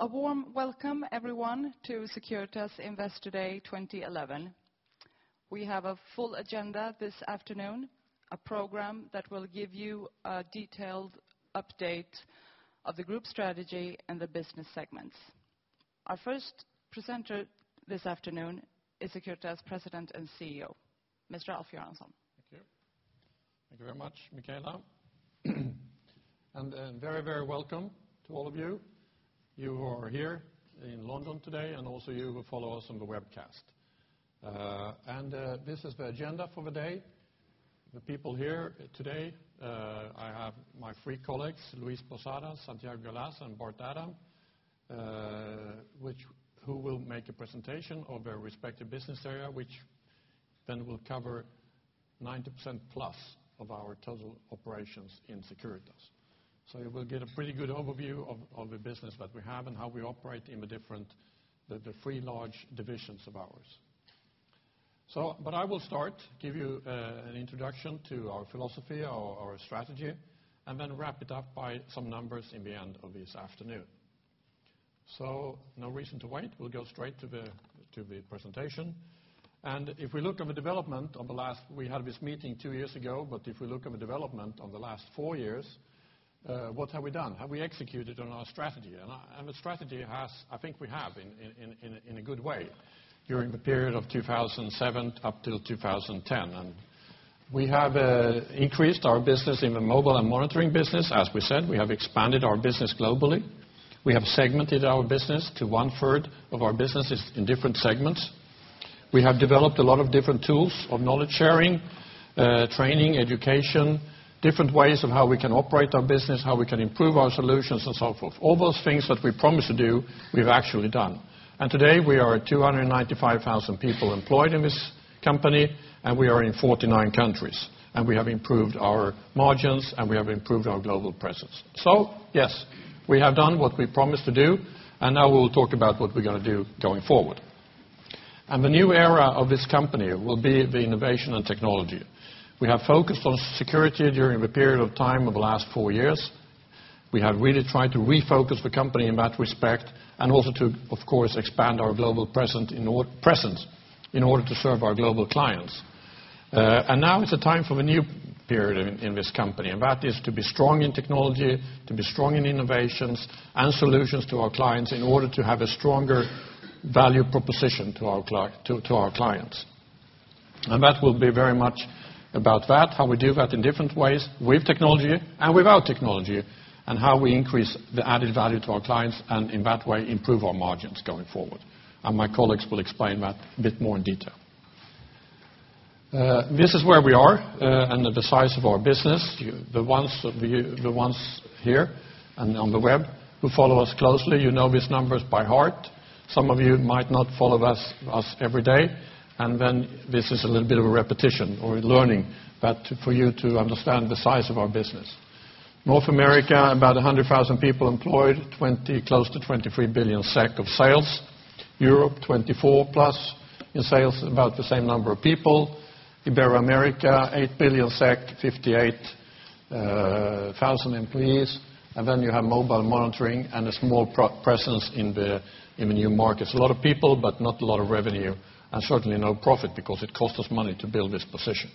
A warm welcome, everyone, to Securitas Invest Today 2011. We have a full agenda this afternoon, a program that will give you a detailed update of the group strategy and the business segments. Our first presenter this afternoon is Securitas President and CEO, Mr. Alf Göransson. Thank you. Thank you very much, Micaela. Very, very welcome to all of you, you who are here in London today, and also you who follow us on the webcast. This is the agenda for the day. The people here today, I have my three colleagues, Luis Posadas, Santiago Galaz, and Bart Adam, who will make a presentation of their respective business area, which then will cover 90%+ of our total operations in Securitas. You will get a pretty good overview of the business that we have and how we operate in the different the three large divisions of ours. But I will start, give you an introduction to our philosophy, our strategy, and then wrap it up by some numbers in the end of this afternoon. No reason to wait. We'll go straight to the presentation. If we look at the development of the last we had this meeting two years ago, but if we look at the development of the last four years, what have we done? Have we executed on our strategy? And I and the strategy has, I think, we have in a good way during the period of 2007 up till 2010. And we have increased our business in the mobile and monitoring business. As we said, we have expanded our business globally. We have segmented our business to 1/3 of our business is in different segments. We have developed a lot of different tools of knowledge sharing, training, education, different ways of how we can operate our business, how we can improve our solutions, and so forth. All those things that we promised to do, we've actually done. Today we are 295,000 people employed in this company, and we are in 49 countries. We have improved our margins, and we have improved our global presence. So, yes, we have done what we promised to do, and now we'll talk about what we're going to do going forward. The new era of this company will be the innovation and technology. We have focused on security during the period of time of the last four years. We have really tried to refocus the company in that respect and also to, of course, expand our global presence in order presence in order to serve our global clients. And now it's a time for a new period in this company, and that is to be strong in technology, to be strong in innovations, and solutions to our clients in order to have a stronger value proposition to our clients. And that will be very much about that, how we do that in different ways with technology and without technology, and how we increase the added value to our clients and in that way improve our margins going forward. And my colleagues will explain that a bit more in detail. This is where we are, and the size of our business, the ones of you here and on the web who follow us closely, you know these numbers by heart. Some of you might not follow us, us every day, and then this is a little bit of a repetition or learning that for you to understand the size of our business. North America, about 100,000 people employed, 20 billion close to 23 billion SEK of sales. Europe, 24+ billion in sales, about the same number of people. Ibero-America, 8 billion SEK, 58,000 employees. And then you have mobile monitoring and a small pro presence in the new markets. A lot of people but not a lot of revenue and certainly no profit because it costs us money to build this position.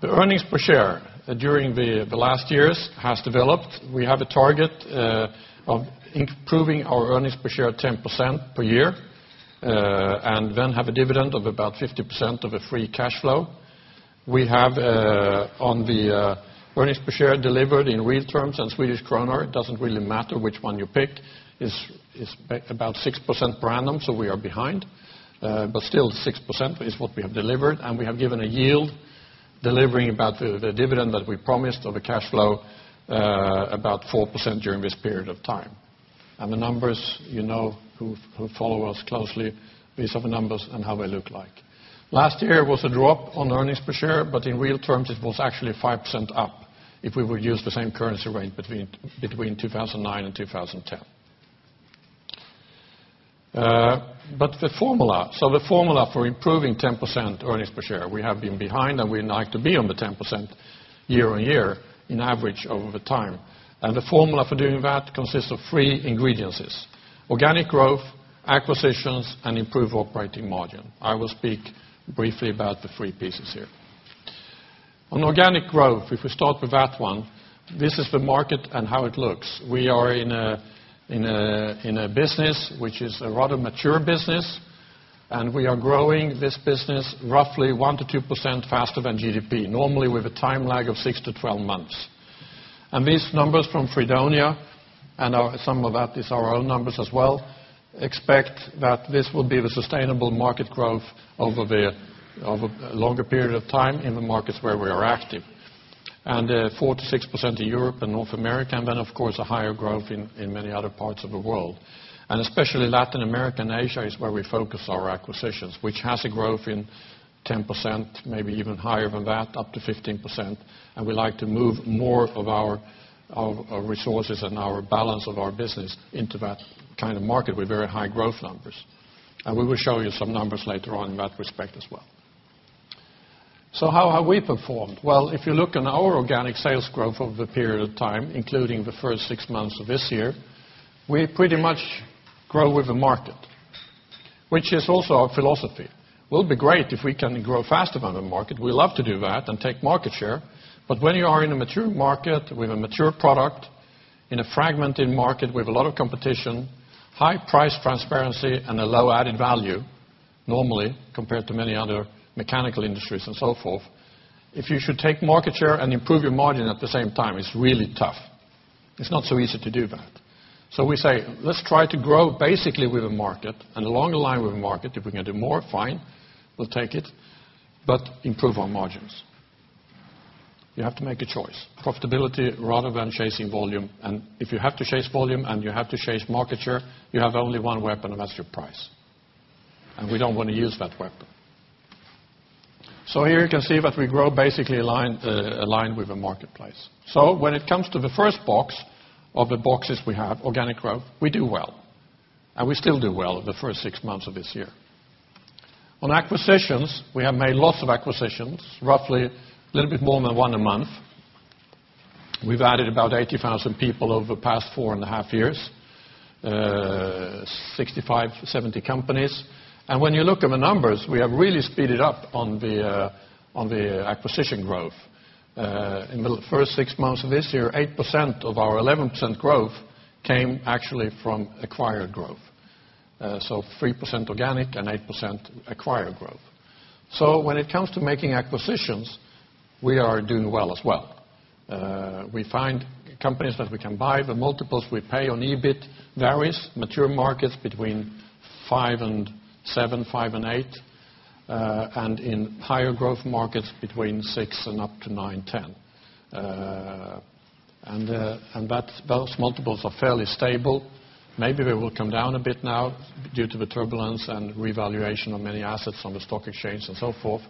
The earnings per share during the last years has developed. We have a target of improving our earnings per share 10% per year, and then have a dividend of about 50% of the free cash flow. We have on the earnings per share delivered in real terms and Swedish kronor, it doesn't really matter which one you pick, is about 6% per annum, so we are behind, but still 6% is what we have delivered. We have given a yield delivering about the dividend that we promised of a cash flow, about 4% during this period of time. And the numbers, you know who follow us closely, these are the numbers and how they look like. Last year was a drop on earnings per share, but in real terms it was actually 5% up if we would use the same currency rate between 2009 and 2010. But the formula for improving 10% earnings per share, we have been behind and we like to be on the 10% year-on-year in average over time. The formula for doing that consists of three ingredients: organic growth, acquisitions, and improved operating margin. I will speak briefly about the three pieces here. On organic growth, if we start with that one, this is the market and how it looks. We are in a business which is a rather mature business, and we are growing this business roughly 1%-2% faster than GDP, normally with a time lag of six to 12 months. These numbers from Freedonia and ours, some of that is our own numbers as well, expect that this will be the sustainable market growth over a longer period of time in the markets where we are active. 4%-6% in Europe and North America, and then, of course, a higher growth in many other parts of the world. And especially Latin America and Asia is where we focus our acquisitions, which has a growth in 10%, maybe even higher than that, up to 15%. And we like to move more of our resources and our balance of our business into that kind of market with very high growth numbers. And we will show you some numbers later on in that respect as well. So how we performed? Well, if you look on our organic sales growth over the period of time, including the first six months of this year, we pretty much grow with the market, which is also our philosophy. We'll be great if we can grow faster than the market. We love to do that and take market share. But when you are in a mature market with a mature product, in a fragmented market with a lot of competition, high price transparency, and a low added value, normally compared to many other mechanical industries and so forth, if you should take market share and improve your margin at the same time, it's really tough. It's not so easy to do that. So we say, "Let's try to grow basically with the market and along the line with the market. If we can do more, fine, we'll take it, but improve our margins." You have to make a choice. Profitability rather than chasing volume. And if you have to chase volume and you have to chase market share, you have only one weapon, and that's your price. And we don't want to use that weapon. So here you can see that we grow basically aligned, aligned with the marketplace. So when it comes to the first box of the boxes we have, organic growth, we do well, and we still do well the first six months of this year. On acquisitions, we have made lots of acquisitions, roughly a little bit more than one a month. We've added about 80,000 people over the past four and a half years, 65-70 companies. And when you look at the numbers, we have really speeded up on the acquisition growth. In the first six months of this year, 8% of our 11% growth came actually from acquired growth, so 3% organic and 8% acquired growth. So when it comes to making acquisitions, we are doing well as well. We find companies that we can buy. The multiples we pay on EBIT varies. Mature markets between 5% and 7%, 5% and 8%, and in higher growth markets between 6% and up to 9%, 10%. And that those multiples are fairly stable. Maybe they will come down a bit now due to the turbulence and revaluation of many assets on the stock exchange and so forth,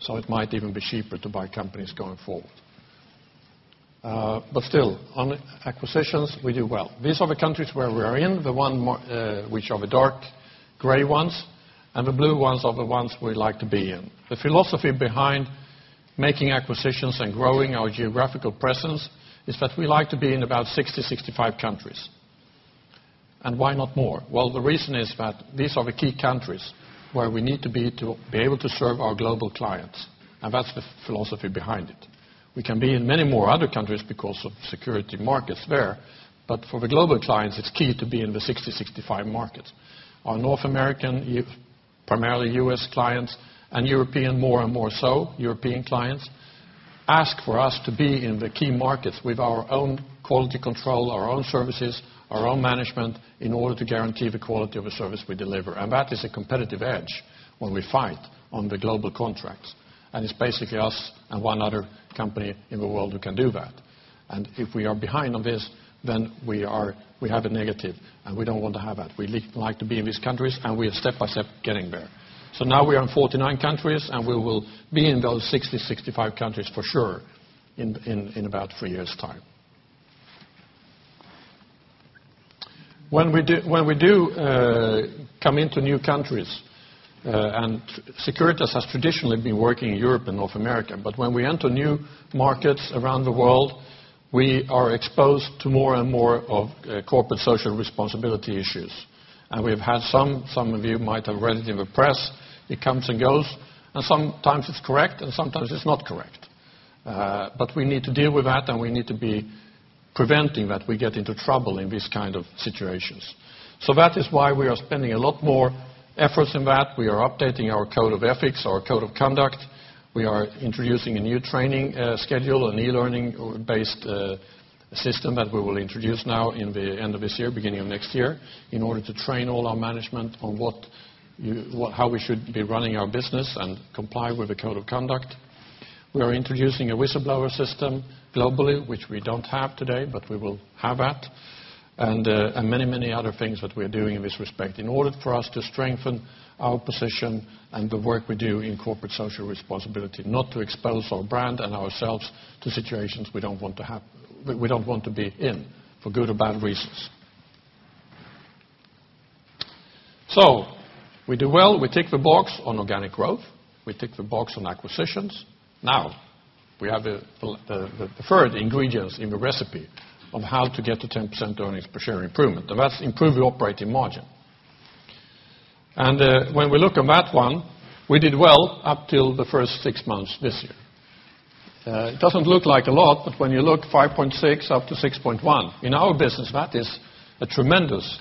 so it might even be cheaper to buy companies going forward. But still, on acquisitions, we do well. These are the countries where we are in, the one more which are the dark gray ones and the blue ones are the ones we like to be in. The philosophy behind making acquisitions and growing our geographical presence is that we like to be in about 60-65 countries. Why not more? Well, the reason is that these are the key countries where we need to be to be able to serve our global clients, and that's the philosophy behind it. We can be in many more other countries because of security markets there, but for the global clients, it's key to be in the 60-65 markets. Our North American primarily U.S. clients and European more and more so, European clients ask for us to be in the key markets with our own quality control, our own services, our own management in order to guarantee the quality of the service we deliver. And that is a competitive edge when we fight on the global contracts, and it's basically us and one other company in the world who can do that. And if we are behind on this, then we have a negative, and we don't want to have that. We like to be in these countries, and we are step by step getting there. So now we are in 49 countries, and we will be in those 60-65 countries for sure in about three years' time. When we come into new countries, and Securitas has traditionally been working in Europe and North America, but when we enter new markets around the world, we are exposed to more and more of corporate social responsibility issues. And we've had some. Some of you might have read it in the press. It comes and goes, and sometimes it's correct and sometimes it's not correct, but we need to deal with that, and we need to be preventing that we get into trouble in these kind of situations. So that is why we are spending a lot more efforts in that. We are updating our code of ethics, our code of conduct. We are introducing a new training schedule, an e-learning-based system that we will introduce now, in the end of this year, beginning of next year, in order to train all our management on what you what how we should be running our business and comply with the code of conduct. We are introducing a whistleblower system globally, which we don't have today, but we will have that, and many, many other things that we are doing in this respect in order for us to strengthen our position and the work we do in corporate social responsibility, not to expose our brand and ourselves to situations we don't want to have. We don't want to be in for good or bad reasons. So we do well. We tick the box on organic growth. We tick the box on acquisitions. Now we have the third ingredient in the recipe of how to get to 10% earnings per share improvement, and that's improve your operating margin. And, when we look on that one, we did well up till the first six months this year. It doesn't look like a lot, but when you look 5.6%-6.1% in our business, that is a tremendous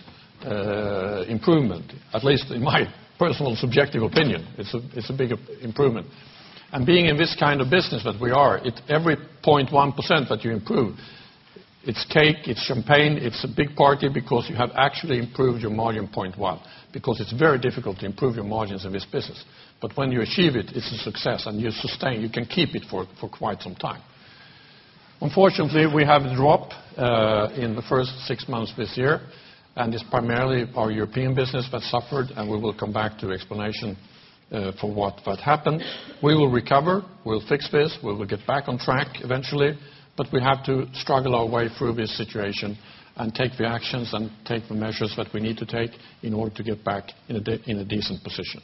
improvement, at least in my personal subjective opinion. It's a big improvement. And being in this kind of business that we are, it's every 0.1% that you improve, it's cake, it's champagne, it's a big party because you have actually improved your margin 0.1% because it's very difficult to improve your margins in this business. But when you achieve it, it's a success, and you sustain you can keep it for quite some time. Unfortunately, we have a drop in the first six months this year, and it's primarily our European business that suffered, and we will come back to explanation for what that happened. We will recover. We'll fix this. We will get back on track eventually, but we have to struggle our way through this situation and take the actions and take the measures that we need to take in order to get back in a decent position.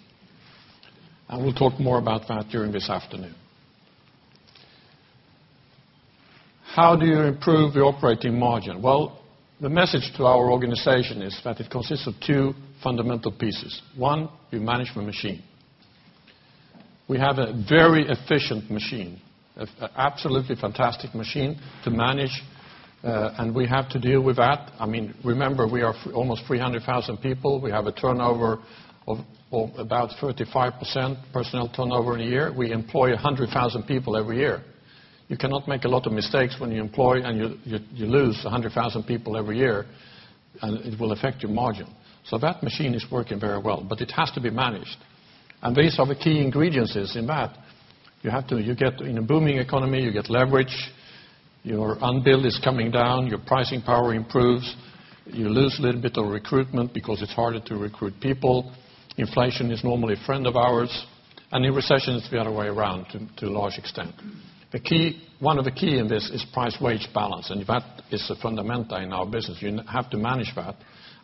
We'll talk more about that during this afternoon. How do you improve your operating margin? Well, the message to our organization is that it consists of two fundamental pieces. One, your management machine. We have a very efficient machine, an absolutely fantastic machine to manage, and we have to deal with that. I mean, remember we are almost 300,000 people. We have a turnover of about 35% personnel turnover in a year. We employ 100,000 people every year. You cannot make a lot of mistakes when you employ, and you lose 100,000 people every year, and it will affect your margin. So that machine is working very well, but it has to be managed. And these are the key ingredients in that. You have to get in a booming economy, you get leverage, your unbillable is coming down, your pricing power improves, you lose a little bit of recruitment because it's harder to recruit people, inflation is normally a friend of ours, and in recession it's the other way around to a large extent. A key one of the keys in this is price-wage balance, and that is a fundamental in our business. You have to manage that,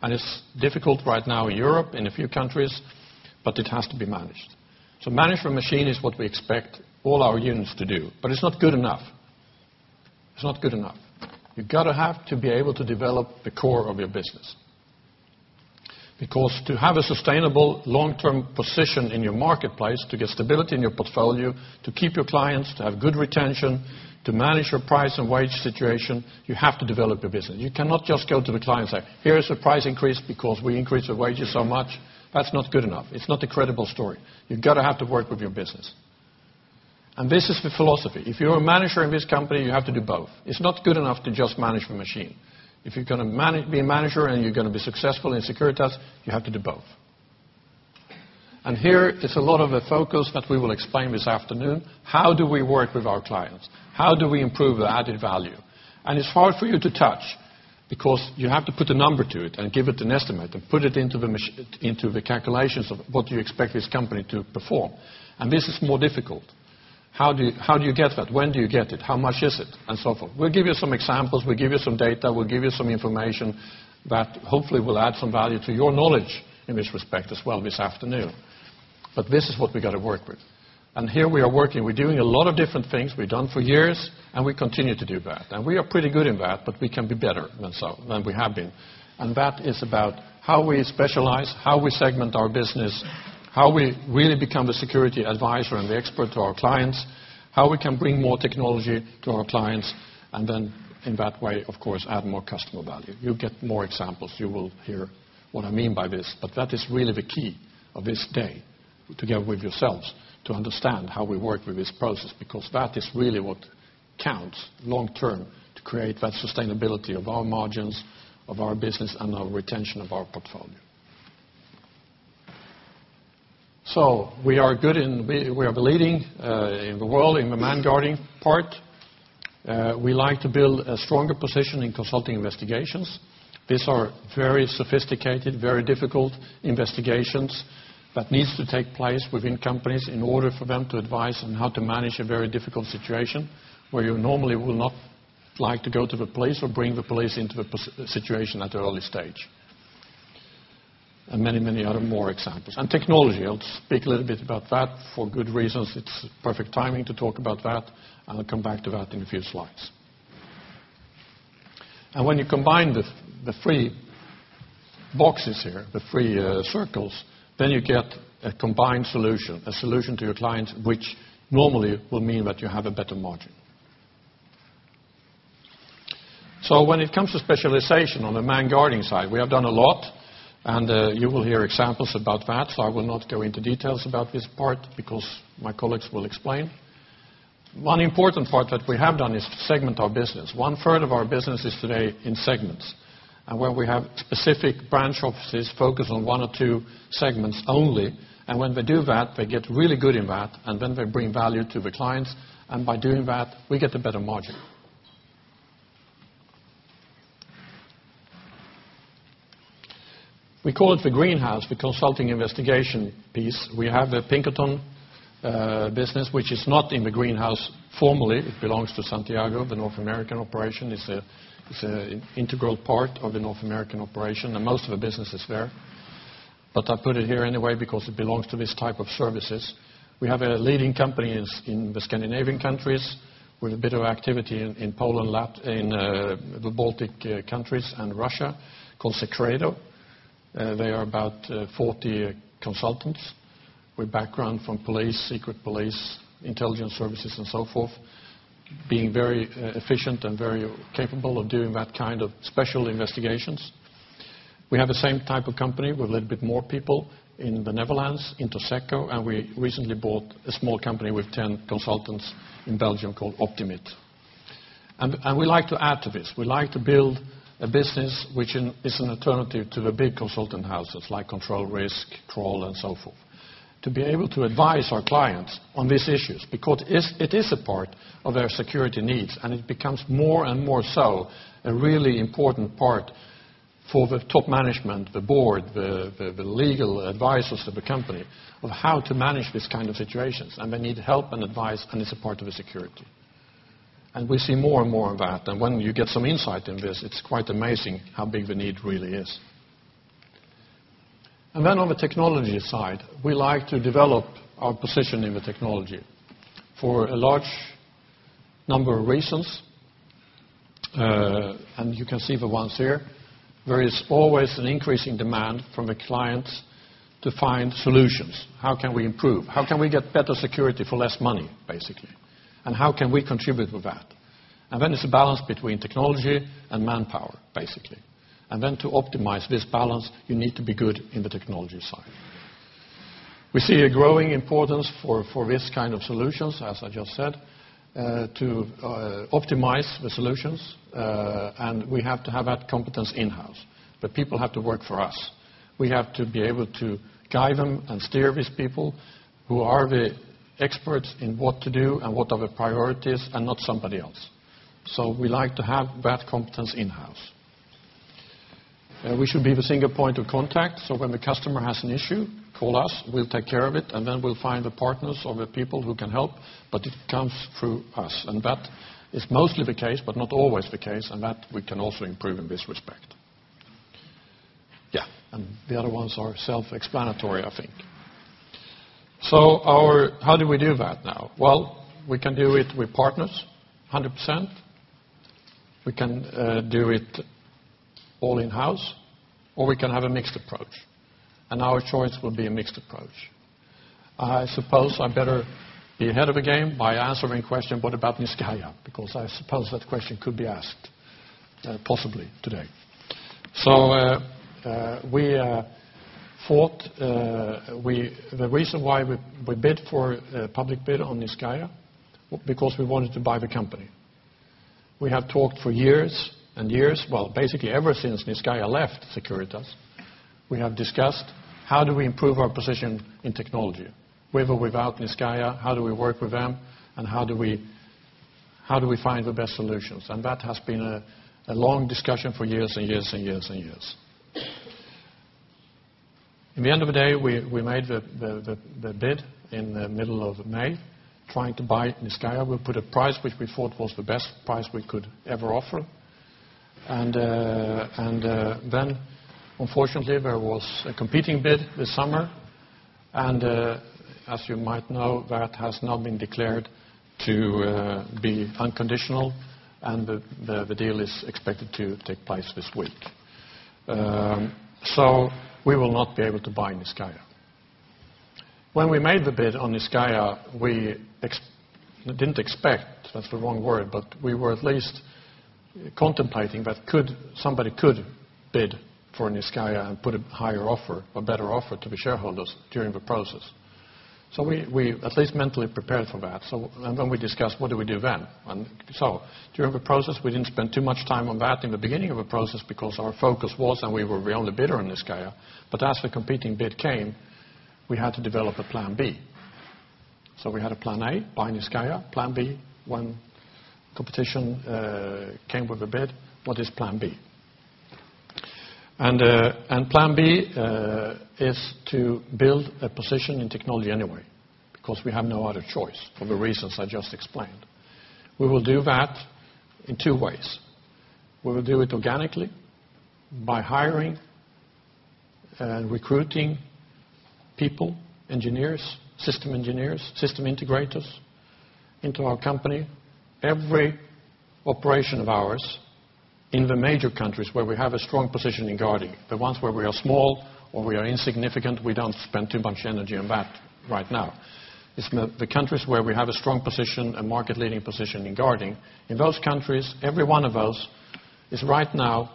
and it's difficult right now in Europe, in a few countries, but it has to be managed. So management machine is what we expect all our units to do, but it's not good enough. It's not good enough. You've got to have to be able to develop the core of your business because to have a sustainable long-term position in your marketplace, to get stability in your portfolio, to keep your clients, to have good retention, to manage your price and wage situation, you have to develop your business. You cannot just go to the client and say, "Here's a price increase because we increased the wages so much." That's not good enough. It's not a credible story. You've got to have to work with your business. And this is the philosophy. If you're a manager in this company, you have to do both. It's not good enough to just manage the machine. If you're going to manage, be a manager, and you're going to be successful in Securitas, you have to do both. Here it's a lot of a focus that we will explain this afternoon. How do we work with our clients? How do we improve the added value? And it's hard for you to touch because you have to put a number to it and give it an estimate and put it into the machine into the calculations of what do you expect this company to perform, and this is more difficult. How do you get that? When do you get it? How much is it? And so forth. We'll give you some examples. We'll give you some data. We'll give you some information that hopefully will add some value to your knowledge in this respect as well this afternoon. But this is what we've got to work with. Here we are working. We're doing a lot of different things. We've done for years, and we continue to do that. We are pretty good in that, but we can be better than so than we have been. That is about how we specialize, how we segment our business, how we really become the security advisor and the expert to our clients, how we can bring more technology to our clients, and then in that way, of course, add more customer value. You'll get more examples. You will hear what I mean by this, but that is really the key of this day together with yourselves to understand how we work with this process because that is really what counts long-term to create that sustainability of our margins, of our business, and our retention of our portfolio. So we are good. We are the leading in the world in the man-guarding part. We like to build a stronger position in consulting investigations. These are very sophisticated, very difficult investigations that need to take place within companies in order for them to advise on how to manage a very difficult situation where you normally will not like to go to the police or bring the police into the situation at an early stage, and many, many other more examples. And technology. I'll speak a little bit about that for good reasons. It's perfect timing to talk about that, and I'll come back to that in a few slides. And when you combine the three boxes here, the three circles, then you get a combined solution, a solution to your clients which normally will mean that you have a better margin. So when it comes to specialization on the man-guarding side, we have done a lot, and you will hear examples about that, so I will not go into details about this part because my colleagues will explain. One important part that we have done is segment our business. 1/3 of our business is today in segments, and where we have specific branch offices focused on one or two segments only, and when they do that, they get really good in that, and then they bring value to the clients, and by doing that, we get a better margin. We call it the Greenhouse, the consulting investigation piece. We have the Pinkerton business which is not in the Greenhouse formally. It belongs to Santiago, the North American operation. It's an integral part of the North American operation, and most of the business is there, but I put it here anyway because it belongs to this type of services. We have a leading company in the Scandinavian countries with a bit of activity in Poland, in the Baltic countries, and Russia called Seccredo. They are about 40 consultants with background from police, secret police, intelligence services, and so forth, being very efficient and very capable of doing that kind of special investigations. We have the same type of company with a little bit more people in the Netherlands, Interseco, and we recently bought a small company with 10 consultants in Belgium called Optimit. And we like to add to this. We like to build a business which is an alternative to the big consultant houses like Control Risks, Kroll, and so forth, to be able to advise our clients on these issues because it is a part of their security needs, and it becomes more and more so a really important part for the top management, the board, the legal advisors of the company of how to manage these kind of situations, and they need help and advice, and it's a part of the security. We see more and more of that, and when you get some insight in this, it's quite amazing how big the need really is. Then on the technology side, we like to develop our position in the technology for a large number of reasons, and you can see the ones here. There is always an increasing demand from the clients to find solutions. How can we improve? How can we get better security for less money, basically? And how can we contribute with that? And then it's a balance between technology and manpower, basically. And then to optimize this balance, you need to be good in the technology side. We see a growing importance for this kind of solutions, as I just said, to optimize the solutions, and we have to have that competence in-house, but people have to work for us. We have to be able to guide them and steer these people who are the experts in what to do and what are the priorities and not somebody else. So we like to have that competence in-house. We should be the single point of contact, so when the customer has an issue, call us. We'll take care of it, and then we'll find the partners or the people who can help, but it comes through us, and that is mostly the case but not always the case, and that we can also improve in this respect. Yeah, and the other ones are self-explanatory, I think. So, our how do we do that now? Well, we can do it with partners, 100%. We can do it all in-house, or we can have a mixed approach, and our choice will be a mixed approach. I suppose I better be ahead of the game by answering the question, "What about Niscayah?" because I suppose that question could be asked possibly today. So, for the reason why we bid for public bid on Niscayah because we wanted to buy the company. We have talked for years and years, well, basically ever since Niscayah left Securitas. We have discussed, "How do we improve our position in technology with or without Niscayah? How do we work with them, and how do we find the best solutions?" And that has been a long discussion for years and years and years and years. In the end of the day, we made the bid in the middle of May trying to buy Niscayah. We put a price which we thought was the best price we could ever offer, and then unfortunately there was a competing bid this summer, and as you might know, that has now been declared to be unconditional, and the deal is expected to take place this week. So we will not be able to buy Niscayah. When we made the bid on Niscayah, we didn't expect that's the wrong word, but we were at least contemplating that somebody could bid for Niscayah and put a higher offer, a better offer to the shareholders during the process. So we at least mentally prepared for that, and then we discussed, "What do we do then?" And so during the process, we didn't spend too much time on that in the beginning of the process because our focus was, and we were the only bidder on Niscayah, but as the competing bid came, we had to develop a Plan B. So we had a Plan A, buy Niscayah. Plan B, when competition came with a bid, "What is Plan B?" And Plan B is to build a position in technology anyway because we have no other choice for the reasons I just explained. We will do that in two ways. We will do it organically by hiring and recruiting people, engineers, system engineers, system integrators into our company. Every operation of ours in the major countries where we have a strong position in guarding, the ones where we are small or we are insignificant, we don't spend too much energy on that right now. It's the countries where we have a strong position, a market-leading position in guarding. In those countries, every one of us is right now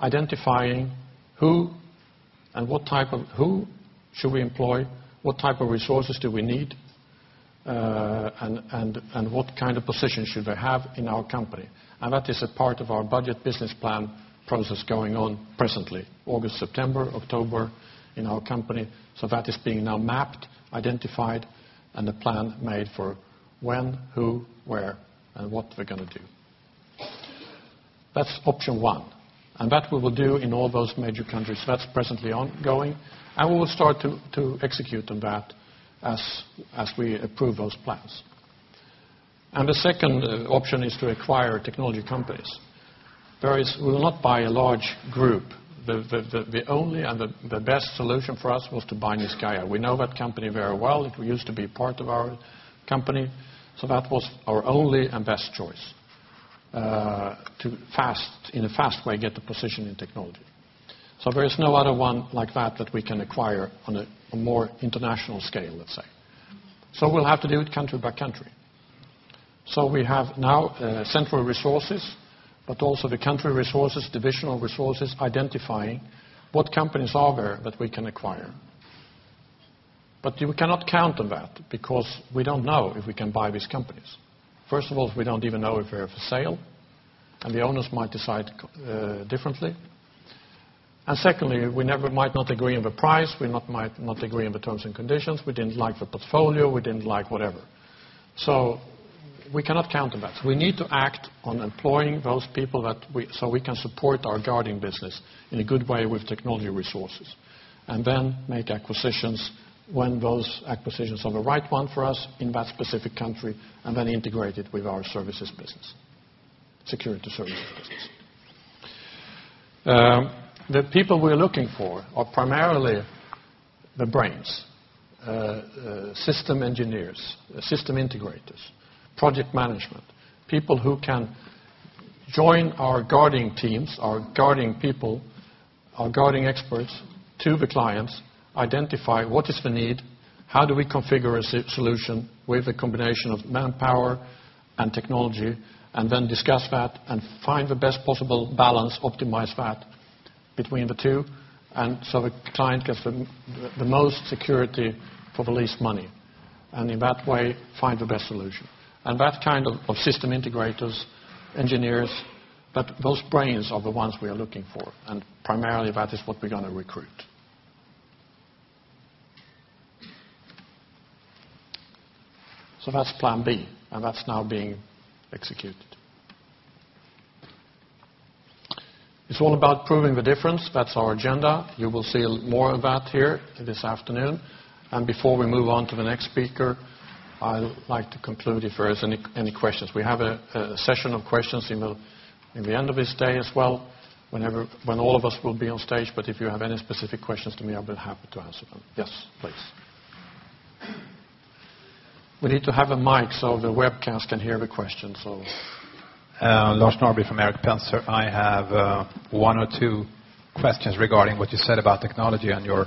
identifying who and what type of who should we employ, what type of resources do we need, and what kind of position should they have in our company. And that is a part of our budget business plan process going on presently, August, September, October, in our company, so that is being now mapped, identified, and a plan made for when, who, where, and what we're going to do. That's option one, and that we will do in all those major countries. That's presently ongoing, and we will start to execute on that as we approve those plans. And the second option is to acquire technology companies. We will not buy a large group. The only and the best solution for us was to buy Niscayah. We know that company very well. It used to be part of our company, so that was our only and best choice to fast in a fast way get the position in technology. So there is no other one like that that we can acquire on a more international scale, let's say. So we'll have to do it country by country. So we have now central resources but also the country resources, divisional resources identifying what companies are there that we can acquire, but we cannot count on that because we don't know if we can buy these companies. First of all, we don't even know if they're for sale, and the owners might decide differently. And secondly, we might not agree on the price. We might not agree on the terms and conditions. We didn't like the portfolio. We didn't like whatever. So we cannot count on that. We need to act on employing those people so we can support our guarding business in a good way with technology resources and then make acquisitions when those acquisitions are the right one for us in that specific country and then integrate it with our services business, security services business. The people we're looking for are primarily the brains, system engineers, system integrators, project management, people who can join our guarding teams, our guarding people, our guarding experts to the clients, identify what is the need, how do we configure a solution with a combination of manpower and technology, and then discuss that and find the best possible balance, optimize that between the two, and so the client gets the most security for the least money, and in that way find the best solution. That kind of system integrators, engineers, but those brains are the ones we are looking for, and primarily that is what we're going to recruit. That's Plan B, and that's now being executed. It's all about proving the difference. That's our agenda. You will see more of that here this afternoon, and before we move on to the next speaker, I'd like to conclude if there are any questions. We have a session of questions in the end of this day as well when all of us will be on stage, but if you have any specific questions to me, I'll be happy to answer them. Yes, please. We need to have a mic so the webcast can hear the questions, so. Lars Norrby from Erik Penser Bank. I have one or two questions regarding what you said about technology and your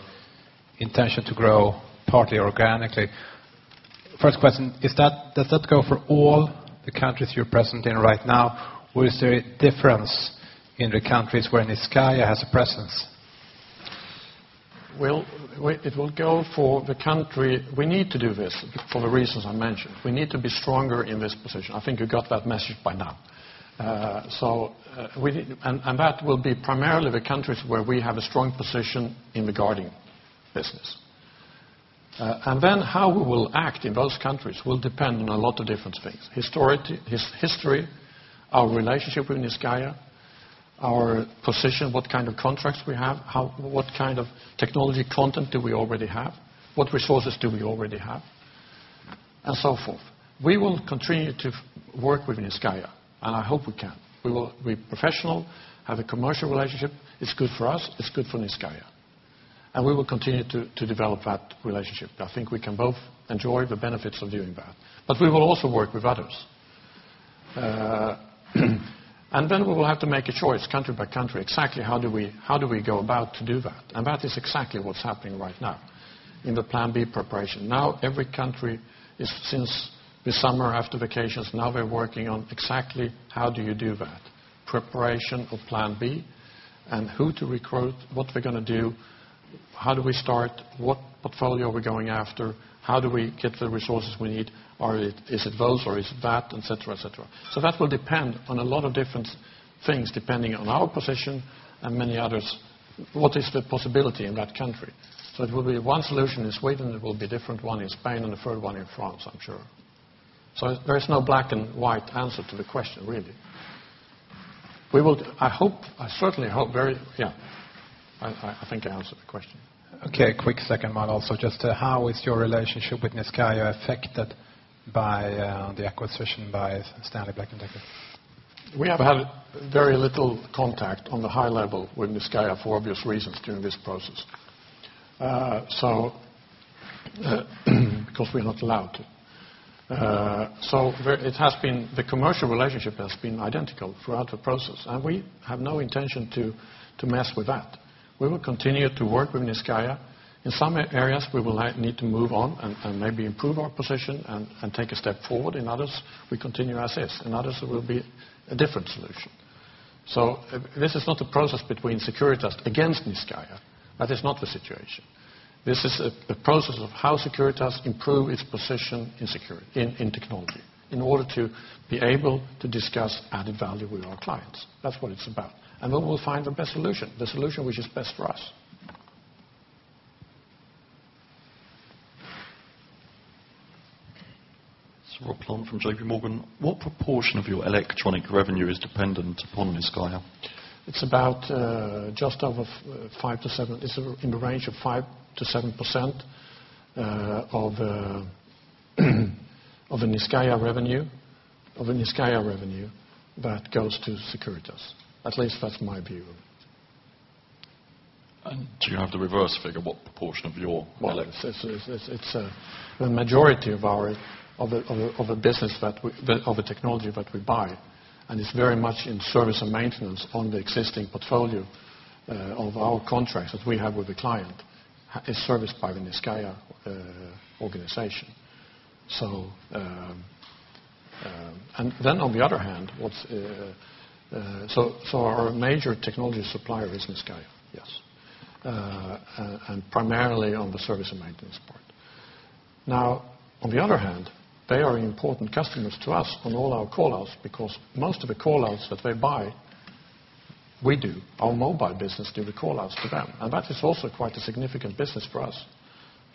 intention to grow partly organically. First question, does that go for all the countries you're present in right now, or is there a difference in the countries where Niscayah has a presence? Well, it will go for the country we need to do this, for the reasons I mentioned. We need to be stronger in this position. I think you got that message by now. That will be primarily the countries where we have a strong position in the guarding business. Then how we will act in those countries will depend on a lot of different things: history, our relationship with Niscayah, our position, what kind of contracts we have, what kind of technology content do we already have, what resources do we already have, and so forth. We will continue to work with Niscayah, and I hope we can. We're professional, have a commercial relationship. It's good for us. It's good for Niscayah, and we will continue to develop that relationship. I think we can both enjoy the benefits of doing that, but we will also work with others. And then we will have to make a choice country by country, exactly how do we go about to do that, and that is exactly what's happening right now in the Plan B preparation. Now every country is since the summer after vacations, now they're working on exactly how do you do that, preparation of Plan B and who to recruit, what we're going to do, how do we start, what portfolio are we going after, how do we get the resources we need, is it those or is it that, et cetera, et cetera. So that will depend on a lot of different things depending on our position and many others, what is the possibility in that country. So it will be one solution in Sweden, it will be a different one in Spain, and the third one in France, I'm sure. There is no black and white answer to the question, really. I certainly hope very yeah, I think I answered the question. Okay, quick second model. So just how is your relationship with Niscayah affected by the acquisition by Stanley Black & Decker? We have had very little contact on the high level with Niscayah for obvious reasons during this process because we're not allowed to. The commercial relationship has been identical throughout the process, and we have no intention to mess with that. We will continue to work with Niscayah. In some areas, we will need to move on and maybe improve our position and take a step forward. In others, we continue as is, and others it will be a different solution. This is not a process between Securitas against Niscayah. That is not the situation. This is a process of how Securitas improve its position in technology in order to be able to discuss added value with our clients. That's what it's about, and we will find the best solution, the solution which is best for us. Robert Plant from JPMorgan. What proportion of your electronic revenue is dependent upon Niscayah? It's about just over 5%-7%. It's in the range of 5%-7% of the Niscayah revenue that goes to Securitas. At least that's my view. Do you have the reverse figure, what proportion of your electronic? Well, it's the majority of our business of the technology that we buy, and it's very much in service and maintenance on the existing portfolio of our contracts that we have with the client. It's serviced by the Niscayah organization. And then on the other hand, what's so our major technology supplier is Niscayah, yes, and primarily on the service and maintenance part. Now, on the other hand, they are important customers to us on all our callouts because most of the callouts that they buy, we do, our mobile business do the callouts to them, and that is also quite a significant business for us.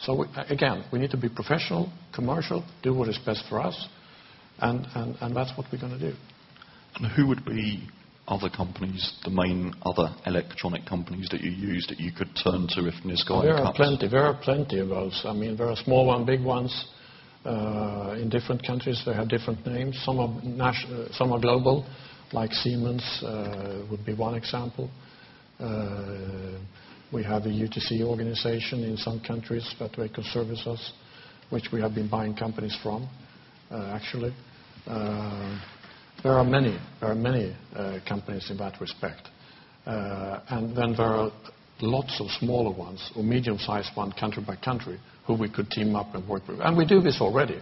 So again, we need to be professional, commercial, do what is best for us, and that's what we're going to do. Who would be other companies, the main other electronic companies that you use that you could turn to if Niscayah cuts? There are plenty. There are plenty of those. I mean, there are small ones, big ones in different countries. They have different names. Some are global, like Siemens would be one example. We have a UTC organization in some countries that they could service us, which we have been buying companies from, actually. There are many companies in that respect. And then there are lots of smaller ones or medium-sized ones country by country who we could team up and work with, and we do this already.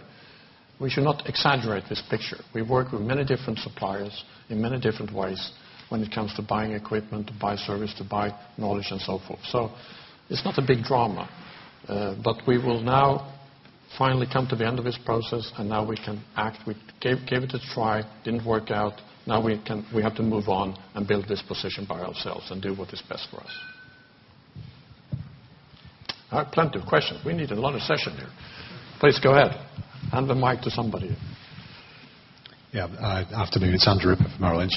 We should not exaggerate this picture. We work with many different suppliers in many different ways when it comes to buying equipment, to buy service, to buy knowledge, and so forth. So it's not a big drama, but we will now finally come to the end of this process, and now we can act. We gave it a try. Didn't work out. Now we have to move on and build this position by ourselves and do what is best for us. All right, plenty of questions. We need a lot of session here. Please go ahead. Hand the mic to somebody here. Yeah, afternoon. It's Andrew Ripper from Merrill Lynch.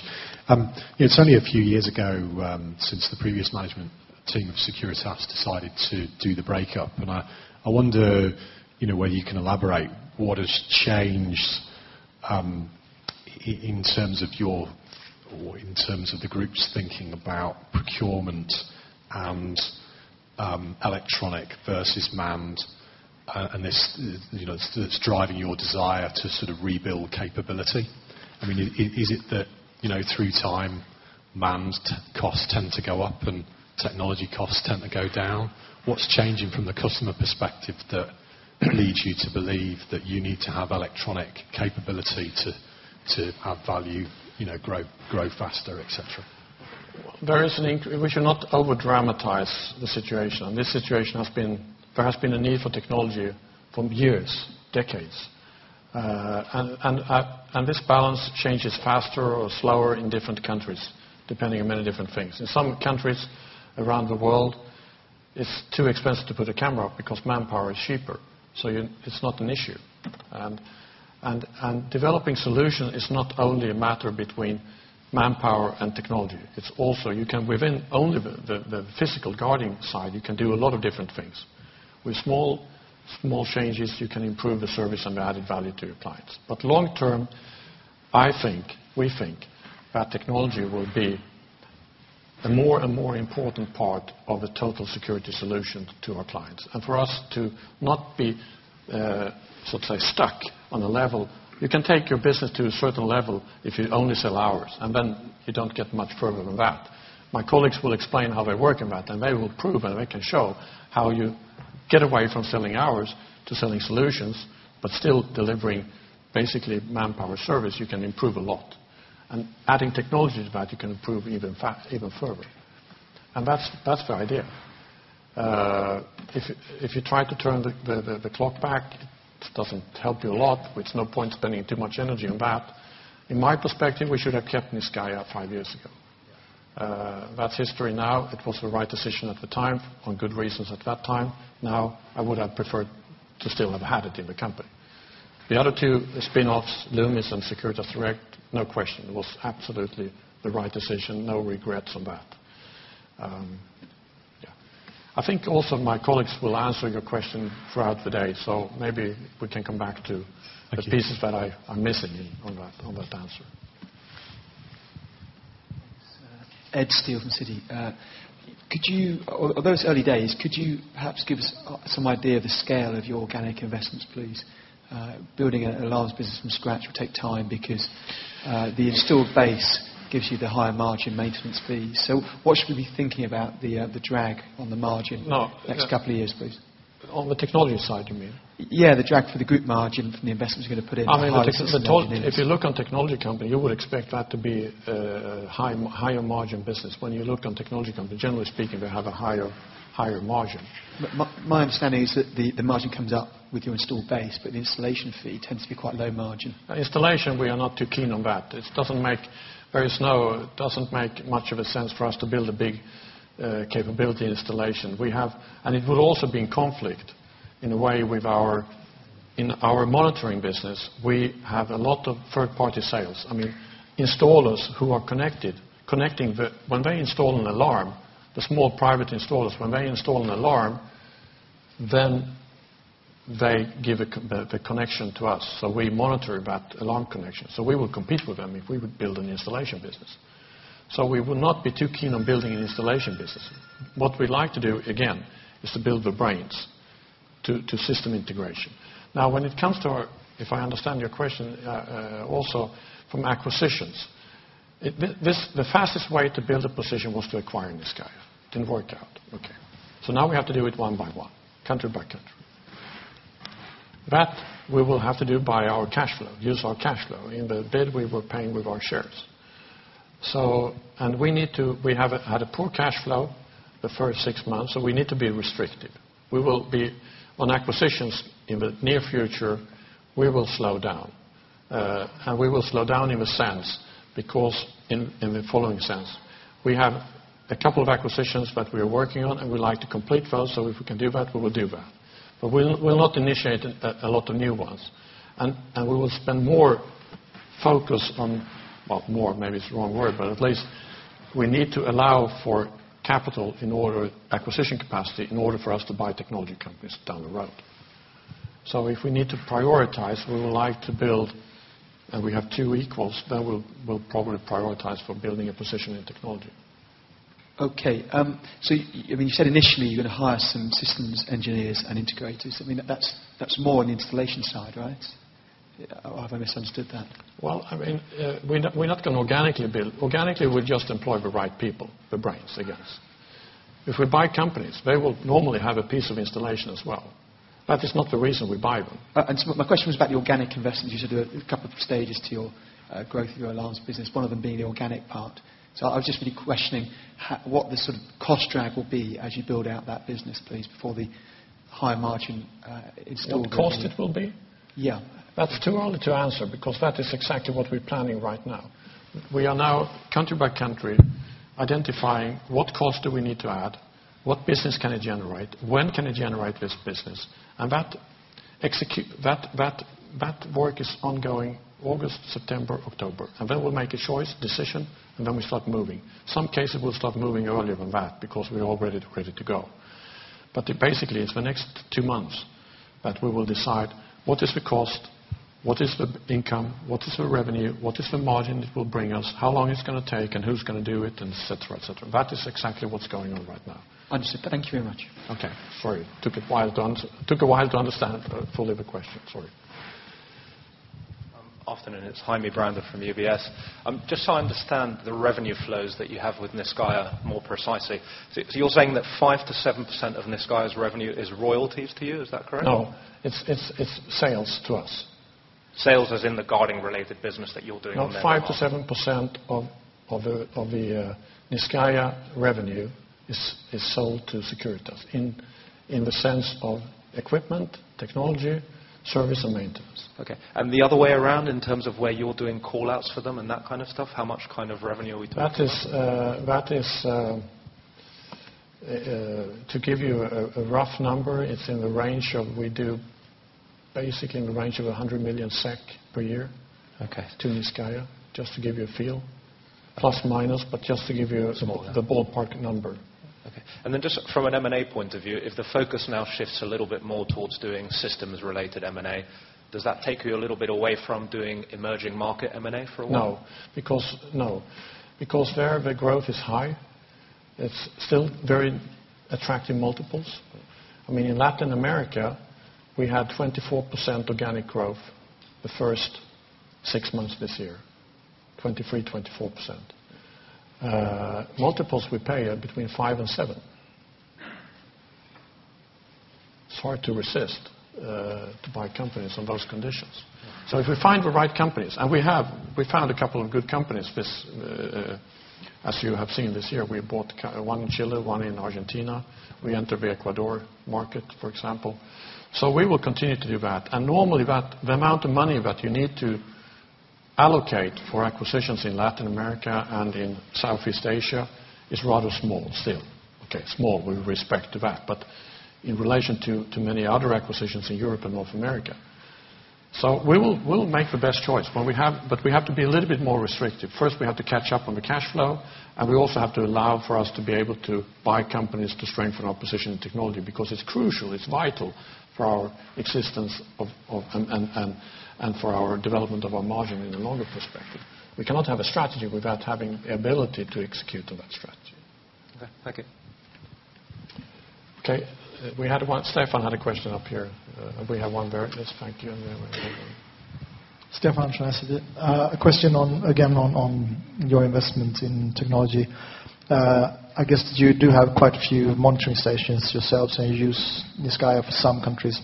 It's only a few years ago since the previous management team of Securitas decided to do the breakup, and I wonder whether you can elaborate what has changed in terms of your or in terms of the group's thinking about procurement and electronic versus manned and that's driving your desire to sort of rebuild capability. I mean, is it that through time, manned costs tend to go up and technology costs tend to go down? What's changing from the customer perspective that leads you to believe that you need to have electronic capability to add value, grow faster, et cetera? There is an increase, we should not overdramatize the situation. In this situation, there has been a need for technology for years, decades, and this balance changes faster or slower in different countries depending on many different things. In some countries around the world, it's too expensive to put a camera up because manpower is cheaper, so it's not an issue. And developing solutions is not only a matter between manpower and technology. Within only the physical guarding side, you can do a lot of different things. With small changes, you can improve the service and the added value to your clients. But long term, I think, we think that technology will be a more and more important part of the total security solution to our clients and for us to not be, so to say, stuck on a level. You can take your business to a certain level if you only sell hours, and then you don't get much further than that. My colleagues will explain how they work in that, and they will prove, and they can show how you get away from selling hours to selling solutions but still delivering basically manpower service. You can improve a lot, and adding technology to that, you can improve even further, and that's the idea. If you try to turn the clock back, it doesn't help you a lot. It's no point spending too much energy on that. In my perspective, we should have kept Niscayah five years ago. That's history now. It was the right decision at the time on good reasons at that time. Now, I would have preferred to still have had it in the company. The other two spin-offs, Loomis and Securitas Direct, no question, was absolutely the right decision. No regrets on that. Yeah, I think also my colleagues will answer your question throughout the day, so maybe we can come back to the pieces that I'm missing on that answer. Ed Steele from Citi. Of those early days, could you perhaps give us some idea of the scale of your organic investments, please? Building a large business from scratch will take time because the installed base gives you the higher margin maintenance fees. So what should we be thinking about the drag on the margin next couple of years, please? On the technology side, you mean? Yeah, the drag for the group margin from the investments you're going to put in. I mean, if you look on technology company, you would expect that to be a higher margin business. When you look on technology companies, generally speaking, they have a higher margin. My understanding is that the margin comes up with your installed base, but the installation fee tends to be quite low margin. Installation, we are not too keen on that. It doesn't make very much sense for us to build a big installation capability. And it would also be in conflict in a way with our monitoring business. We have a lot of third-party sales. I mean, installers who are connected when they install an alarm, the small private installers, when they install an alarm, then they give the connection to us. So we monitor that alarm connection. So we will compete with them if we would build an installation business. So we will not be too keen on building an installation business. What we'd like to do, again, is to build the brains to system integration. Now, when it comes to our, if I understand your question also from acquisitions, the fastest way to build a position was to acquire Niscayah. Didn't work out. Okay, so now we have to do it one by one, country by country. That we will have to do by our cash flow, use our cash flow but we were paying with our shares. And we need to we had a poor cash flow the first six months, so we need to be restricted on acquisitions in the near future, we will slow down, and we will slow down in the sense because in the following sense. We have a couple of acquisitions that we are working on, and we'd like to complete those, so if we can do that, we will do that. But we'll not initiate a lot of new ones, and we will spend more focus on well, but at least we need to allow for capital in order acquisition capacity in order for us to buy technology companies down the road. So if we need to prioritize, we would like to build and we have two equals, then we'll probably prioritize for building a position in technology. Okay, so I mean, you said initially you're going to hire some systems engineers and integrators. I mean, that's more on the installation side, right? Or have I misunderstood that? Well, I mean, we're not going to organically build. Organically, we'll just employ the right people, the brains, I guess. If we buy companies, they will normally have a piece of installation as well. That is not the reason we buy them. So my question was about the organic investments. You said there were a couple of stages to your growth through your large business, one of them being the organic part. So I was just really questioning what the sort of cost drag will be as you build out that business, please, before the higher margin installed goes on? What cost it will be? Yeah. That's too early to answer because that is exactly what we're planning right now. We are now country by country identifying what cost do we need to add, what business can it generate, when can it generate this business, and that work is ongoing August, September, October. And then we'll make a choice, decision, and then we start moving. In some cases, we'll start moving earlier than that because we're already ready to go. But basically, it's the next two months that we will decide what is the cost, what is the income, what is the revenue, what is the margin it will bring us, how long it's going to take, and who's going to do it, and et cetera, et cetera. That is exactly what's going on right now. Understood. Thank you very much. Okay, sorry. Took a while to answer, took a while to understand fully the question. Sorry. Afternoon. It's Jaime Brandwood from UBS. Just so I understand the revenue flows that you have with Niscayah more precisely, so you're saying that 5%-7% of Niscayah's revenue is royalties to you. Is that correct? No, it's sales to us. Sales as in the guarding-related business that you're doing on their behalf? No, 5%-7% of the Niscayah revenue is sold to Securitas in the sense of equipment, technology, service, and maintenance. Okay, and the other way around in terms of where you're doing callouts for them and that kind of stuff, how much kind of revenue are we talking about? That is to give you a rough number, it's in the range of we do basically in the range of 100 million SEK per year to Niscayah, just to give you a feel, plus minus, but just to give you the ballpark number. Okay, and then just from an M&A point of view, if the focus now shifts a little bit more towards doing systems-related M&A, does that take you a little bit away from doing emerging market M&A for a while? No, because no, because there the growth is high. It's still very attractive multiples. I mean, in Latin America, we had 24% organic growth the first months this year, 23%-24%. Multiples we pay are between 5% and 7%. It's hard to resist to buy companies on those conditions. So if we find the right companies and we have, we found a couple of good companies this as you have seen this year. We bought one in Chile, one in Argentina. We entered the Ecuador market, for example. So we will continue to do that, and normally the amount of money that you need to allocate for acquisitions in Latin America and in Southeast Asia is rather small still. Okay, small, we respect that, but in relation to many other acquisitions in Europe and North America. So we'll make the best choice, but we have to be a little bit more restrictive. First, we have to catch up on the cash flow, and we also have to allow for us to be able to buy companies to strengthen our position in technology because it's crucial. It's vital for our existence and for our development of our margin in the longer perspective. We cannot have a strategy without having the ability to execute on that strategy. Okay, thank you. Okay, we had one. Stephan had a question up here. We have one there. Yes, thank you. Stefan should answer it. A question again on your investment in technology. I guess you do have quite a few monitoring stations yourselves, and you use Niscayah for some countries.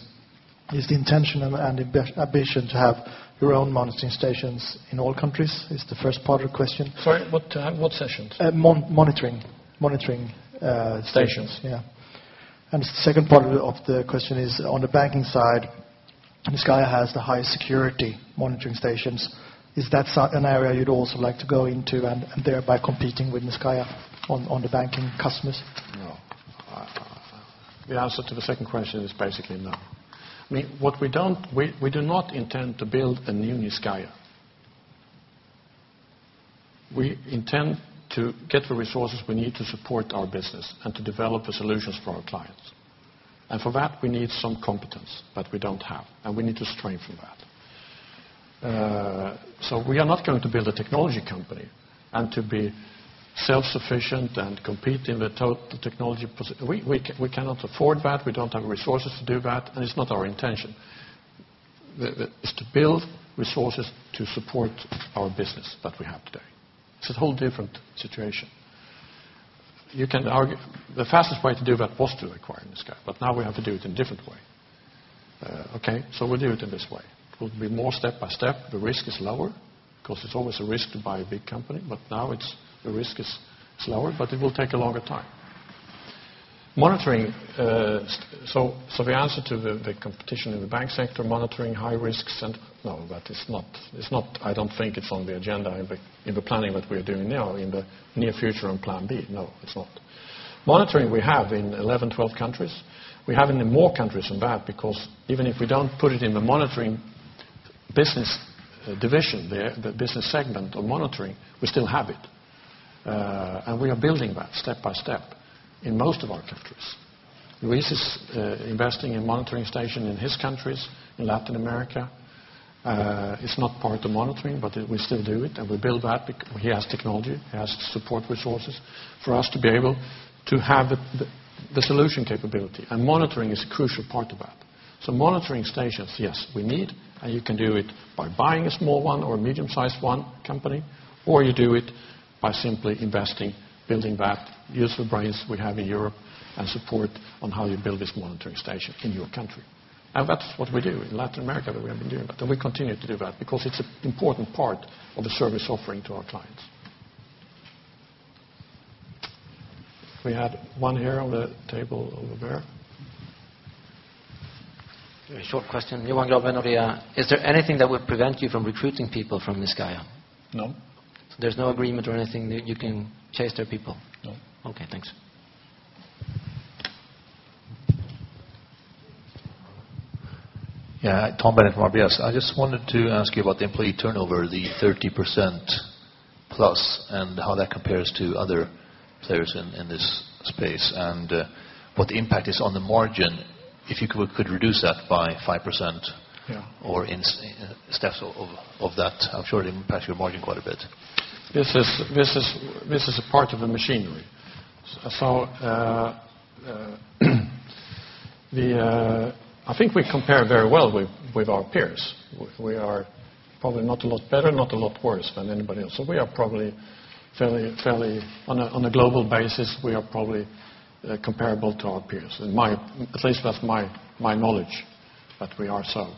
Is the intention and ambition to have your own monitoring stations in all countries? Is the first part of the question? Sorry, what sessions? Monitoring. Monitoring. Stations. Yeah, and the second part of the question is on the banking side, Niscayah has the highest security monitoring stations. Is that an area you'd also like to go into and thereby competing with Niscayah on the banking customers? No, the answer to the second question is basically no. I mean, we do not intend to build a new Niscayah. We intend to get the resources we need to support our business and to develop the solutions for our clients. And for that, we need some competence that we don't have, and we need to strengthen from that. So we are not going to build a technology company and to be self-sufficient and compete in the total technology we cannot afford that. We don't have resources to do that, and it's not our intention. It's to build resources to support our business that we have today. It's a whole different situation. The fastest way to do that was to acquire Niscayah, but now we have to do it in a different way. Okay, so we'll do it in this way. It will be more step by step. The risk is lower because it's always a risk to buy a big company, but now the risk is lower, but it will take a longer time. Monitoring, so the answer to the competition in the bank sector, monitoring high risks and no, that is not. I don't think it's on the agenda in the planning that we are doing now in the near future on plan B. No, it's not. Monitoring, we have in 11, 12 countries. We have in more countries than that because even if we don't put it in the monitoring business division, the business segment of monitoring, we still have it, and we are building that step by step in most of our countries. Luis is investing in monitoring stations in his countries in Latin America. It's not part of monitoring, but we still do it, and we build that because he has technology. He has support resources for us to be able to have the solution capability, and monitoring is a crucial part of that. So monitoring stations, yes, we need, and you can do it by buying a small one or a medium-sized one company, or you do it by simply investing, building that, use the brains we have in Europe, and support on how you build this monitoring station in your country. And that's what we do in Latin America, that we have been doing that, and we continue to do that because it's an important part of the service offering to our clients. We had one here on the table over there. A short question. Johan Grönberg, Nordea, is there anything that would prevent you from recruiting people from Niscayah? No. There's no agreement or anything that you can chase their people? No. Okay, thanks. Yeah, Tom Bennett from RBS. I just wanted to ask you about the employee turnover, the 30%+, and how that compares to other players in this space and what the impact is on the margin if you could reduce that by 5% or in steps of that. I'm sure it impacts your margin quite a bit. This is a part of the machinery. So, I think we compare very well with our peers. We are probably not a lot better, not a lot worse than anybody else. So, we are probably fairly, on a global basis, we are probably comparable to our peers, at least with my knowledge, but we are so.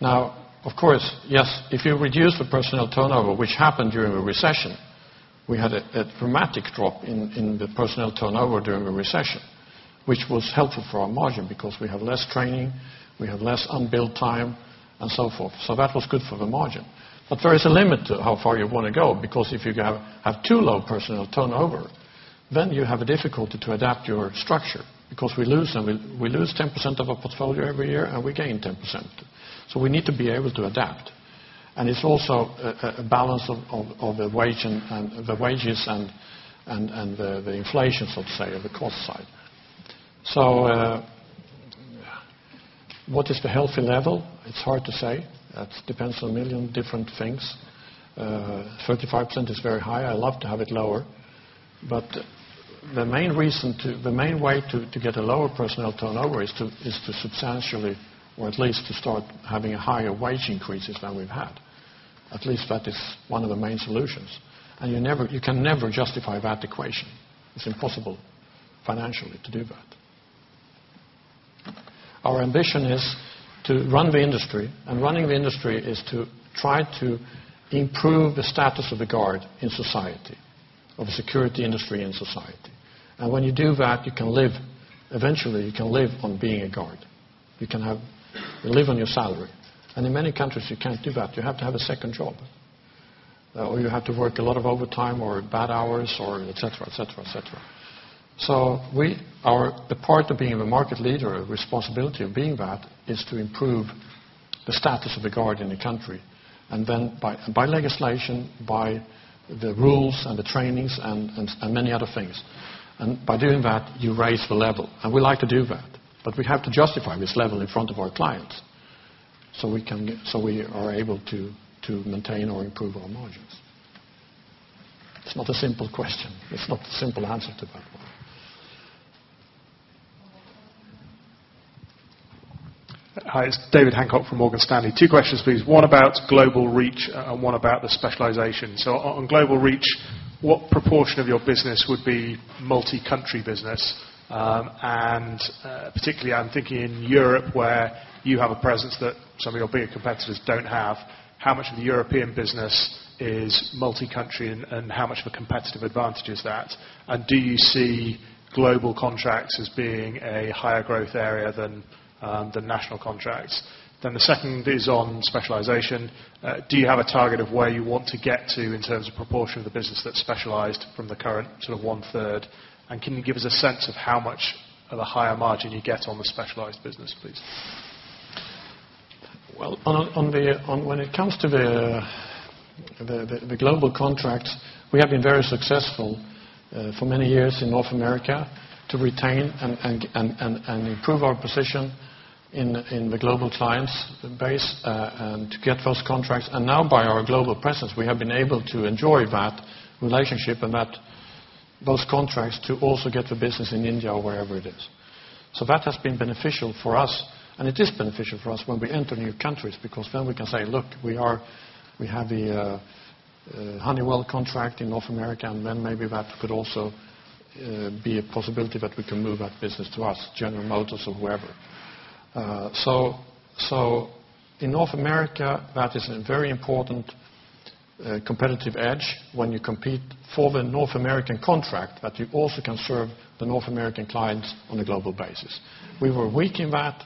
Now, of course, yes, if you reduce the personnel turnover, which happened during a recession, we had a dramatic drop in the personnel turnover during a recession, which was helpful for our margin because we have less training, we have less unbilled time, and so forth. So that was good for the margin, but there is a limit to how far you want to go because if you have too low personnel turnover, then you have a difficulty to adapt your structure because we lose and we lose 10% of our portfolio every year, and we gain 10%. So we need to be able to adapt, and it's also a balance of the wage and the wages and the inflation, so to say, of the cost side. So what is the healthy level? It's hard to say. That depends on a million different things. 35% is very high. I love to have it lower, but the main reason to the main way to get a lower personnel turnover is to substantially or at least to start having a higher wage increase than we've had. At least that is one of the main solutions, and you can never justify that equation. It's impossible financially to do that. Our ambition is to run the industry, and running the industry is to try to improve the status of the guard in society, of the security industry in society. And when you do that, you can live eventually; you can live on being a guard. You can live on your salary, and in many countries, you can't do that. You have to have a second job, or you have to work a lot of overtime or bad hours or et cetera, et cetera, et cetera. So the part of being the market leader, responsibility of being that, is to improve the status of the guard in the country and then by legislation, by the rules and the trainings and many other things. By doing that, you raise the level, and we like to do that, but we have to justify this level in front of our clients so we are able to maintain or improve our margins. It's not a simple question. It's not a simple answer to that one. Hi, it's David Hancock from Morgan Stanley. Two questions, please. One about global reach and one about the specialization. So on global reach, what proportion of your business would be multicountry business? And particularly, I'm thinking in Europe where you have a presence that some of your bigger competitors don't have. How much of the European business is multicountry, and how much of a competitive advantage is that? And do you see global contracts as being a higher growth area than national contracts? Then the second is on specialization. Do you have a target of where you want to get to in terms of proportion of the business that's specialized from the current sort of 1/3? And can you give us a sense of how much of a higher margin you get on the specialized business, please? Well, when it comes to the global contracts, we have been very successful for many years in North America to retain and improve our position in the global clients base and to get those contracts. And now, by our global presence, we have been able to enjoy that relationship and those contracts to also get the business in India or wherever it is. So that has been beneficial for us, and it is beneficial for us when we enter new countries because then we can say, "Look, we have the Honeywell contract in North America," and then maybe that could also be a possibility that we can move that business to us, General Motors or whoever. So in North America, that is a very important competitive edge when you compete for the North American contract that you also can serve the North American clients on a global basis. We were weak in that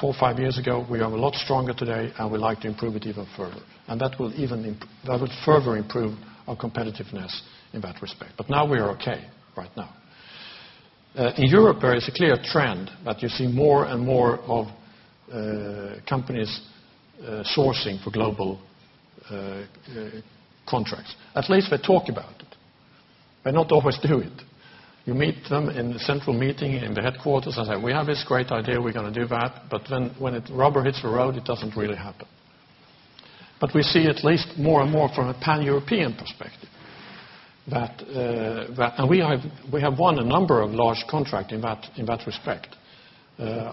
four, five years ago. We are a lot stronger today, and we like to improve it even further, and that will further improve our competitiveness in that respect. Now we are okay right now. In Europe, there is a clear trend that you see more and more of companies sourcing for global contracts. At least they talk about it. They not always do it. You meet them in the central meeting in the headquarters and say, "We have this great idea. We're going to do that," but then when it rubber hits the road, it doesn't really happen. We see at least more and more from a pan-European perspective that and we have won a number of large contracts in that respect.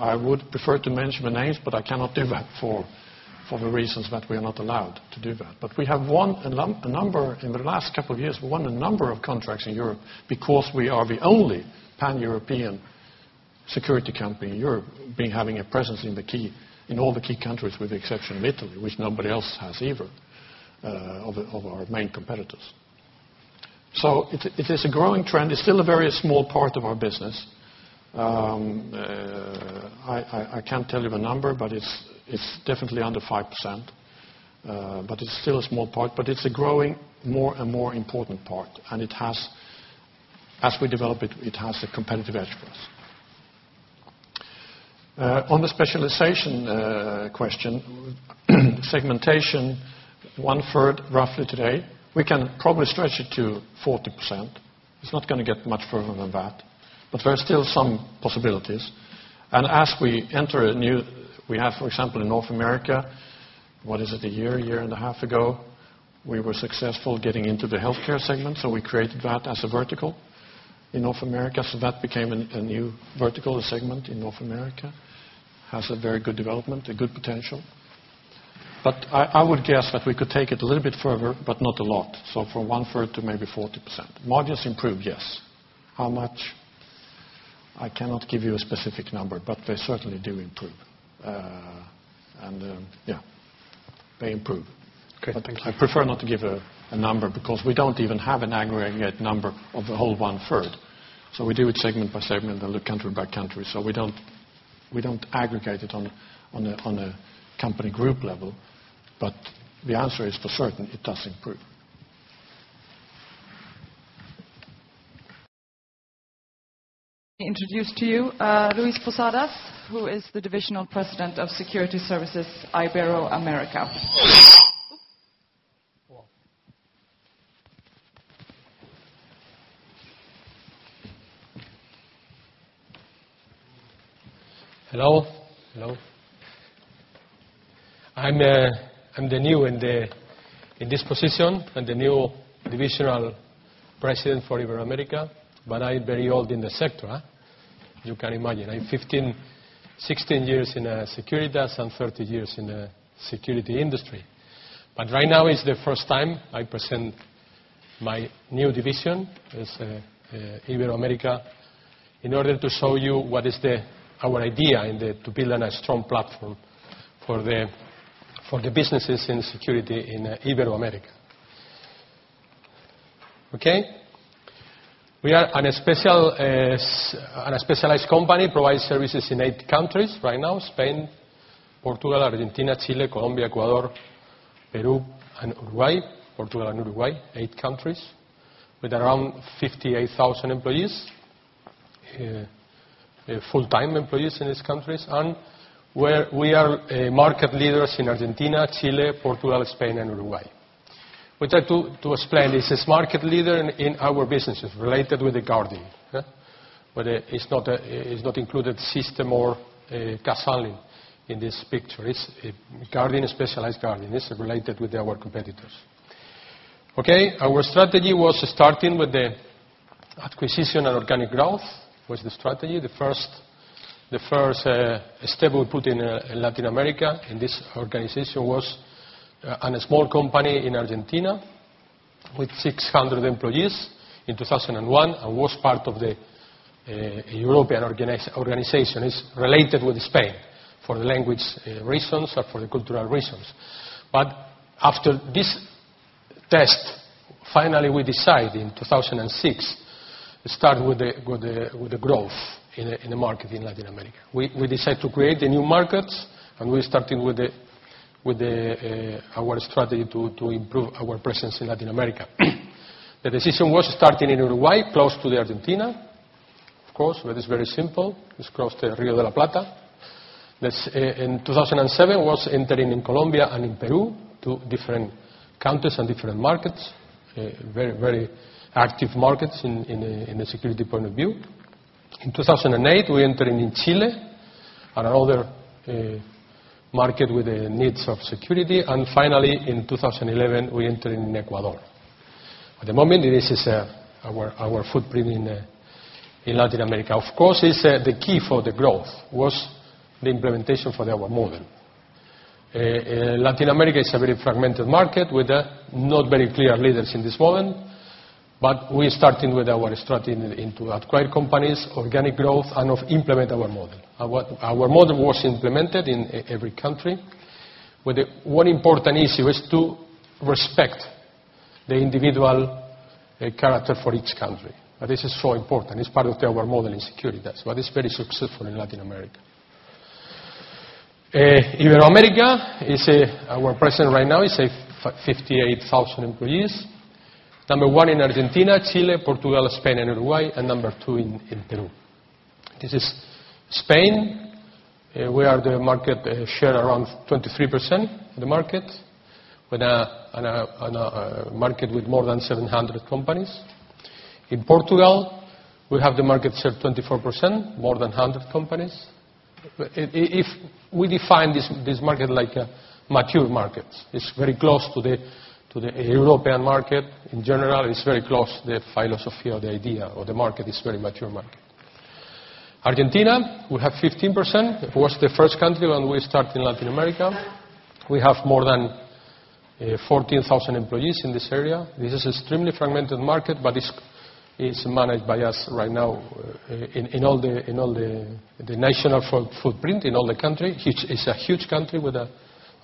I would prefer to mention the names, but I cannot do that for the reasons that we are not allowed to do that. But we have won a number in the last couple of years; we won a number of contracts in Europe because we are the only pan-European security company in Europe having a presence in all the key countries with the exception of Italy, which nobody else has either of our main competitors. So it is a growing trend. It's still a very small part of our business. I can't tell you the number, but it's definitely under 5%, but it's still a small part. But it's a growing, more and more important part, and as we develop it, it has a competitive edge for us. On the specialization question, segmentation, 1/3 roughly today, we can probably stretch it to 40%. It's not going to get much further than that, but there are still some possibilities. As we enter a new we have, for example, in North America, what is it, a year, year and a half ago, we were successful getting into the healthcare segment, so we created that as a vertical in North America. So that became a new vertical, a segment in North America, has a very good development, a good potential. But I would guess that we could take it a little bit further but not a lot, so from 1/3 to maybe 40%. Margins improve, yes. How much? I cannot give you a specific number, but they certainly do improve, and yeah, they improve. Okay, thank you. I prefer not to give a number because we don't even have an aggregate number of the whole 1/3. So we do it segment by segment and look country by country, so we don't aggregate it on a company group level, but the answer is for certain, it does improve. Introduced to you, Luis Posadas, who is the Divisional President of Security Services Ibero-America. Hello. Hello. I'm the new in this position and the new divisional president for Ibero-America, but I'm very old in the sector, you can imagine. I'm 15-16 years in Securitas and 30 years in the security industry, but right now it's the first time I present my new division as Ibero-America in order to show you what is our idea in the to build a strong platform for the businesses in security in Ibero-America. Okay? We are a specialized company, provide services in eight countries right now: Spain, Portugal, Argentina, Chile, Colombia, Ecuador, Peru, and Uruguay, Portugal and Uruguay, eight countries with around 58,000 employees, full-time employees in these countries, and we are market leaders in Argentina, Chile, Portugal, Spain, and Uruguay. We try to explain this as market leader in our businesses related with the guarding, but it's not included system or cash handling in this picture. It's guarding, specialized guarding. It's related with our competitors. Okay? Our strategy was starting with the acquisition and organic growth was the strategy. The first step we put in Latin America in this organization was a small company in Argentina with 600 employees in 2001 and was part of the European organization. It's related with Spain for the language reasons and for the cultural reasons. After this test, finally, we decided in 2006 to start with the growth in the market in Latin America. We decided to create the new markets, and we started with our strategy to improve our presence in Latin America. The decision was starting in Uruguay, close to Argentina, of course, but it's very simple. It's close to Rio de la Plata. In 2007, we was entering in Colombia and in Peru, two different countries and different markets, very, very active markets in the security point of view. In 2008, we entered in Chile and another market with the needs of security, and finally, in 2011, we entered in Ecuador. At the moment, this is our footprint in Latin America. Of course, the key for the growth was the implementation for our model. Latin America is a very fragmented market with not very clear leaders in this moment, but we started with our strategy into acquire companies, organic growth, and implement our model. Our model was implemented in every country, but one important issue is to respect the individual character for each country. This is so important. It's part of our model in Securitas, but it's very successful in Latin America. Ibero-America is our presence right now. It's 58,000 employees, number one in Argentina, Chile, Portugal, Spain, and Uruguay, and number two in Peru. This is Spain. We are the market share around 23% of the market with a market with more than 700 companies. In Portugal, we have the market share 24%, more than 100 companies. If we define this market like a mature market, it's very close to the European market in general. It's very close to the philosophy of the idea of the market. It's a very mature market. Argentina, we have 15%. It was the first country when we started in Latin America. We have more than 14,000 employees in this area. This is an extremely fragmented market, but it's managed by us right now in all the national footprint in all the country. It's a huge country with a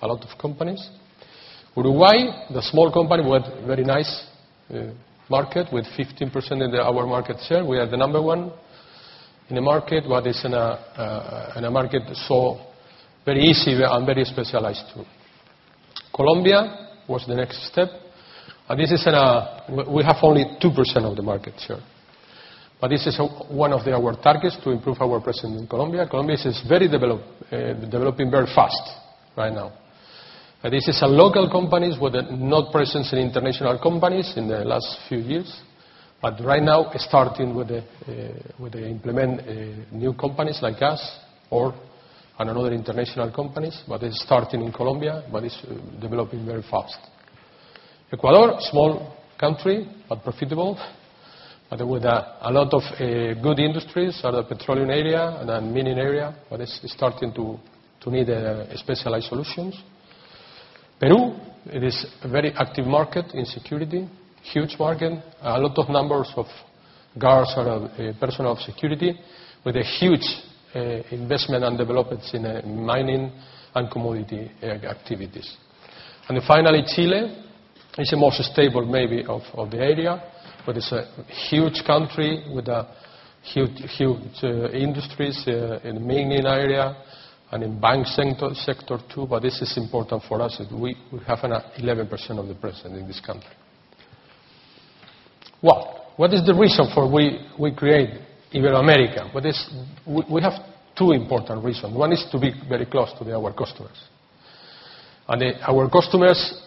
lot of companies. Uruguay, the small country, we had a very nice market with 15% of our market share. We are the number one in the market, but it's in a market that's so very easy and very specialized too. Colombia was the next step, and this is where we have only 2% of the market share, but this is one of our targets to improve our presence in Colombia. Colombia is very developing, developing very fast right now. This is a local market with no presence of international companies in the last few years, but right now starting with the implementation of new companies like us or other international companies, but it's starting in Colombia, but it's developing very fast. Ecuador, small country but profitable, but with a lot of good industries in the petroleum area and mining area, but it's starting to need specialized solutions. Peru, it is a very active market in security, huge market. A lot of numbers of guards are personnel of security with a huge investment and developments in mining and commodity activities. And finally, Chile, it's the most stable maybe of the area, but it's a huge country with huge industries in the mining area and in bank sector too, but this is important for us. We have 11% of the presence in this country. Well, what is the reason for we create Ibero-America? We have two important reasons. One is to be very close to our customers. And our customers,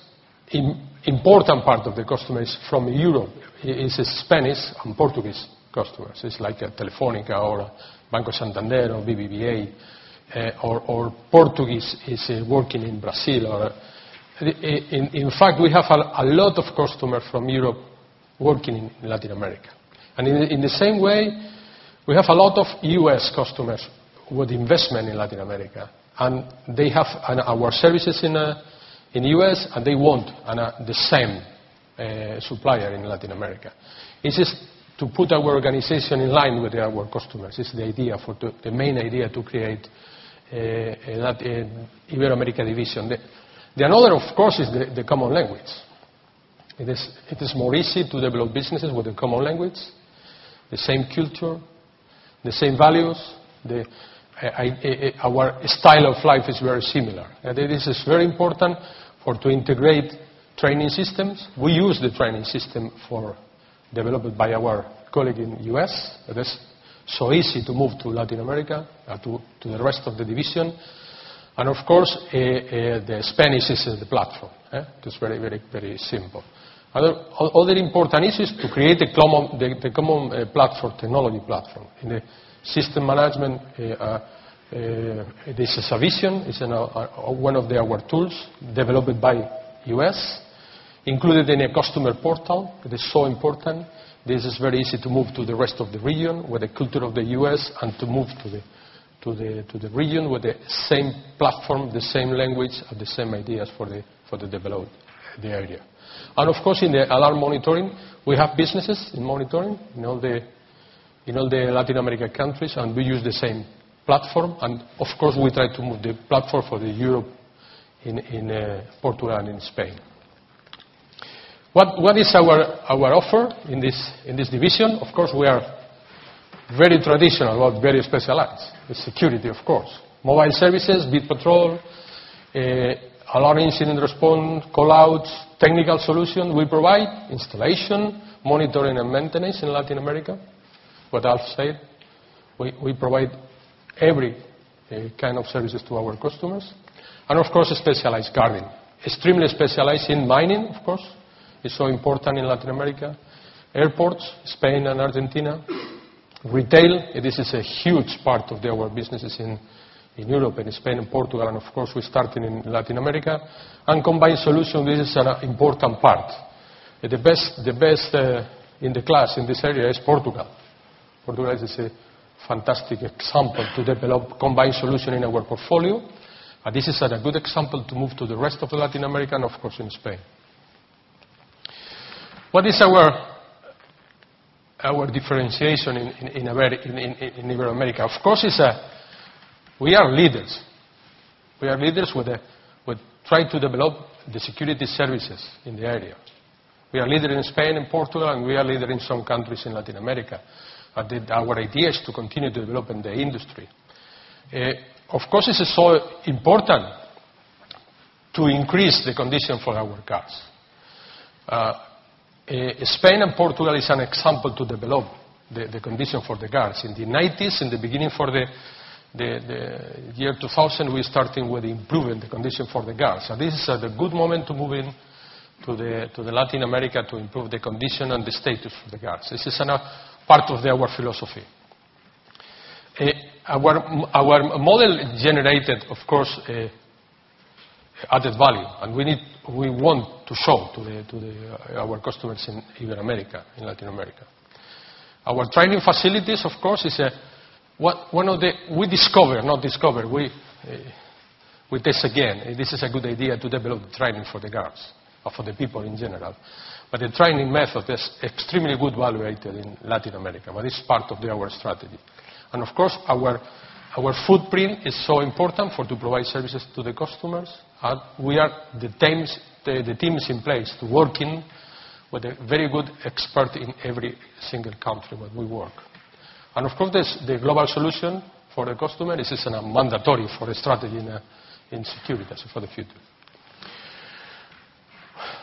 important part of the customers from Europe is Spanish and Portuguese customers. It's like Telefónica or Banco Santander, BBVA, or Portuguese is working in Brazil. In fact, we have a lot of customers from Europe working in Latin America. In the same way, we have a lot of U.S. customers with investment in Latin America, and they have our services in the U.S., and they want the same supplier in Latin America. It's just to put our organization in line with our customers. It's the idea, the main idea, to create that Ibero-America division. The other, of course, is the common language. It is more easy to develop businesses with the common language, the same culture, the same values. Our style of life is very similar. This is very important for to integrate training systems. We use the training system developed by our colleague in the U.S., but it's so easy to move to Latin America, to the rest of the division. And of course, the Spanish is the platform. It's very, very, very simple. Another important issue is to create the common platform, technology platform. In the system management, this is a Vision. It's one of our tools developed by the U.S., included in a customer portal. It is so important. This is very easy to move to the rest of the region with the culture of the U.S. and to move to the region with the same platform, the same language, and the same ideas for the developed area. And of course, in the alarm monitoring, we have businesses in monitoring in all the Latin American countries, and we use the same platform. And of course, we try to move the platform for Europe in Portugal and in Spain. What is our offer in this division? Of course, we are very traditional but very specialized. It's security, of course: mobile services, beat patrol, alarm incident response, callouts, technical solutions. We provide installation, monitoring, and maintenance in Latin America. But I'll say it: we provide every kind of services to our customers. Of course, specialized guarding, extremely specialized in mining, of course. It's so important in Latin America: airports, Spain and Argentina. Retail, this is a huge part of our businesses in Europe and Spain and Portugal. Of course, we're starting in Latin America. Combined solutions, this is an important part. The best in the class in this area is Portugal. Portugal is a fantastic example to develop combined solutions in our portfolio, but this is a good example to move to the rest of Latin America and, of course, in Spain. What is our differentiation in Ibero-America? Of course, we are leaders. We are leaders with trying to develop the security services in the area. We are leaders in Spain and Portugal, and we are leaders in some countries in Latin America. But our idea is to continue to develop in the industry. Of course, it's so important to increase the condition for our guards. Spain and Portugal are an example to develop the condition for the guards. In the 1990s, in the beginning of the year 2000, we started with improving the condition for the guards. So this is a good moment to move into Latin America to improve the condition and the status of the guards. This is part of our philosophy. Our model generated, of course, added value, and we want to show to our customers in Ibero-America, in Latin America. Our training facilities, of course, is one of the we discovered, not discovered. We test again. This is a good idea to develop the training for the guards or for the people in general. The training method is extremely highly valued in Latin America, but it's part of our strategy. Of course, our footprint is so important to provide services to the customers, and we have the teams in place working with a very good expert in every single country where we work. Of course, the global solution for the customer is mandatory for a strategy in Securitas for the future.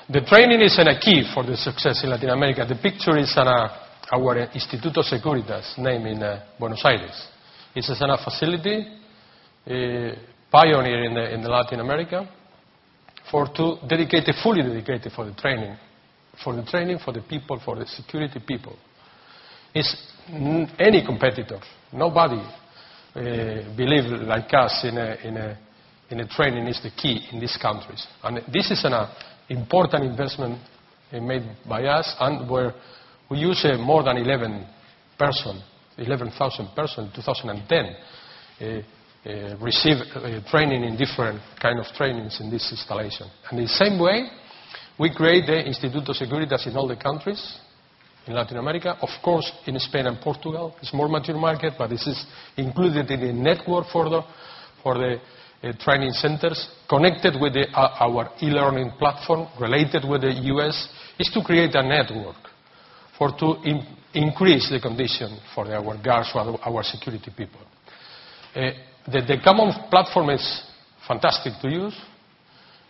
The training is a key for the success in Latin America. The picture is our Instituto Securitas in Buenos Aires. It's a pioneering facility in Latin America to fully dedicate it to the training, for the training, for the people, for the security people. No competitor, nobody believes like us in a training is the key in these countries. This is an important investment made by us, and where we use more than 11,000 people in 2010 receive training in different kinds of trainings in this installation. In the same way, we create the Instituto Securitas in all the countries in Latin America. Of course, in Spain and Portugal, it's a more mature market, but it's included in the network for the training centers connected with our e-learning platform related with the U.S. It's to create a network for to increase the condition for our guards or our security people. The common platform is fantastic to use.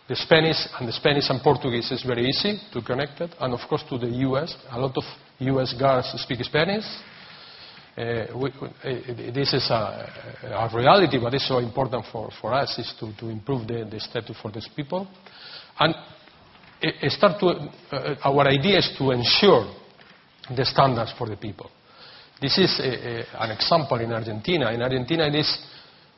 The Spanish and the Spanish and Portuguese is very easy to connect it. Of course, to the U.S., a lot of U.S. guards speak Spanish. This is a reality, but it's so important for us to improve the status for these people. Our idea is to ensure the standards for the people. This is an example in Argentina. In Argentina,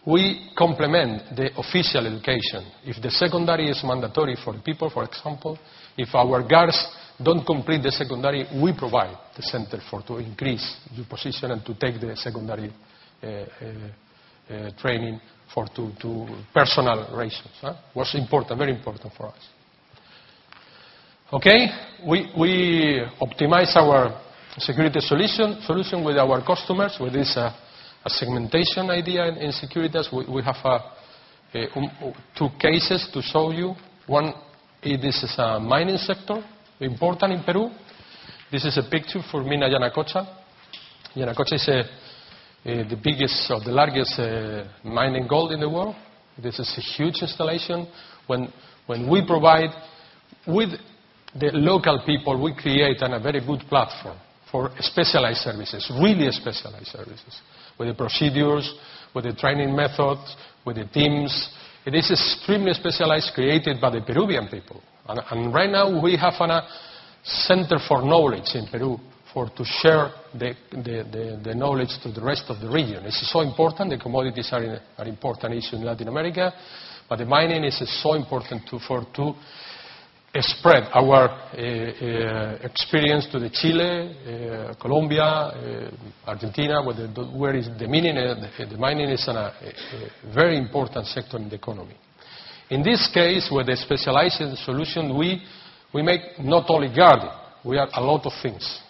we complement the official education. If the secondary is mandatory for the people, for example, if our guards don't complete the secondary, we provide the center to increase your position and to take the secondary training for personal reasons. It was important, very important for us. OK? We optimize our security solution with our customers with this segmentation idea in Securitas. We have two cases to show you. One, this is a mining sector, important in Peru. This is a picture for Minera Yanacocha. Minera Yanacocha is the biggest of the largest mining gold in the world. This is a huge installation. When we provide with the local people, we create a very good platform for specialized services, really specialized services, with the procedures, with the training methods, with the teams. It is extremely specialized, created by the Peruvian people. Right now, we have a center for knowledge in Peru to share the knowledge to the rest of the region. It's so important. The commodities are an important issue in Latin America, but the mining is so important for to spread our experience to Chile, Colombia, Argentina, where the mining is a very important sector in the economy. In this case, with the specialized solution, we make not only guarding. We are a lot of things.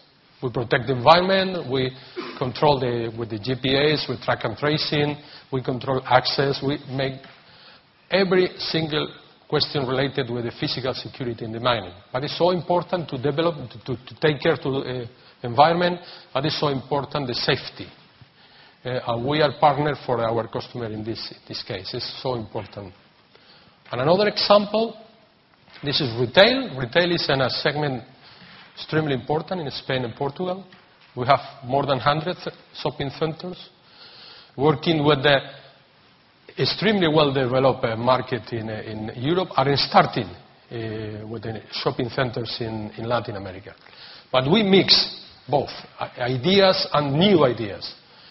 We protect the environment. We control with the GPAs, we track and tracing, we control access. We make every single question related with the physical security in the mining. But it's so important to develop, to take care of the environment, but it's so important the safety. We are partners for our customers in this case. It's so important. And another example: this is retail. Retail is a segment extremely important in Spain and Portugal. We have more than 100 shopping centers working with the extremely well-developed market in Europe, and starting with the shopping centers in Latin America. But we mix both ideas and new ideas.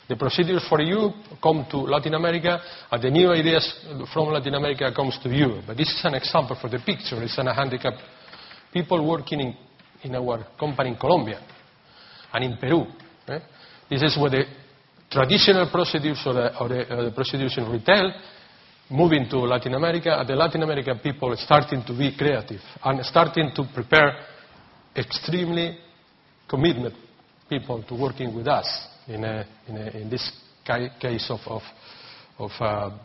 The procedures for Europe come to Latin America, and the new ideas from Latin America come to Europe. But this is an example for the picture. It's handicapped people working in our company in Colombia and in Peru. This is where the traditional procedures or the procedures in retail move into Latin America. And the Latin American people are starting to be creative and starting to prepare extremely committed people to working with us in this case of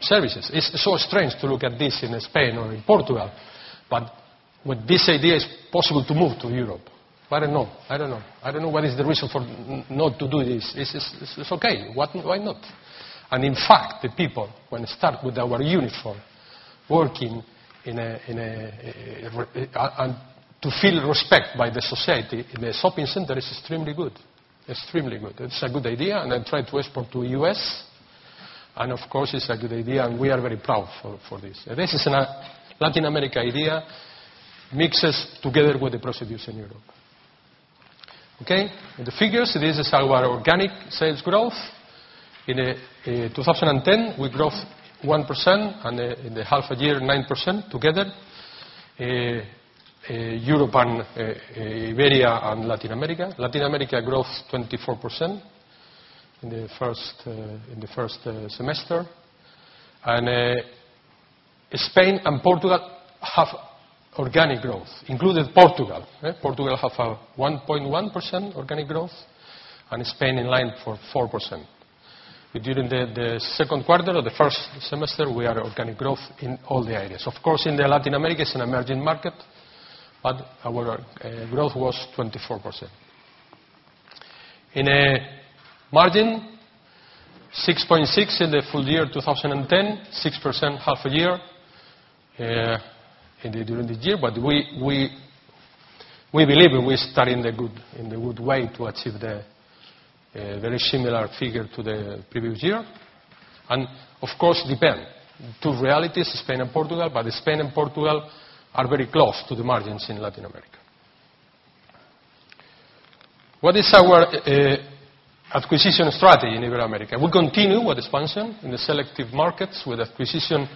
services. It's so strange to look at this in Spain or in Portugal, but with this idea, it's possible to move to Europe. But I don't know. I don't know. I don't know what is the reason for not to do this. It's OK. Why not? And in fact, the people, when they start with our uniform working in a and to feel respect by the society in the shopping center, it's extremely good. Extremely good. It's a good idea. And I try to export to the U.S. And of course, it's a good idea, and we are very proud for this. This is a Latin American idea mixes together with the procedures in Europe. OK? In the figures, this is our organic sales growth. In 2010, we grew 1%, and in half a year, 9% together: Europe and Iberia and Latin America. Latin America grew 24% in the first semester. And Spain and Portugal have organic growth, including Portugal. Portugal has 1.1% organic growth, and Spain in line for 4%. During the second quarter of the first semester, we had organic growth in all the areas. Of course, in Latin America, it's an emerging market, but our growth was 24%. In a margin: 6.6% in the full-year 2010, 6% half a year during the year. But we believe we start in the good way to achieve the very similar figure to the previous year. And of course, depends: two realities, Spain and Portugal. But Spain and Portugal are very close to the margins in Latin America. What is our acquisition strategy in Ibero-America? We continue with expansion in the selective markets, with acquisition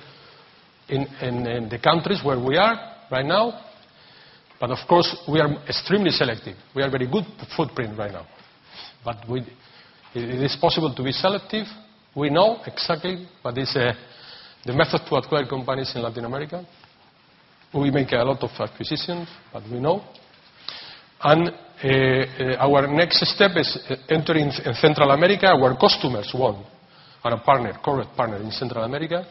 in the countries where we are right now. But of course, we are extremely selective. We have a very good footprint right now. But it is possible to be selective. We know exactly what is the method to acquire companies in Latin America. We make a lot of acquisitions, but we know. Our next step is entering Central America. Our customers want our partner, corporate partner, in Central America.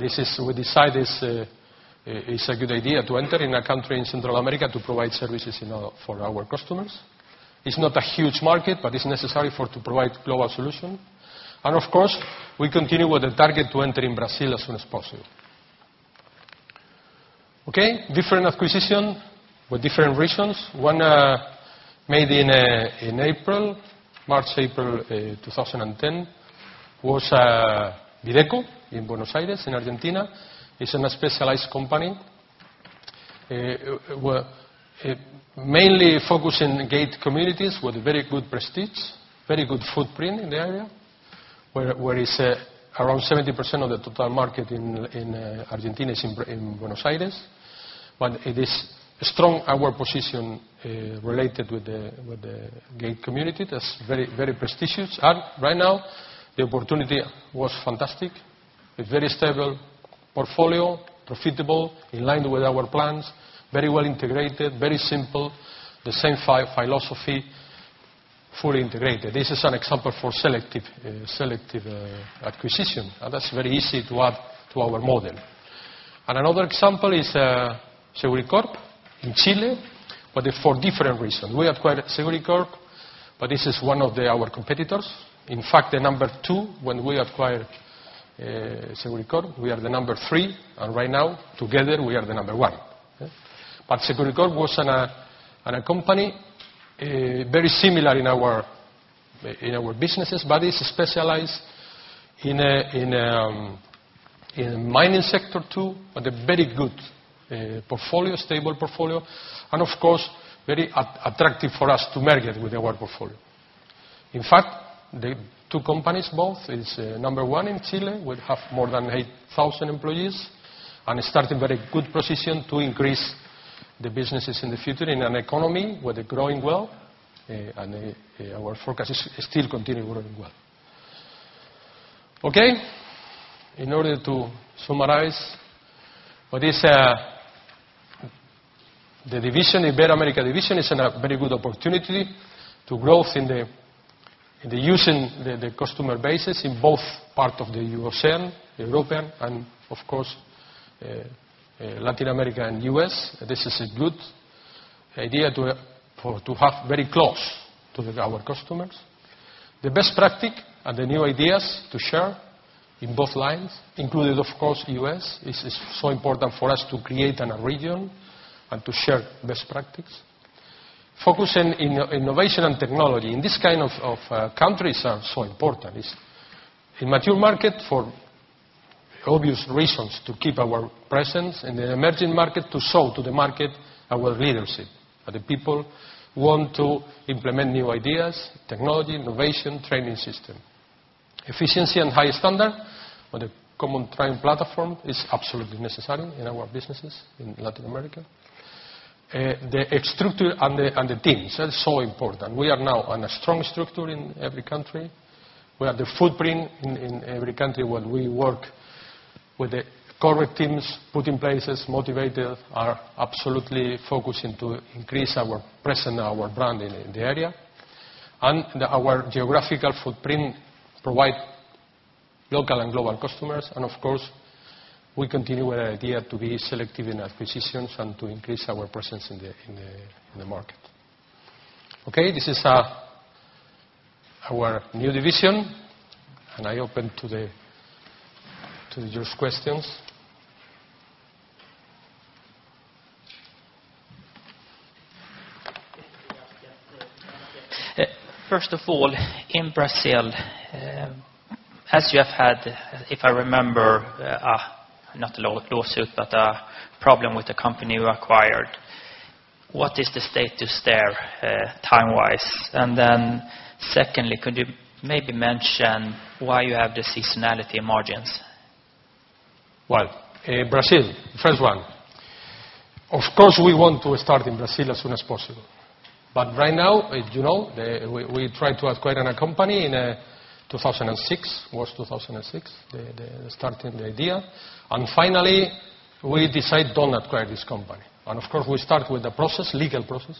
We decide it's a good idea to enter in a country in Central America to provide services for our customers. It's not a huge market, but it's necessary to provide a global solution. Of course, we continue with the target to enter in Brazil as soon as possible. OK? Different acquisitions with different reasons. One made in March-April 2010 was Videco in Buenos Aires, in Argentina. It's a specialized company mainly focused on gated communities with very good prestige, very good footprint in the area, where around 70% of the total market in Argentina is in Buenos Aires. But it is strong, our position, related with the gated community. That's very, very prestigious. And right now, the opportunity was fantastic: a very stable portfolio, profitable, in line with our plans, very well integrated, very simple, the same philosophy, fully integrated. This is an example for selective acquisition. And that's very easy to add to our model. And another example is Seguricorp in Chile, but for different reasons. We acquired Seguricorp, but this is one of our competitors. In fact, the number two when we acquired Seguricorp, we are the number three. And right now, together, we are the number one. But Seguricorp was a company very similar in our businesses, but it's specialized in the mining sector too, with a very good portfolio, stable portfolio, and of course, very attractive for us to merge it with our portfolio. In fact, the two companies, both number one in Chile, have more than 8,000 employees and stand in a very good position to increase the businesses in the future in an economy with a growing wealth. Our forecast is still continuing to grow well. OK? In order to summarize: the division, the Ibero-America division, is a very good opportunity to grow in using the customer bases in both parts of the European, the European, and of course, Latin America and U.S. This is a good idea to have very close to our customers. The best practice and the new ideas to share in both lines, including, of course, U.S., it's so important for us to create a region and to share best practices. Focusing innovation and technology in these kinds of countries is so important. It's a mature market for obvious reasons to keep our presence. In the emerging market, to show to the market our leadership, the people who want to implement new ideas, technology, innovation, training system. Efficiency and high standard on the common training platform is absolutely necessary in our businesses in Latin America. The structure and the teams are so important. We are now a strong structure in every country. We have the footprint in every country where we work with the correct teams put in place, motivated, are absolutely focused to increase our presence, our brand in the area. And our geographical footprint provides local and global customers. And of course, we continue with the idea to be selective in acquisitions and to increase our presence in the market. OK? This is our new division. And I'm open to your questions. First of all, in Brazil, as you have had, if I remember, not a lawsuit but a problem with the company you acquired, what is the status there time-wise? And then secondly, could you maybe mention why you have the seasonality margins? Well, Brazil, first one. Of course, we want to start in Brazil as soon as possible. But right now, you know, we tried to acquire a company in 2006. It was 2006, starting the idea. And finally, we decided not to acquire this company. And of course, we start with the process, legal process.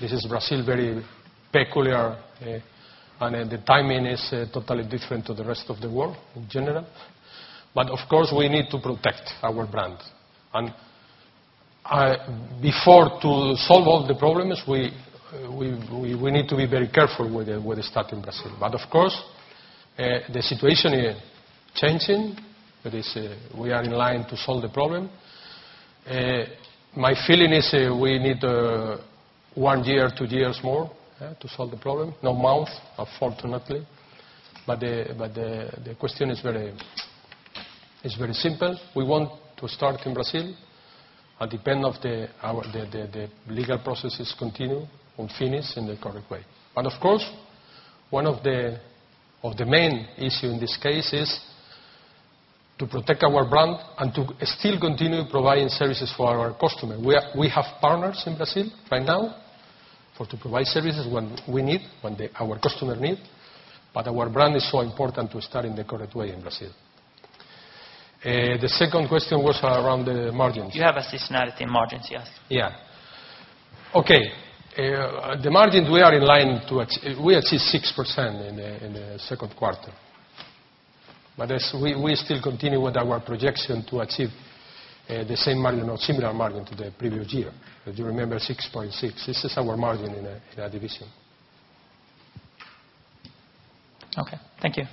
This is Brazil, very peculiar. And the timing is totally different from the rest of the world in general. But of course, we need to protect our brand. And before to solve all the problems, we need to be very careful with starting in Brazil. But of course, the situation is changing. We are in line to solve the problem. My feeling is we need one year, two years more to solve the problem. No month, unfortunately. But the question is very simple. We want to start in Brazil. Depending on the legal processes, continue and finish in the correct way. But of course, one of the main issues in this case is to protect our brand and to still continue providing services for our customers. We have partners in Brazil right now to provide services when we need, when our customers need. But our brand is so important to start in the correct way in Brazil. The second question was around the margins. You have seasonality margins, yes? Yeah. OK. The margins, we are in line to achieve. We achieved 6% in the second quarter. But we still continue with our projection to achieve the same margin, or similar margin, to the previous year. Do you remember 6.6%? This is our margin in our division. OK. Thank you.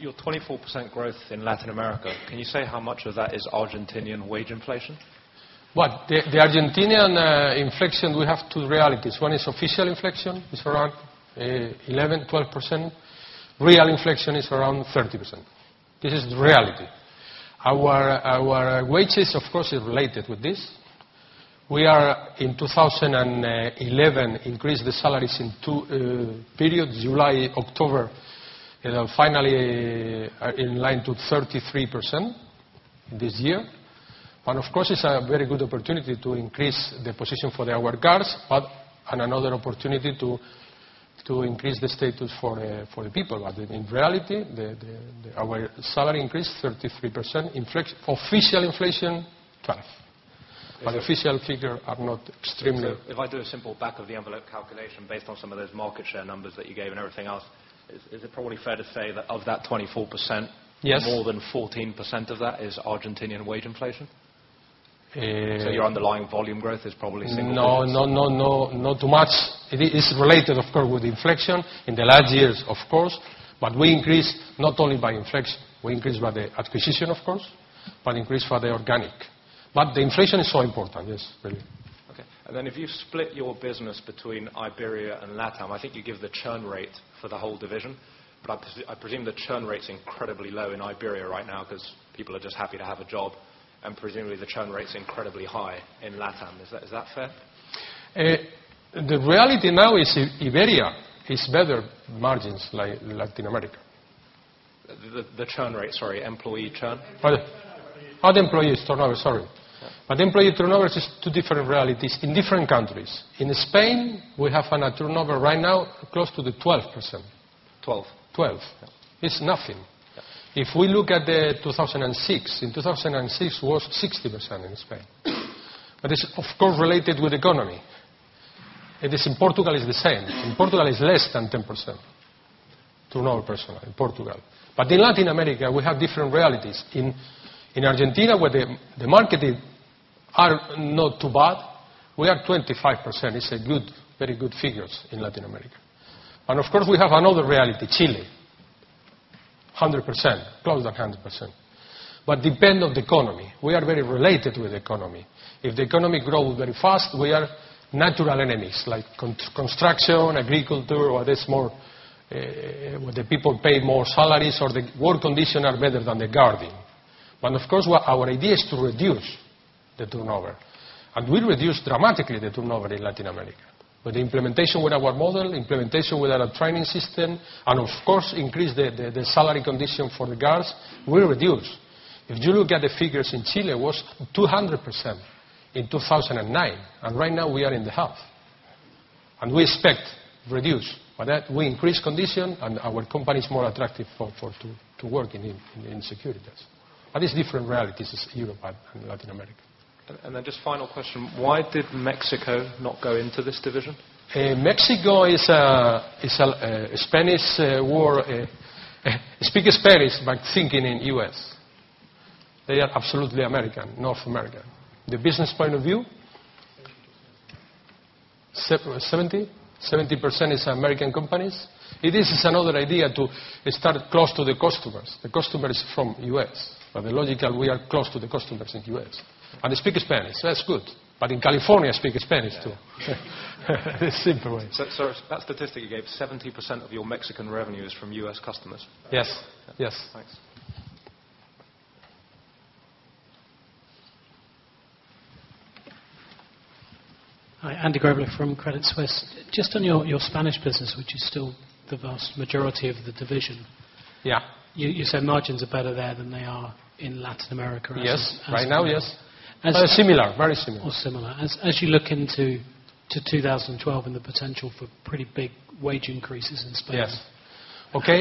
Your 24% growth in Latin America, can you say how much of that is Argentinian wage inflation? Well, the Argentine inflation, we have two realities. One is official inflation. It's around 11%-12%. Real inflation is around 30%. This is the reality. Our wages, of course, are related with this. We are, in 2011, increased the salaries in two periods: July, October, and finally in line to 33% this year. And of course, it's a very good opportunity to increase the position for our guards, but another opportunity to increase the status for the people. But in reality, our salary increased 33%. Official inflation, 12%. But the official figures are not extremely. If I do a simple back-of-the-envelope calculation based on some of those market share numbers that you gave and everything else, is it probably fair to say that of that 24%, more than 14% of that is Argentinian wage inflation? So your underlying volume growth is probably 1%. No, no, no, no, not too much. It is related, of course, with inflation in the last years, of course. But we increased not only by inflation. We increased by the acquisition, of course, but increased by the organic. But the inflation is so important, yes, really. OK. And then if you split your business between Iberia and Latam, I think you give the churn rate for the whole division. But I presume the churn rate is incredibly low in Iberia right now because people are just happy to have a job. And presumably, the churn rate is incredibly high in Latam. Is that fair? The reality now is Iberia has better margins than Latin America. The churn rate, sorry. Employee churn? Right. Other employees' turnover, sorry. But employee turnover is two different realities in different countries. In Spain, we have a turnover right now close to 12%. 12%? It's nothing. If we look at 2006, in 2006, it was 60% in Spain. But it's, of course, related with the economy. It is in Portugal, it's the same. In Portugal, it's less than 10%, personnel turnover, in Portugal. But in Latin America, we have different realities. In Argentina, where the markets are not too bad, we are 25%. It's very good figures in Latin America. And of course, we have another reality: Chile, 100%, close to 100%. But depending on the economy, we are very related with the economy. If the economy grows very fast, we are natural enemies, like construction, agriculture, where the people pay more salaries, or the work conditions are better than the guarding. But of course, our idea is to reduce the turnover. And we reduced dramatically the turnover in Latin America. With the implementation with our model, implementation with our training system, and of course, increased the salary condition for the guards, we reduced. If you look at the figures in Chile, it was 200% in 2009. And right now, we are in the half. And we expect to reduce. But we increased the condition, and our company is more attractive to work in security. But it's different realities in Europe and Latin America. And then, just final question: why did Mexico not go into this division? Mexico is a Spanish world. Speaking Spanish but thinking in the U.S. They are absolutely American, North American. The business point of view? 70%? 70% are American companies. It is another idea to start close to the customers. The customer is from the U.S. But the logic is we are close to the customers in the U.S. and speak Spanish. That's good. But in California, speak Spanish too. It's a simple way. So that statistic you gave: 70% of your Mexican revenue is from U.S. customers? Yes. Yes. Thanks. Hi. Andy Grobler from Credit Suisse. Just on your Spanish business, which is still the vast majority of the division, you said margins are better there than they are in Latin America, right? Yes. Right now, yes. Similar, very similar. Or similar. As you look into 2012 and the potential for pretty big wage increases in Spain,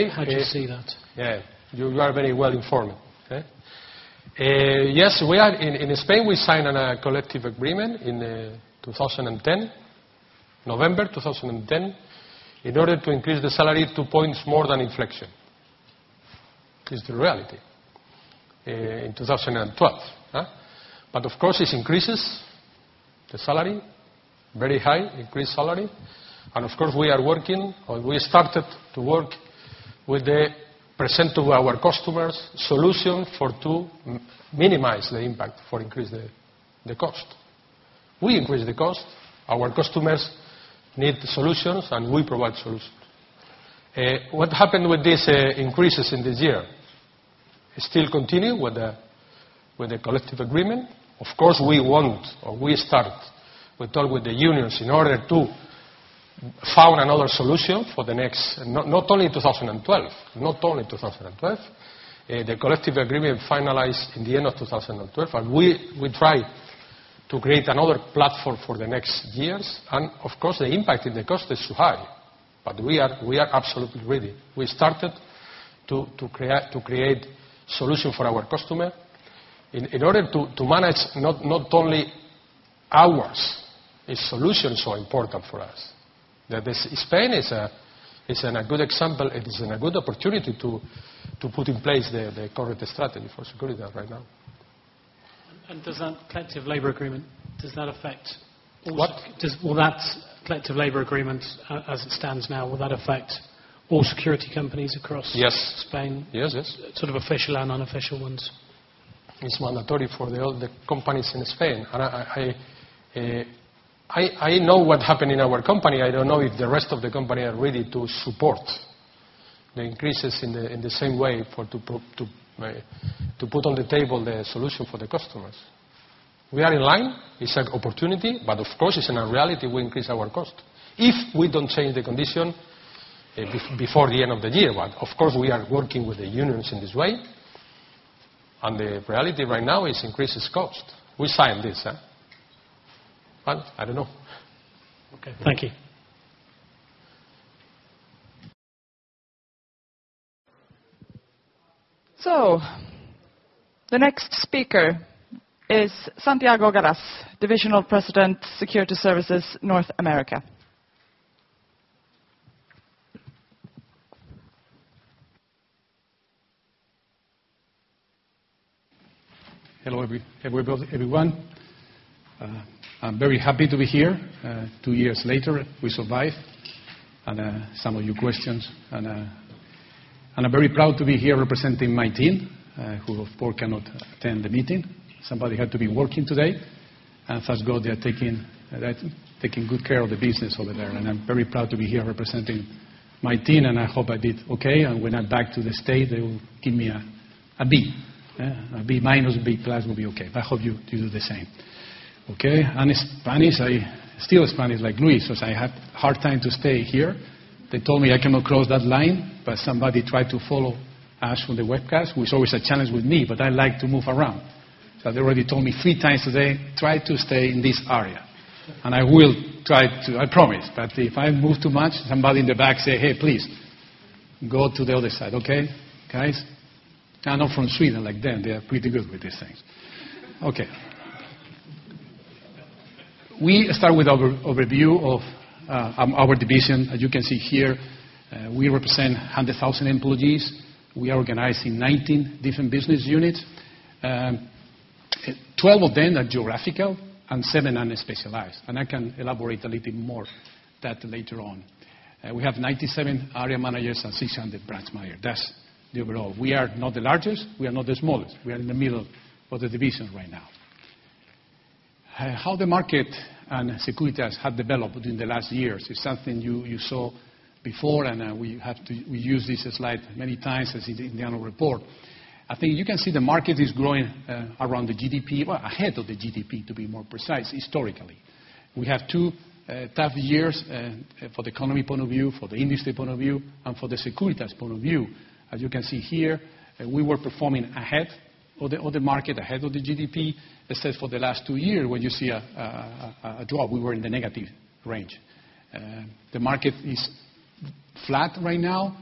how do you see that? Yeah. You are very well informed. Yes. In Spain, we signed a collective agreement in November 2010 in order to increase the salary two points more than inflation. It's the reality in 2012. But of course, it increases the salary, very high, increased salary. And of course, we are working or we started to work with the present to our customers solution to minimize the impact for increasing the cost. We increase the cost. Our customers need solutions, and we provide solutions. What happened with these increases in this year? It still continues with the collective agreement. Of course, we want or we start with talk with the unions in order to find another solution for the next not only 2012, not only 2012. The collective agreement finalized at the end of 2012. And we tried to create another platform for the next years. Of course, the impact on the cost is too high. We are absolutely ready. We started to create solutions for our customers. In order to manage not only ours is solutions so important for us. Spain is a good example. It is a good opportunity to put in place the correct strategy for security right now. Does that collective labor agreement, does that affect all? What? Will that collective labor agreement, as it stands now, will that affect all security companies across Spain? Yes. Yes, yes. Sort of official and unofficial ones? It's mandatory for all the companies in Spain. I know what happened in our company. I don't know if the rest of the company are ready to support the increases in the same way to put on the table the solution for the customers. We are in line. It's an opportunity. Of course, it's not a reality. We increase our cost if we don't change the condition before the end of the year. Of course, we are working with the unions in this way. The reality right now is increased cost. We signed this. I don't know. OK. Thank you. The next speaker is Santiago Galaz, Divisional President, Security Services, North America. Hello, everyone. I'm very happy to be here two years later. We survived. And some of your questions. I'm very proud to be here representing my team, who, of course, cannot attend the meeting. Somebody had to be working today. And thank God they are taking good care of the business over there. I'm very proud to be here representing my team. I hope I did OK. And when I'm back to the States, they will give me a B. A B minus, B plus will be OK. But I hope you do the same. OK? And Spanish, I still speak Spanish like Luis. So I had a hard time to stay here. They told me I cannot cross that line. But somebody tried to follow us from the webcast, which is always a challenge with me. But I like to move around. So they already told me three times today, try to stay in this area. And I will try to, I promise. But if I move too much, somebody in the back says, hey, please, go to the other side. OK, guys? I know from Sweden like them. They are pretty good with these things. OK. We start with an overview of our division. As you can see here, we represent 100,000 employees. We are organized in 19 different business units. 12 of them are geographical and seven are specialized. And I can elaborate a little bit more on that later on. We have 97 area managers and 600 branch managers. That's the overall. We are not the largest. We are not the smallest. We are in the middle of the division right now. How the market and securities have developed in the last years is something you saw before. We used this slide many times in the annual report. I think you can see the market is growing around the GDP, well, ahead of the GDP, to be more precise, historically. We have two tough years from the economy point of view, from the industry point of view, and from the security point of view. As you can see here, we were performing ahead of the market, ahead of the GDP. Except for the last two years, when you see a drop, we were in the negative range. The market is flat right now.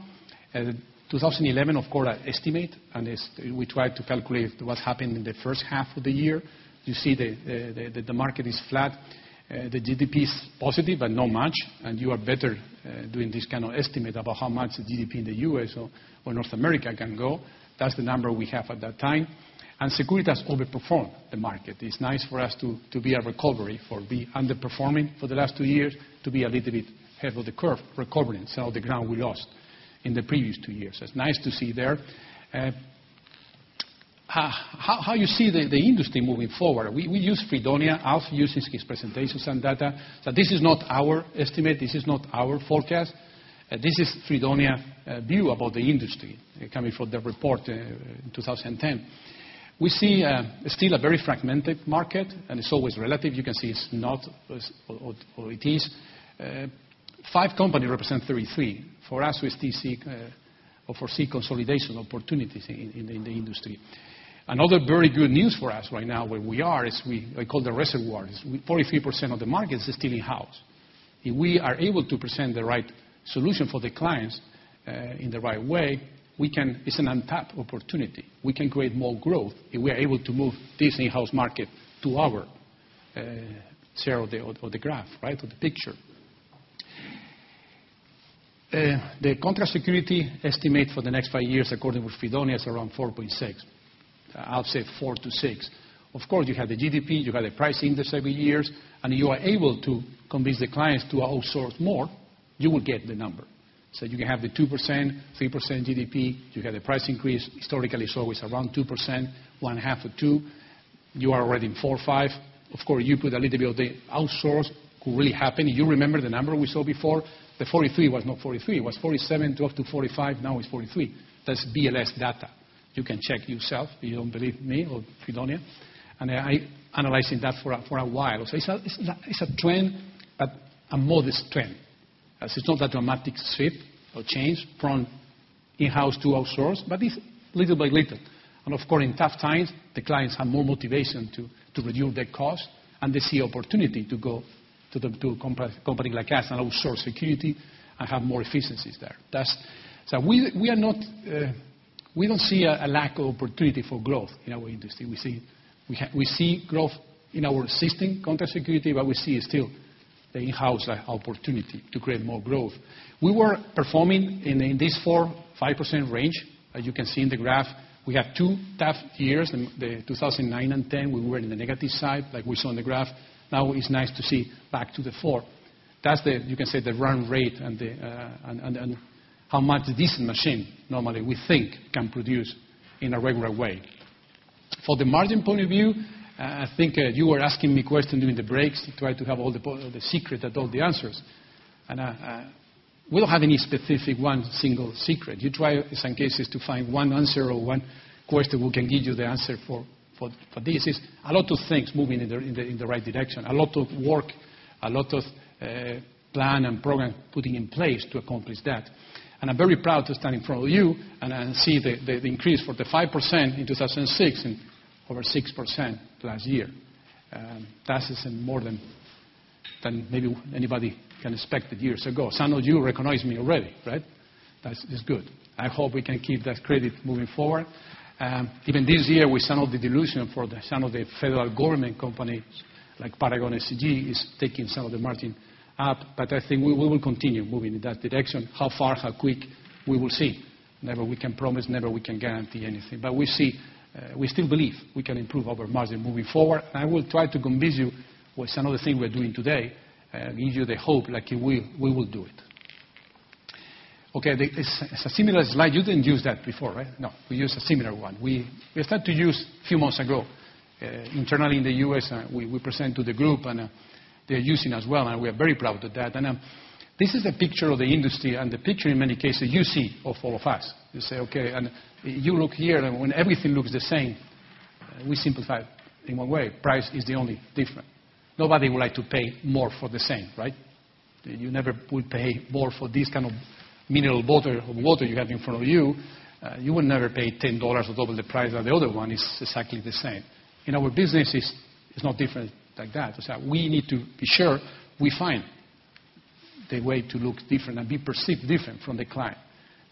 2011, of course, an estimate. And we tried to calculate what happened in the first half of the year. You see that the market is flat. The GDP is positive, but not much. And you are better doing this kind of estimate about how much the GDP in the U.S. or North America can go. That's the number we have at that time. And Securitas overperformed the market. It's nice for us to be a recovery for being underperforming for the last two years, to be a little bit ahead of the curve, recovering some of the ground we lost in the previous two years. It's nice to see there. How you see the industry moving forward? We use Freedonia. Alf uses his presentations and data. But this is not our estimate. This is not our forecast. This is Freedonia's view about the industry coming from the report in 2010. We see still a very fragmented market. And it's always relative. You can see it's not, or it is. Five companies represent 33%. For us, it's TC for C consolidation opportunities in the industry. Another very good news for us right now, where we are, is we call the reservoirs. 43% of the market is still in-house. If we are able to present the right solution for the clients in the right way, it's an untapped opportunity. We can create more growth if we are able to move this in-house market to our share of the graph, right, of the picture. The contract security estimate for the next five years, according to Freedonia, is around 4.6%. Alf said 4%-6%. Of course, you have the GDP. You have the price index every year. And you are able to convince the clients to outsource more. You will get the number. So you can have the 2%-3% GDP. You have the price increase. Historically, it's always around 2%, 0.5%-2%. You are already in 4%-5%. Of course, you put a little bit of the outsourcing could really happen. You remember the number we saw before? The 43 was not 43. It was 47 to up to 45. Now it's 43. That's BLS data. You can check yourself. If you don't believe me or Freedonia, I'm analyzing that for a while. It's a trend, but a modest trend. It's not a dramatic shift or change from in-house to outsource. But it's little by little. Of course, in tough times, the clients have more motivation to reduce their costs. They see opportunity to go to companies like us and outsource security and have more efficiencies there. We don't see a lack of opportunity for growth in our industry. We see growth in our existing contra-security. We see still the in-house opportunity to create more growth. We were performing in this 4%-5% range. As you can see in the graph, we had two tough years, 2009 and 2010, when we were in the negative side, like we saw in the graph. Now it's nice to see back to the four. That's the, you can say, the run rate and how much this machine, normally, we think can produce in a regular way. From the margin point of view, I think you were asking me questions during the breaks. I tried to have all the secrets and all the answers. And we don't have any specific one single secret. You try, in some cases, to find one answer or one question that can give you the answer for this. It's a lot of things moving in the right direction, a lot of work, a lot of plan and program putting in place to accomplish that. And I'm very proud to stand in front of you and see the increase from the 5% in 2006 and over 6% last year. That is more than maybe anybody can expect years ago. Some of you recognize me already, right? That is good. I hope we can keep that credit moving forward. Even this year, with some of the dilution for some of the federal government companies, like Paragon SCG, is taking some of the margin up. But I think we will continue moving in that direction. How far, how quick, we will see. Never we can promise. Never we can guarantee anything. But we still believe we can improve our margin moving forward. And I will try to convince you, with some of the things we are doing today, give you the hope that we will do it. OK. It's a similar slide. You didn't use that before, right? No. We used a similar one. We started to use a few months ago. Internally in the U.S., we presented to the group. They are using it as well. We are very proud of that. This is a picture of the industry and the picture, in many cases, you see of all of us. You say, OK. You look here. When everything looks the same, we simplify it in one way. Price is the only difference. Nobody would like to pay more for the same, right? You never would pay more for this kind of mineral water or water you have in front of you. You would never pay $10 or double the price of the other one. It's exactly the same. In our business, it's not different like that. We need to be sure we find the way to look different and be perceived different from the client.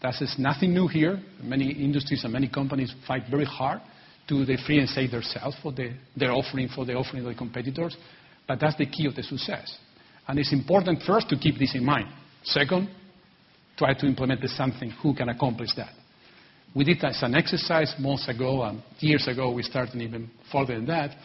That is nothing new here. Many industries and many companies fight very hard to free and save themselves for their offering from the offering of the competitors. But that's the key of the success. And it's important, first, to keep this in mind. Second, try to implement something that can accomplish that. We did that as an exercise months ago and years ago. We started even further than that.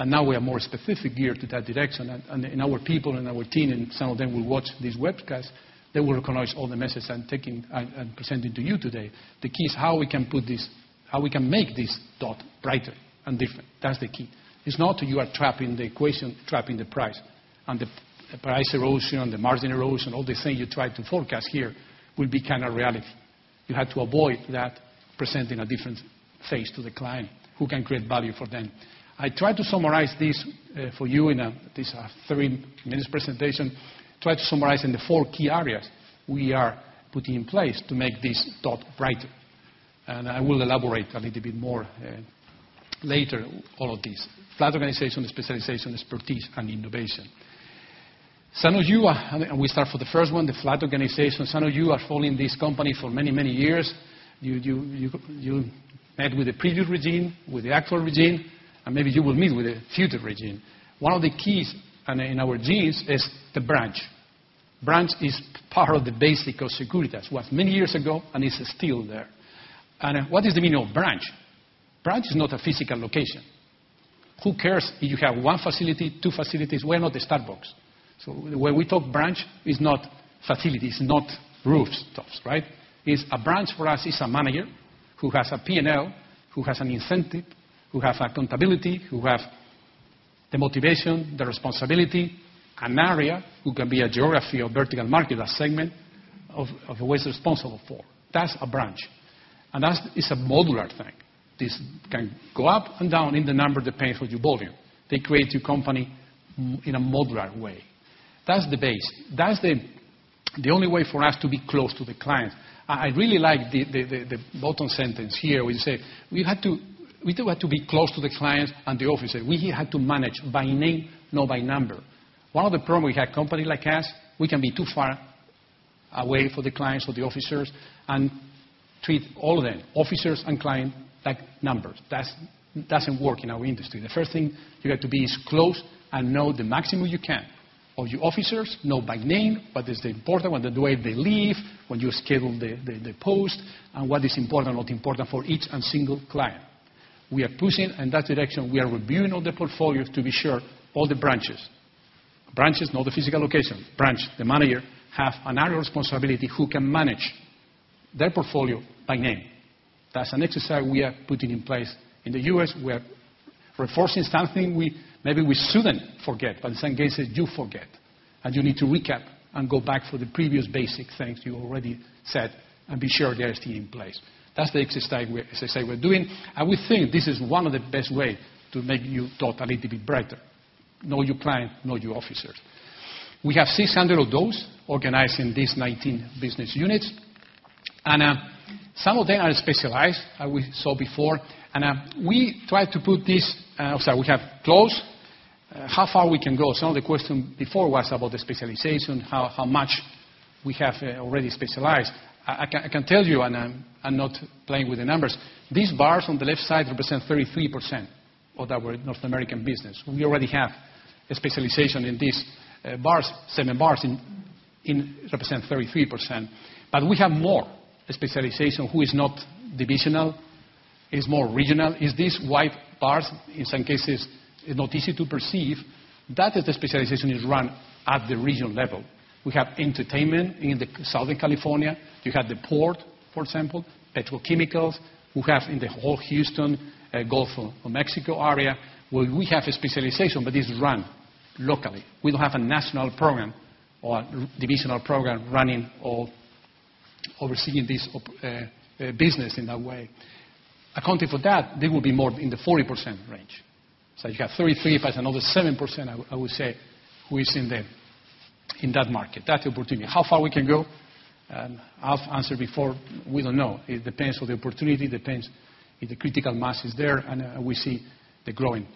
But now we are more specific geared to that direction. And our people and our team, and some of them will watch this webcast, they will recognize all the messages I'm presenting to you today. The key is how we can put this, how we can make this dot brighter and different. That's the key. It's not that you are trapped in the equation, trapped in the price. The price erosion and the margin erosion, all the things you try to forecast here will become a reality. You have to avoid that, presenting a different face to the client who can create value for them. I tried to summarize this for you in this three-minute presentation, tried to summarize in the four key areas we are putting in place to make this dot brighter. I will elaborate a little bit more later on all of this: flat organization, specialization, expertise, and innovation. Some of you, and we start from the first one, the flat organization, some of you are following this company for many, many years. You met with the previous regime, with the actual regime. Maybe you will meet with the future regime. One of the keys in our genes is the branch. Branch is part of the basics of Securitas. It was many years ago. It's still there. What does it mean to have a branch? Branch is not a physical location. Who cares if you have one facility, two facilities? We are not the Starbucks. So when we talk branch, it's not facilities. It's not rooftops, right? A branch, for us, is a manager who has a P&L, who has an incentive, who has accountability, who has the motivation, the responsibility, an area who can be a geography of vertical market, a segment of what he's responsible for. That's a branch. And that is a modular thing. This can go up and down in the number depending on your volume. They create your company in a modular way. That's the base. That's the only way for us to be close to the clients. I really like the bottom sentence here, where you say we had to be close to the clients and the officers. We had to manage by name, not by number. One of the problems we have, companies like us, we can be too far away from the clients or the officers and treat all of them, officers and clients, like numbers. That doesn't work in our industry. The first thing you have to be is close and know the maximum you can of your officers, not by name, but it's the important one, the way they leave, when you schedule the post, and what is important or not important for each and single client. We are pushing in that direction. We are reviewing all the portfolios to be sure, all the branches, branches, not the physical location, branch, the manager, have an area of responsibility who can manage their portfolio by name. That's an exercise we are putting in place in the U.S. We are reinforcing something maybe we soon forget. But in some cases, you forget. You need to recap and go back to the previous basic things you already said and be sure they are still in place. That's the exercise we're doing. We think this is one of the best ways to make your dot a little bit brighter: know your clients, know your officers. We have 600 of those organized in these 19 business units. Some of them are specialized, as we saw before. We tried to put this, so we have close, how far we can go. Some of the questions before were about the specialization, how much we have already specialized. I can tell you, and I'm not playing with the numbers, these bars on the left side represent 33% of our North American business. We already have a specialization in these bars, seven bars, representing 33%. But we have more specialization that is not divisional. It's more regional. It's these white bars. In some cases, it's not easy to perceive. That is the specialization that is run at the regional level. We have entertainment in Southern California. You have the port, for example, Petrochemicals. We have in the whole Houston, Gulf of Mexico area, where we have a specialization. But it's run locally. We don't have a national program or divisional program running or overseeing this business in that way. Accounting for that, they will be more in the 40% range. So you have 33, but it's another 7%, I would say, who is in that market. That's the opportunity. How far we can go? Alf answered before. We don't know. It depends on the opportunity. It depends if the critical mass is there. And we see the growing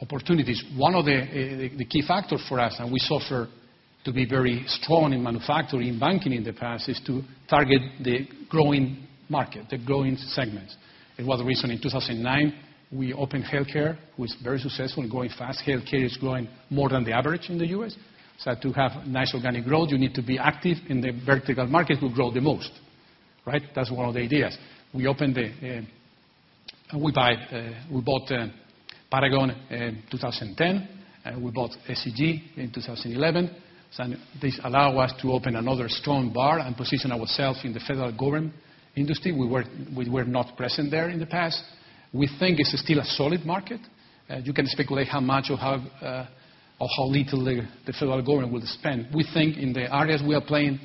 opportunities. One of the key factors for us, and we sought to be very strong in manufacturing, in banking in the past, is to target the growing market, the growing segments. It was the reason in 2009, we opened health care, which was very successful and growing fast. Health care is growing more than the average in the U.S. So to have nice organic growth, you need to be active in the vertical markets that grow the most, right? That's one of the ideas. We opened. We bought Paragon in 2010. We bought SCG in 2011. So this allowed us to open another strong bar and position ourselves in the federal government industry. We were not present there in the past. We think it's still a solid market. You can speculate how much or how little the federal government will spend. We think in the areas we are playing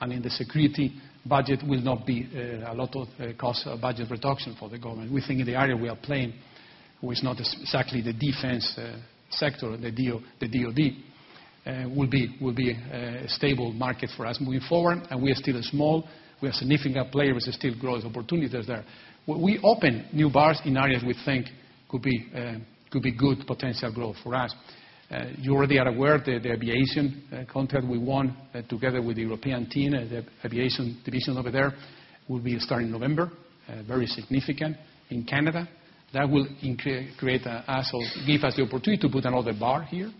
and in the security budget, there will not be a lot of cost budget reduction for the government. We think in the area we are playing, which is not exactly the defense sector, the DOD, will be a stable market for us moving forward. And we are still small. We have significant players. There are still growth opportunities there. We opened new bars in areas we think could be good potential growth for us. You already are aware of the aviation contract we won together with the European team, the aviation division over there. It will be starting in November, very significant, in Canada. That will create us or give us the opportunity to put another bar here.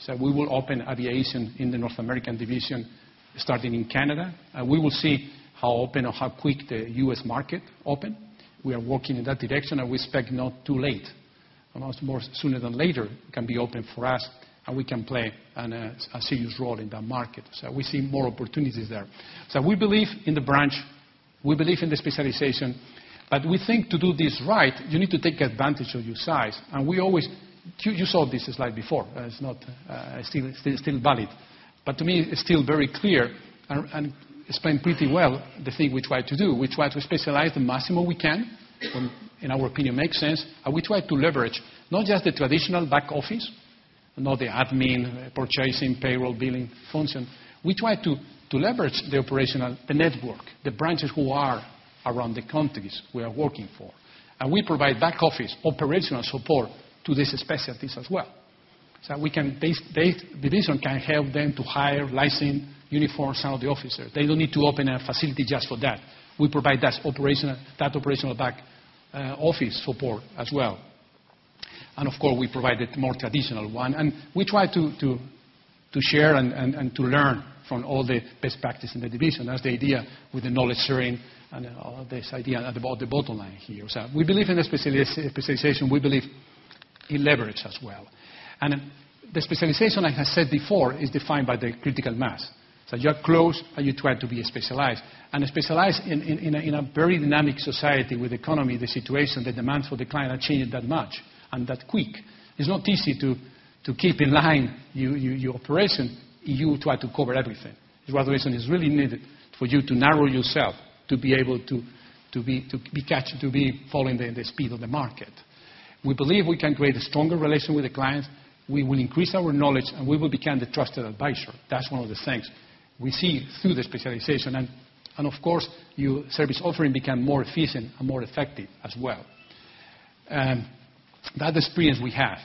So we will open aviation in the North American division starting in Canada. And we will see how open or how quick the U.S. market opens. We are working in that direction. And we expect not too late. Almost more sooner than later can be open for us. And we can play a serious role in that market. So we see more opportunities there. So we believe in the branch. We believe in the specialization. But we think to do this right, you need to take advantage of your size. And we always—you saw this slide before. It's still valid. But to me, it's still very clear and explained pretty well the thing we try to do. We try to specialize the maximum we can, in our opinion, makes sense. We try to leverage not just the traditional back office, not the admin, purchasing, payroll, billing function. We try to leverage the operational, the network, the branches who are around the countries we are working for. We provide back office operational support to these specialties as well. This division can help them to hire, license, uniform some of the officers. They don't need to open a facility just for that. We provide that operational back office support as well. Of course, we provide the more traditional one. We try to share and to learn from all the best practices in the division. That's the idea with the knowledge sharing and this idea about the bottom line here. We believe in the specialization. We believe it leverages as well. The specialization, I have said before, is defined by the critical mass. So you are close. You try to be specialized. Specialize in a very dynamic society with the economy, the situation, the demands for the client are changing that much and that quick. It's not easy to keep in line your operation and you try to cover everything. It's why the reason it's really needed for you to narrow yourself to be able to be following the speed of the market. We believe we can create a stronger relation with the clients. We will increase our knowledge. We will become the trusted advisor. That's one of the things we see through the specialization. Of course, your service offering becomes more efficient and more effective as well. That's the experience we have.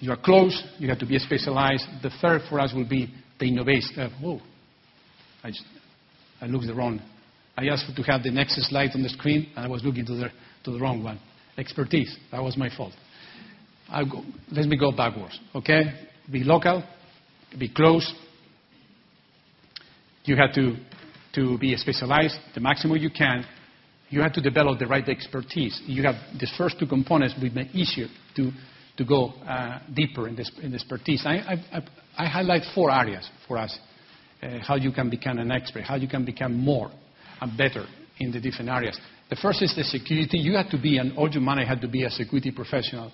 You are close. You have to be specialized. The third for us will be the innovation. Oh. I looked the wrong. I asked for you to have the next slide on the screen. I was looking to the wrong one. Expertise. That was my fault. Let me go backwards, OK? Be local. Be close. You have to be specialized the maximum you can. You have to develop the right expertise. You have the first two components. It will be easier to go deeper in the expertise. I highlight four areas for us, how you can become an expert, how you can become more and better in the different areas. The first is the security. You have to be an all-around manager. You have to be a security professional.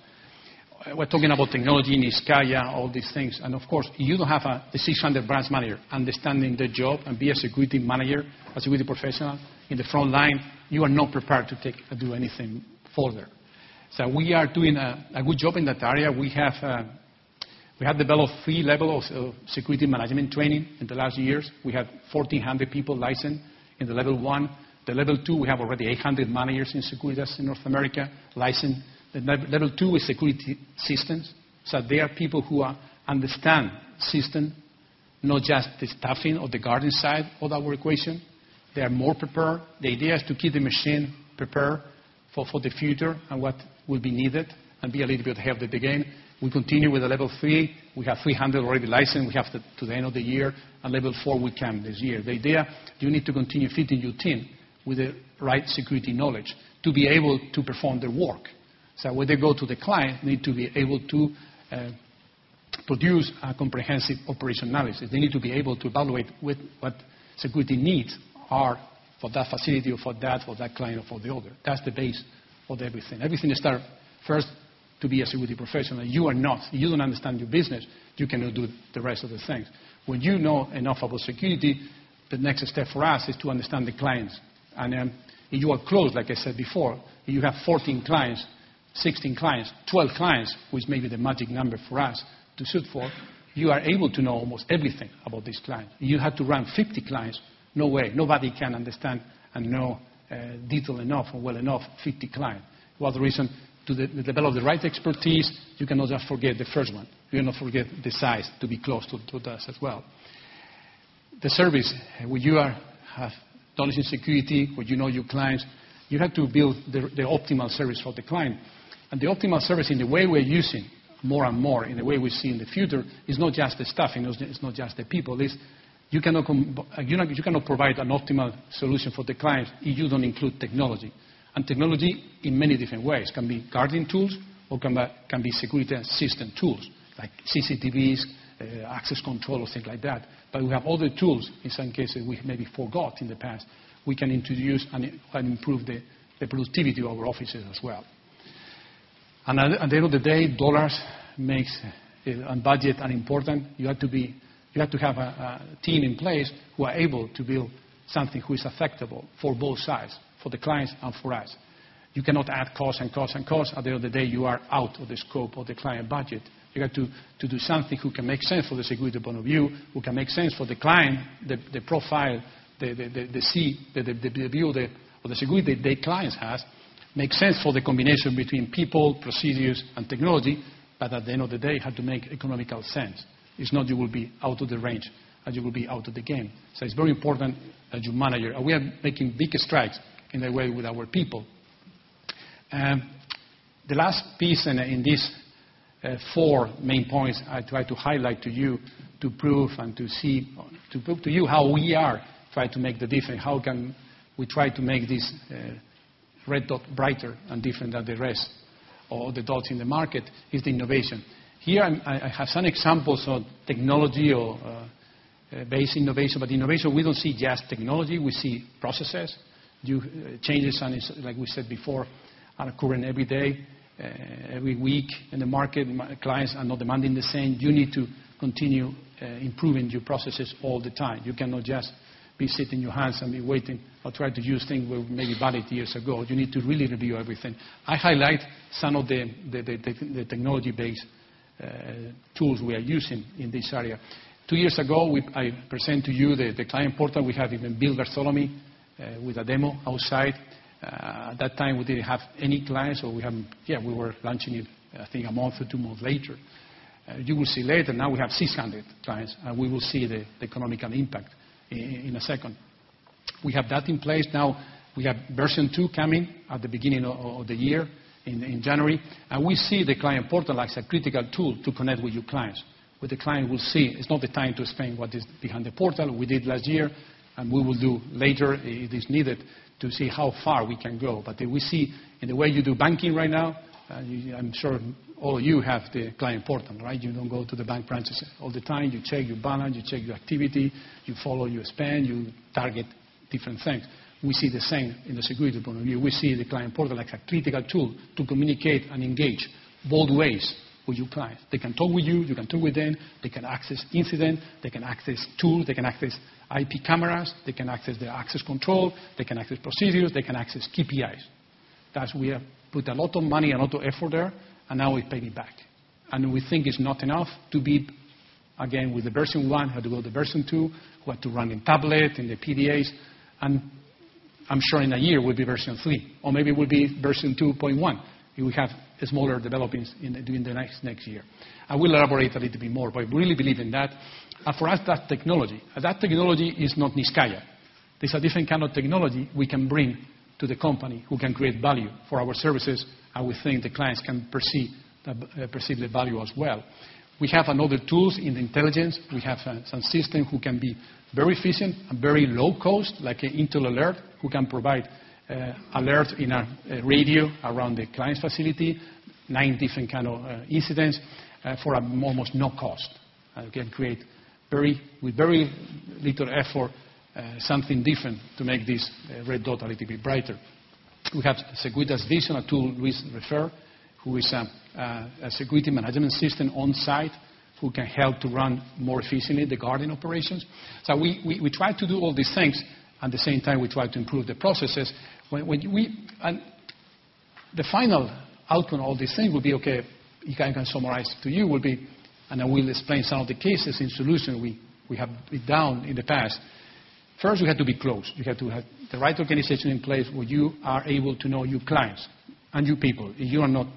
We're talking about technology, Niscayah, all these things. Of course, you don't have a 600 branch manager understanding the job and being a security manager, a security professional in the front line. You are not prepared to do anything further. We are doing a good job in that area. We have developed three levels of security management training in the last years. We have 1,400 people licensed in the level one. The level two, we have already 800 managers in Securitas in North America licensed. The level two is security systems. They are people who understand systems, not just the staffing or the guarding side of our equation. They are more prepared. The idea is to keep the machine prepared for the future and what will be needed and be a little bit ahead of the game. We continue with the level three. We have 300 already licensed. We have to the end of the year. Level four, we come this year. The idea is you need to continue fitting your team with the right security knowledge to be able to perform the work. So when they go to the client, they need to be able to produce a comprehensive operational analysis. They need to be able to evaluate what security needs are for that facility or for that client or for the other. That's the base of everything. Everything starts first to be a security professional. You are not. You don't understand your business. You cannot do the rest of the things. When you know enough about security, the next step for us is to understand the clients. You are close, like I said before. You have 14 clients, 16 clients, 12 clients, which may be the magic number for us to shoot for. You are able to know almost everything about these clients. You had to run 50 clients. No way. Nobody can understand and know detail enough or well enough 50 clients. What's the reason? To develop the right expertise, you cannot just forget the first one. You cannot forget the size to be close to us as well. The service, where you have knowledge in security, where you know your clients, you have to build the optimal service for the client. And the optimal service, in the way we're using more and more, in the way we see in the future, is not just the staffing. It's not just the people. You cannot provide an optimal solution for the clients if you don't include technology. Technology, in many different ways, can be guarding tools or can be security assistant tools, like CCTVs, access control, or things like that. But we have other tools, in some cases, that we maybe forgot in the past. We can introduce and improve the productivity of our offices as well. And at the end of the day, dollars and budget are important. You have to have a team in place who are able to build something that is affordable for both sides, for the clients and for us. You cannot add costs and costs and costs. At the end of the day, you are out of the scope of the client budget. You have to do something that can make sense from the security point of view, that can make sense for the client, the profile, the view of the security that their clients have, make sense for the combination between people, procedures, and technology, but at the end of the day, you have to make economical sense. If not, you will be out of the range. And you will be out of the game. So it's very important that you manage. And we are making big strides in that way with our people. The last piece in these four main points I tried to highlight to you to prove and to see to prove to you how we are trying to make the difference, how can we try to make this red dot brighter and different than the rest of the dots in the market, is the innovation. Here, I have some examples of technology or base innovation. But innovation, we don't see just technology. We see processes. Changes, like we said before, are occurring every day, every week in the market. Clients are not demanding the same. You need to continue improving your processes all the time. You cannot just be sitting with your hands and be waiting or try to use things that were maybe valid years ago. You need to really review everything. I highlight some of the technology-based tools we are using in this area. two years ago, I presented to you the client portal. We have even built Bartholomew with a demo outside. At that time, we didn't have any clients. So we were launching it, I think, a month or two months later. You will see later. Now we have 600 clients. And we will see the economical impact in a second. We have that in place. Now, we have version two coming at the beginning of the year, in January. And we see the client portal as a critical tool to connect with your clients. What the client will see, it's not the time to explain what is behind the portal. We did last year. And we will do later, if it is needed, to see how far we can go. But if we see, in the way you do banking right now, I'm sure all of you have the client portal, right? You don't go to the bank branches all the time. You check your balance. You check your activity. You follow your spend. You target different things. We see the same in the security point of view. We see the client portal as a critical tool to communicate and engage both ways with your clients. They can talk with you. You can talk with them. They can access incidents. They can access tools. They can access IP cameras. They can access their access control. They can access procedures. They can access KPIs. That's where we have put a lot of money and a lot of effort there. Now we pay it back. We think it's not enough to be, again, with version 1. We have to build version 2. We have to run in tablet, in the PDAs. I'm sure in a year, it will be version 3. Or maybe it will be version 2.1 if we have smaller developments during the next year. I will elaborate a little bit more. But I really believe in that. For us, that's technology. That technology is not Niscayah. It's a different kind of technology we can bring to the company who can create value for our services. We think the clients can perceive the value as well. We have other tools in the intelligence. We have some systems that can be very efficient and very low cost, like Intel Alert, that can provide alerts in our radio around the client facility, nine different kinds of incidents for almost no cost, and can create, with very little effort, something different to make this red dot a little bit brighter. We have Securitas Digital, a tool Luis referred, who is a security management system on site that can help to run more efficiently the guarding operations. We try to do all these things. At the same time, we try to improve the processes. The final outcome of all these things will be, OK, I can summarize to you, will be, and I will explain some of the cases and solutions we have done in the past. First, we had to be close. You had to have the right organization in place where you are able to know your clients and your people. If you are not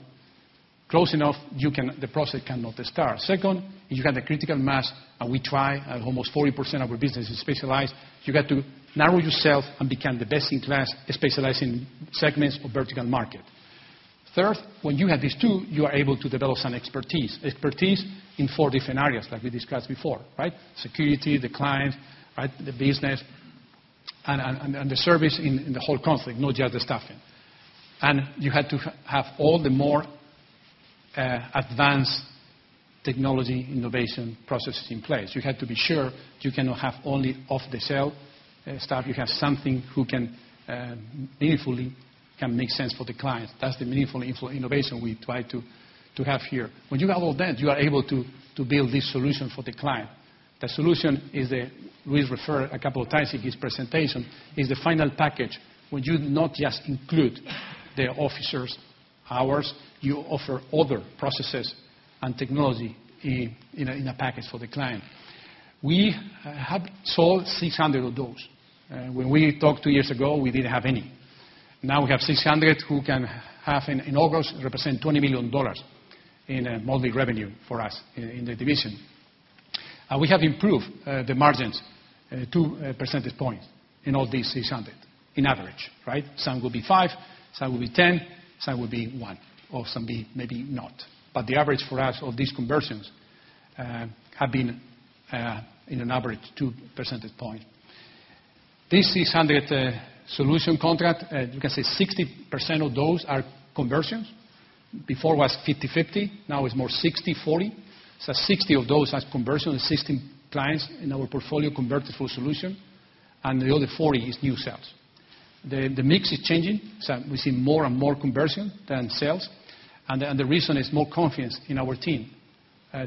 close enough, the process cannot start. Second, if you have the critical mass, and we try, almost 40% of our business is specialized, you have to narrow yourself and become the best-in-class specializing segments of vertical market. Third, when you have these two, you are able to develop some expertise, expertise in four different areas, like we discussed before, right? Security, the clients, the business, and the service in the whole conflict, not just the staffing. You had to have all the more advanced technology innovation processes in place. You had to be sure you cannot have only off-the-shelf staff. You have something that meaningfully can make sense for the clients. That's the meaningful innovation we try to have here. When you have all that, you are able to build this solution for the client. The solution is the Luis referred a couple of times in his presentation, is the final package where you not just include the officers' hours. You offer other processes and technology in a package for the client. We have sold 600 of those. When we talked two years ago, we didn't have any. Now we have 600 that can have, in August, represent $20 million in monthly revenue for us in the division. And we have improved the margins 2 percentage points in all these 600, in average, right? Some will be five. Some will be 10. Some will be one. Or some maybe not. But the average for us of these conversions has been, in an average, two percentage points. This 600 solution contract, you can say 60% of those are conversions. Before, it was 50/50. Now it's more 60/40. So 60 of those are conversions. 16 clients in our portfolio converted through solution. And the other 40 is new sales. The mix is changing. So we see more and more conversion than sales. And the reason is more confidence in our team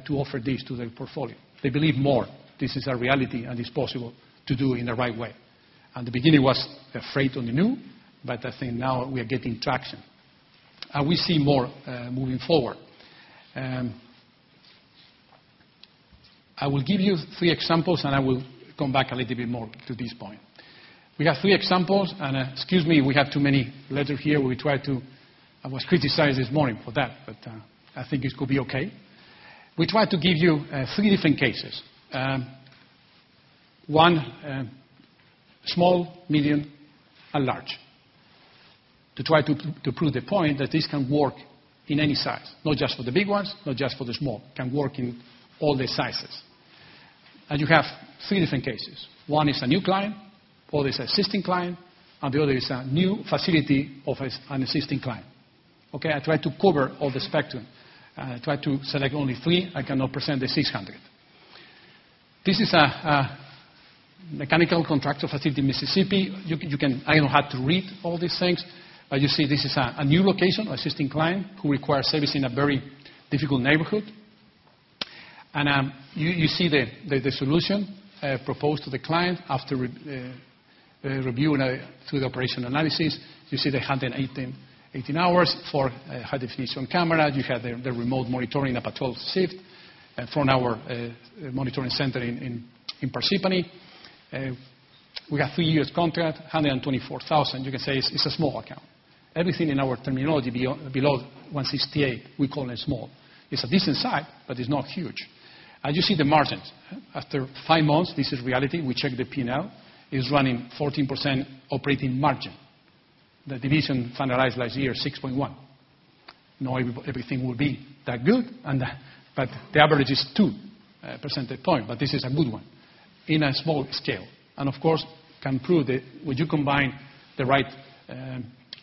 to offer this to their portfolio. They believe more. This is a reality. And it's possible to do in the right way. At the beginning, it was afraid of the new. But I think now we are getting traction. And we see more moving forward. I will give you three examples. I will come back a little bit more to this point. We have three examples. Excuse me. We have too many letters here. We tried. I was criticized this morning for that. But I think this could be OK. We tried to give you three different cases: one, small, medium, and large, to try to prove the point that this can work in any size, not just for the big ones, not just for the small, can work in all the sizes. You have three different cases. One is a new client. Other is an existing client. The other is a new facility of an existing client, OK? I tried to cover all the spectrum. I tried to select only three. I cannot present the 600. This is a mechanical contract for Facility Mississippi. I don't know how to read all these things. But you see, this is a new location, an existing client who requires service in a very difficult neighborhood. And you see the solution proposed to the client after reviewing through the operational analysis. You see they had 118 hours for high-definition cameras. You had the remote monitoring in a patrol shift from our monitoring center in Parsippany. We have three years contract, 124,000. You can say it's a small account. Everything in our terminology below 168,000, we call it small. It's a decent size. But it's not huge. And you see the margins. After five months, this is reality. We checked the P&L. It's running 14% operating margin. The division finalized last year 6.1%. Not everything will be that good. But the average is 2 percentage points. But this is a good one in a small scale. Of course, can prove that when you combine the right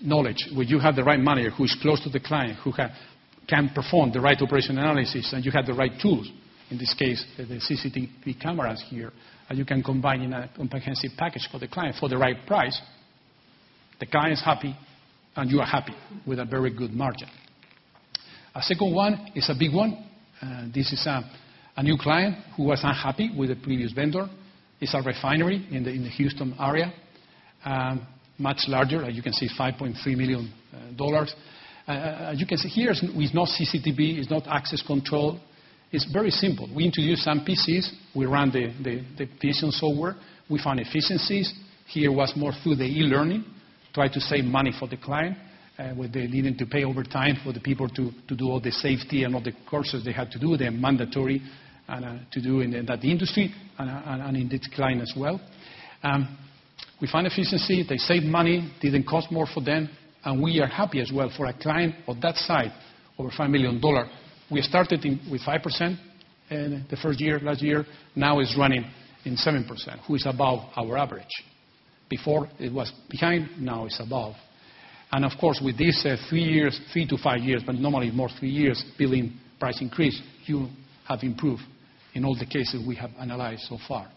knowledge, when you have the right manager who is close to the client, who can perform the right operational analysis, and you have the right tools, in this case, the CCTV cameras here, and you can combine in a comprehensive package for the client for the right price, the client's happy. And you are happy with a very good margin. A second one is a big one. This is a new client who was unhappy with the previous vendor. It's a refinery in the Houston area, much larger. And you can see $5.3 million. And you can see here, it's not CCTV. It's not access control. It's very simple. We introduced some PCs. We ran the PC on software. We found efficiencies. Here it was more through the e-learning, tried to save money for the client, with the needing to pay overtime for the people to do all the safety and all the courses they had to do, the mandatory to do in that industry and in this client as well. We found efficiency. They saved money. Didn't cost more for them. And we are happy as well for a client on that side over $5 million. We started with 5% the first year, last year. Now it's running in 7%, which is above our average. Before, it was behind. Now it's above. And, of course, with these three years, three to five years, but normally more three years, billing price increase, you have improved in all the cases we have analyzed so far.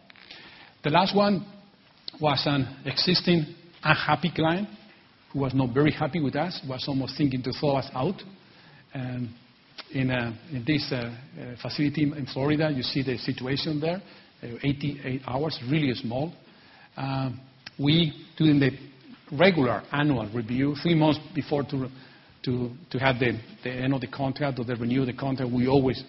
The last one was an existing, unhappy client who was not very happy with us, was almost thinking to throw us out. In this facility in Florida, you see the situation there, 88 hours, really small. We, during the regular annual review, three months before to have the end of the contract or the renewal of the contract, we always,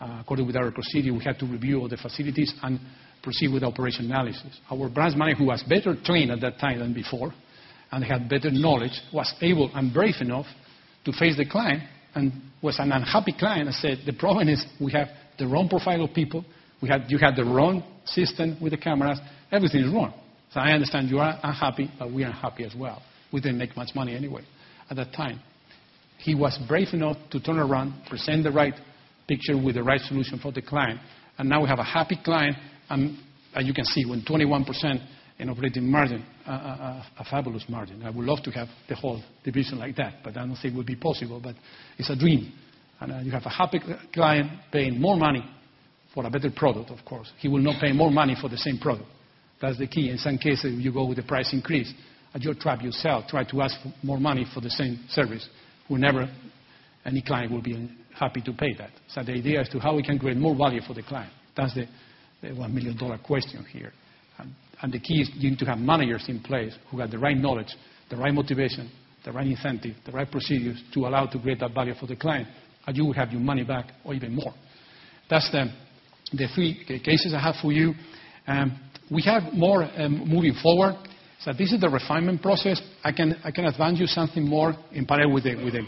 according with our procedure, we had to review all the facilities and proceed with operational analysis. Our branch manager, who was better trained at that time than before and had better knowledge, was able and brave enough to face the client and was an unhappy client and said, "The problem is we have the wrong profile of people. You have the wrong system with the cameras. Everything is wrong. So I understand you are unhappy. But we are unhappy as well. We didn't make much money anyway at that time." He was brave enough to turn around, present the right picture with the right solution for the client. And now we have a happy client. And you can see we're 21% in operating margin, a fabulous margin. I would love to have the whole division like that. But I don't think it would be possible. But it's a dream. And you have a happy client paying more money for a better product, of course. He will not pay more money for the same product. That's the key. In some cases, you go with the price increase. And you're trapped yourself. Try to ask for more money for the same service. Any client will be happy to pay that. So the idea is how we can create more value for the client. That's the $1 million question here. The key is you need to have managers in place who have the right knowledge, the right motivation, the right incentive, the right procedures to allow to create that value for the client. You will have your money back or even more. That's the three cases I have for you. We have more moving forward. This is the refinement process. I can advance you something more in parallel with the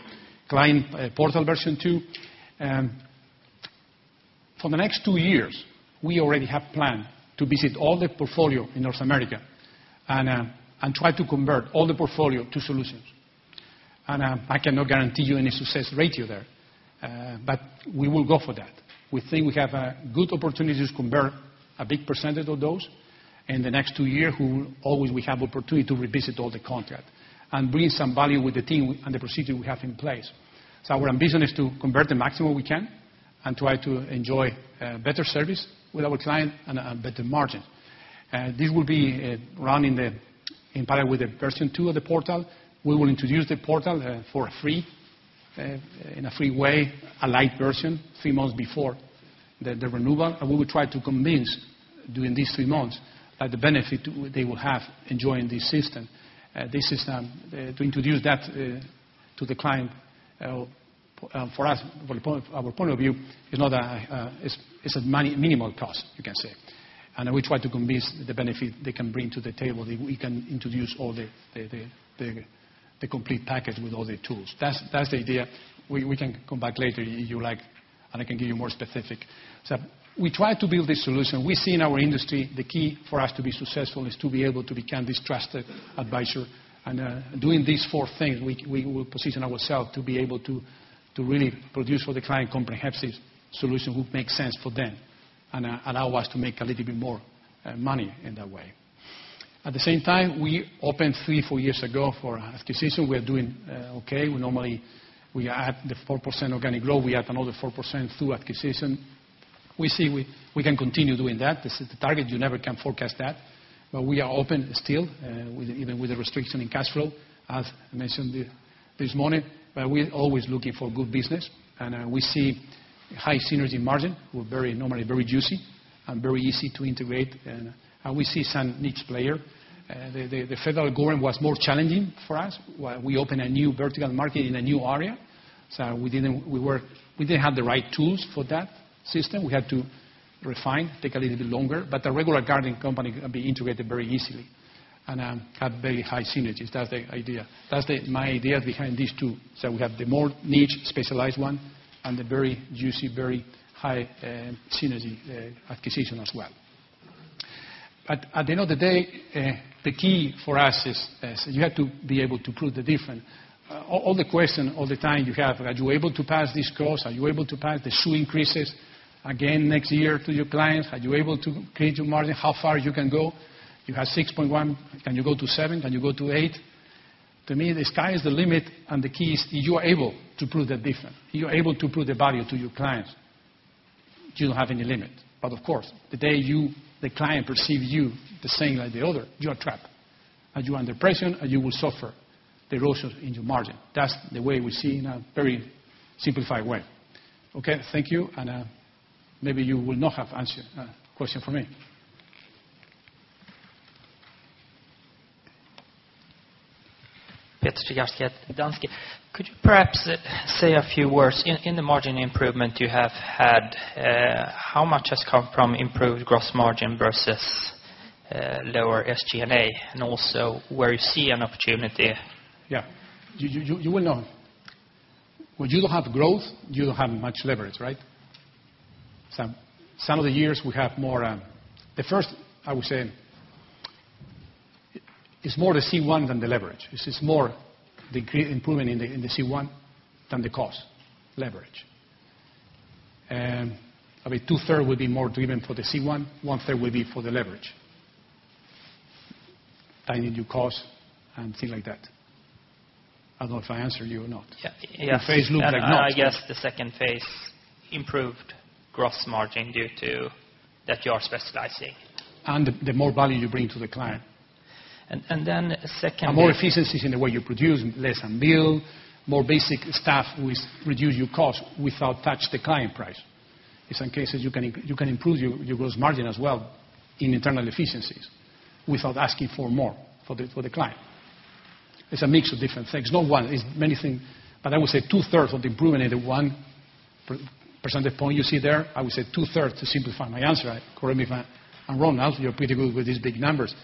client portal version two. For the next two years, we already have planned to visit all the portfolio in North America and try to convert all the portfolio to solutions. I cannot guarantee you any success ratio there. But we will go for that. We think we have good opportunities to convert a big percentage of those in the next two years, who always will have the opportunity to revisit all the contract and bring some value with the team and the procedure we have in place. So our ambition is to convert the maximum we can and try to enjoy better service with our client and better margins. This will be running in parallel with the version 2 of the portal. We will introduce the portal in a free way, a light version, three months before the renewal. We will try to convince, during these three months, that the benefit they will have enjoying this system, to introduce that to the client, for us, from our point of view, is not a minimal cost, you can say. We try to convince the benefit they can bring to the table that we can introduce all the complete package with all the tools. That's the idea. We can come back later, if you like. I can give you more specifics. We try to build this solution. We see in our industry, the key for us to be successful is to be able to become this trusted advisor. Doing these four things, we will position ourselves to be able to really produce for the client comprehensive solutions that would make sense for them and allow us to make a little bit more money in that way. At the same time, we opened three, four years ago for acquisition. We are doing OK. Normally, we add the 4% organic growth. We add another 4% through acquisition. We see we can continue doing that. This is the target. You never can forecast that. But we are open still, even with the restriction in cash flow, as mentioned this morning. But we're always looking for good business. And we see high synergy margin. We're normally very juicy and very easy to integrate. And we see some niche player. The federal government was more challenging for us. We opened a new vertical market in a new area. So we didn't have the right tools for that system. We had to refine, take a little bit longer. But the regular guarding company can be integrated very easily and have very high synergies. That's the idea. That's my ideas behind these two. So we have the more niche, specialized one, and the very juicy, very high synergy acquisition as well. But at the end of the day, the key for us is you have to be able to prove the difference. All the questions, all the time you have, are you able to pass this course? Are you able to pass the SUI increases again next year to your clients? Are you able to create your margin? How far you can go? You have 6.1. Can you go to seven? Can you go to eight? To me, the sky is the limit. And the key is you are able to prove the difference. You are able to prove the value to your clients. You don't have any limit. But, of course, the day the client perceives you the same like the other, you are trapped. And you're under pressure. And you will suffer erosion in your margin. That's the way we see in a very simplified way, OK? Thank you. And maybe you will not have an answer question for me. [inaudible] Could you perhaps say a few words? In the margin improvement you have had, how much has come from improved gross margin versus lower SG&A? And also, where you see an opportunity. Yeah. You will know. When you don't have growth, you don't have much leverage, right? Some of the years, we have more the first. I would say, it's more the C1 than the leverage. It's more the improvement in the C1 than the cost leverage. I mean, 2/3 would be more driven for the C1. 1/3 would be for the leverage, tiny new costs, and things like that. I don't know if I answered you or not. The phase looked like no. Yeah. I guess the second phase improved gross margin due to that you are specializing. The more value you bring to the client. And then a second. More efficiencies in the way you produce, less on bill, more basic stuff with reduced costs without touching the client price. In some cases, you can improve your gross margin as well in internal efficiencies without asking for more for the client. It's a mix of different things. Not one. It's many things. But I would say 2/3 of the improvement in the 1 percentage point you see there, I would say 2/3 to simplify my answer. Correct me if I'm wrong. Now, you're pretty good with these big numbers.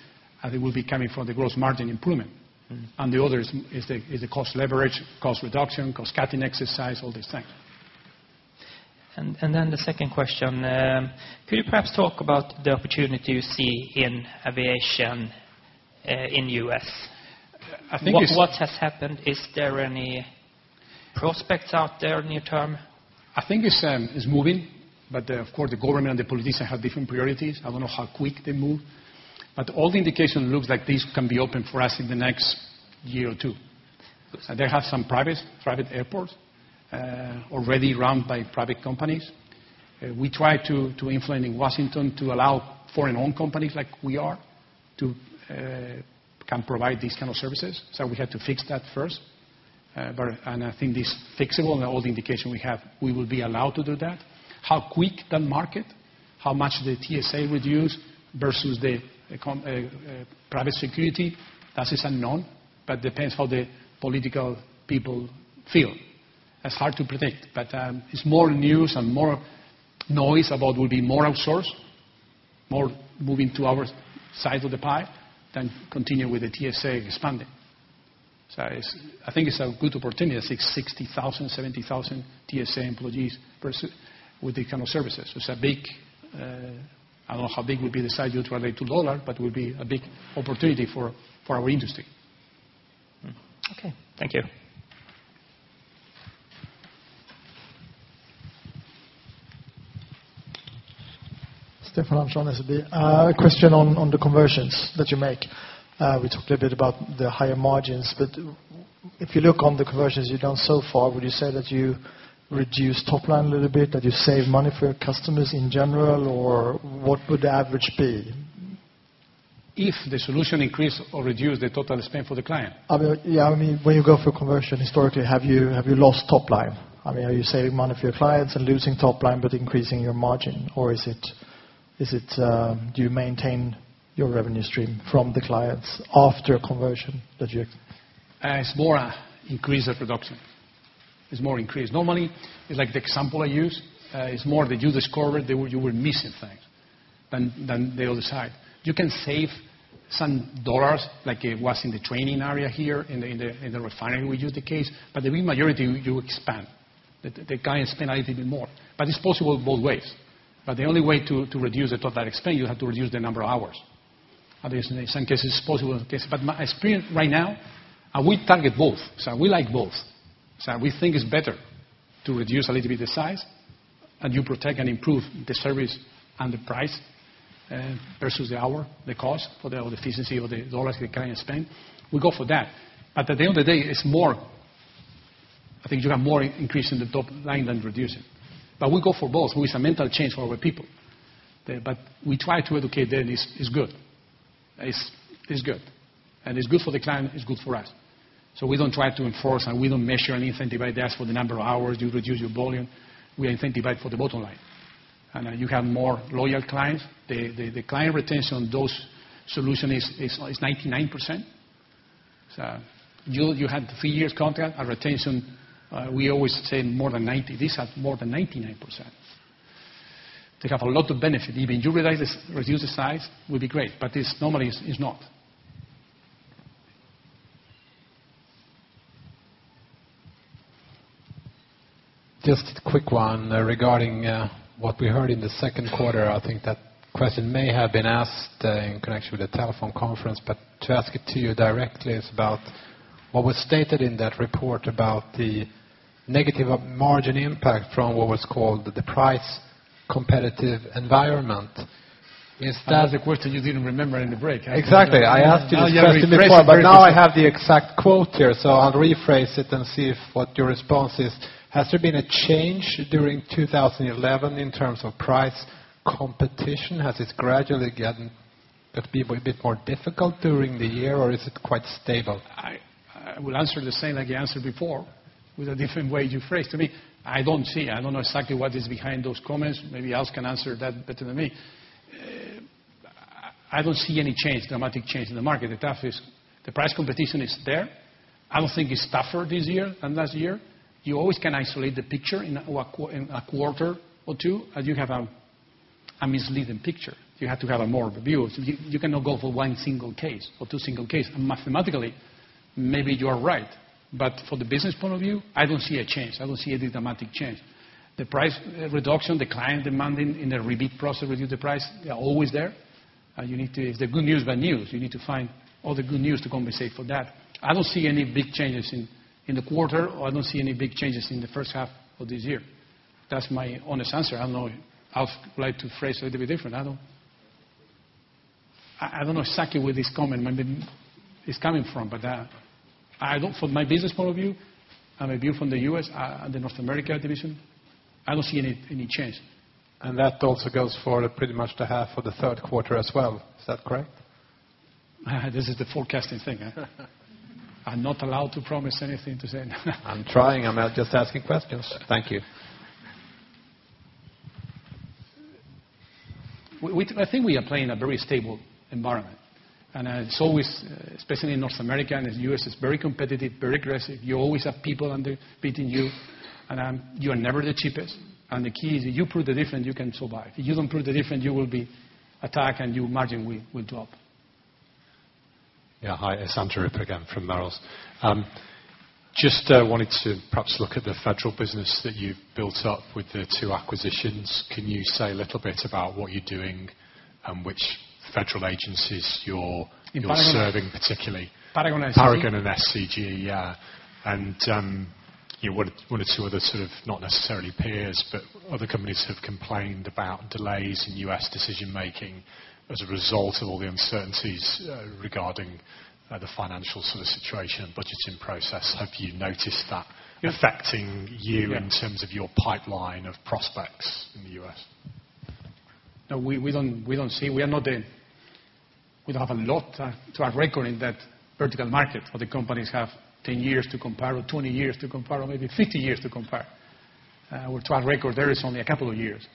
And they will be coming from the gross margin improvement. And the other is the cost leverage, cost reduction, cost cutting exercise, all these things. And then the second question. Could you perhaps talk about the opportunity you see in aviation in the U.S.? What has happened? Is there any prospects out there in the near term? I think it's moving. But, of course, the government and the politicians have different priorities. I don't know how quick they move. But all the indication looks like this can be open for us in the next year or two. So they have some private airports already run by private companies. We tried to influence in Washington to allow foreign-owned companies like we are to provide these kinds of services. So we had to fix that first. And I think this fixable and all the indication we have, we will be allowed to do that. How quick that market, how much the TSA reduced versus the private security, that is unknown. But depends how the political people feel. It's hard to predict. But it's more news and more noise about it will be more outsourced, more moving to our side of the pie than continue with the TSA expanding. So I think it's a good opportunity, 60,000, 70,000 TSA employees with these kinds of services. It's a big I don't know how big would be the size due to the $2. But it will be a big opportunity for our industry. OK. Thank you. Stefan Andersson, SEB. A question on the conversions that you make. We talked a bit about the higher margins. But if you look on the conversions you've done so far, would you say that you reduce top line a little bit, that you save money for your customers in general? Or what would the average be? If the solution increases or reduces the total spend for the client? Yeah. I mean, when you go for conversion, historically, have you lost top line? I mean, are you saving money for your clients and losing top line but increasing your margin? Or do you maintain your revenue stream from the clients after a conversion that you? It's more increase of production. It's more increase. Normally, it's like the example I use. It's more that you discover that you were missing things than the other side. You can save some dollars, like it was in the training area here, in the refinery we use the case. The big majority, you expand. The clients spend a little bit more. It's possible both ways. The only way to reduce the total expense, you have to reduce the number of hours. In some cases, it's possible. My experience right now, we target both. We like both. We think it's better to reduce a little bit the size. You protect and improve the service and the price versus the hour, the cost for the efficiency of the dollars the client spends. We go for that. But at the end of the day, it's more—I think you have more increase in the top line than reducing. But we go for both. It's a mental change for our people. But we try to educate them. It's good. It's good. And it's good for the client. It's good for us. So we don't try to enforce. And we don't measure and incentivize that for the number of hours you reduce your volume. We incentivize for the bottom line. And you have more loyal clients. The client retention on those solutions is 99%. So you had three years contract, and retention, we always say more than 90%. This has more than 99%. They have a lot of benefit. Even you reduce the size, it would be great. But normally, it's not. Just a quick one regarding what we heard in the second quarter. I think that question may have been asked in connection with a telephone conference. But to ask it to you directly, it's about what was stated in that report about the negative margin impact from what was called the price competitive environment. Is that? That's a question you didn't remember in the break. Exactly. I asked you this question before. But now I have the exact quote here. So I'll rephrase it and see what your response is. Has there been a change during 2011 in terms of price competition? Has it gradually gotten a bit more difficult during the year? Or is it quite stable? I will answer the same like you answered before, with a different way you phrased to me. I don't see. I don't know exactly what is behind those comments. Maybe Alf can answer that better than me. I don't see any change, dramatic change in the market. The price competition is there. I don't think it's tougher this year than last year. You always can isolate the picture in a quarter or two. And you have a misleading picture. You have to have more of a view. You cannot go for one single case or two single cases. And mathematically, maybe you are right. But from the business point of view, I don't see a change. I don't see any dramatic change. The price reduction, the client demanding in the rebate process, reduce the price, they're always there. It's the good news, bad news. You need to find all the good news to compensate for that. I don't see any big changes in the quarter. Or I don't see any big changes in the first half of this year. That's my honest answer. I don't know. Al would like to phrase it a little bit different. I don't know exactly where this comment is coming from. But from my business point of view and my view from the U.S., the North America division, I don't see any change. That also goes for pretty much the half of the third quarter as well. Is that correct? This is the forecasting thing. I'm not allowed to promise anything to say. I'm trying. I'm just asking questions. Thank you. I think we are playing in a very stable environment. It's always, especially in North America and the U.S., it's very competitive, very aggressive. You always have people beating you. You are never the cheapest. The key is you prove the difference, you can survive. If you don't prove the difference, you will be attacked. Your margin will drop. Yeah. Hi. It's Andrew Ripper again from Merrill Lynch. Just wanted to perhaps look at the federal business that you've built up with the two acquisitions. Can you say a little bit about what you're doing and which federal agencies you're serving, particularly? In Paragon SCG. Paragon and SCG, yeah. One or two other sort of not necessarily peers, but other companies have complained about delays in U.S. decision making as a result of all the uncertainties regarding the financial sort of situation and budgeting process. Have you noticed that affecting you in terms of your pipeline of prospects in the U.S.? No. We don't see. We are not. We don't have a lot to our record in that vertical market. Other companies have 10 years to compare or 20 years to compare or maybe 50 years to compare. Or to our record, there is only a couple of years.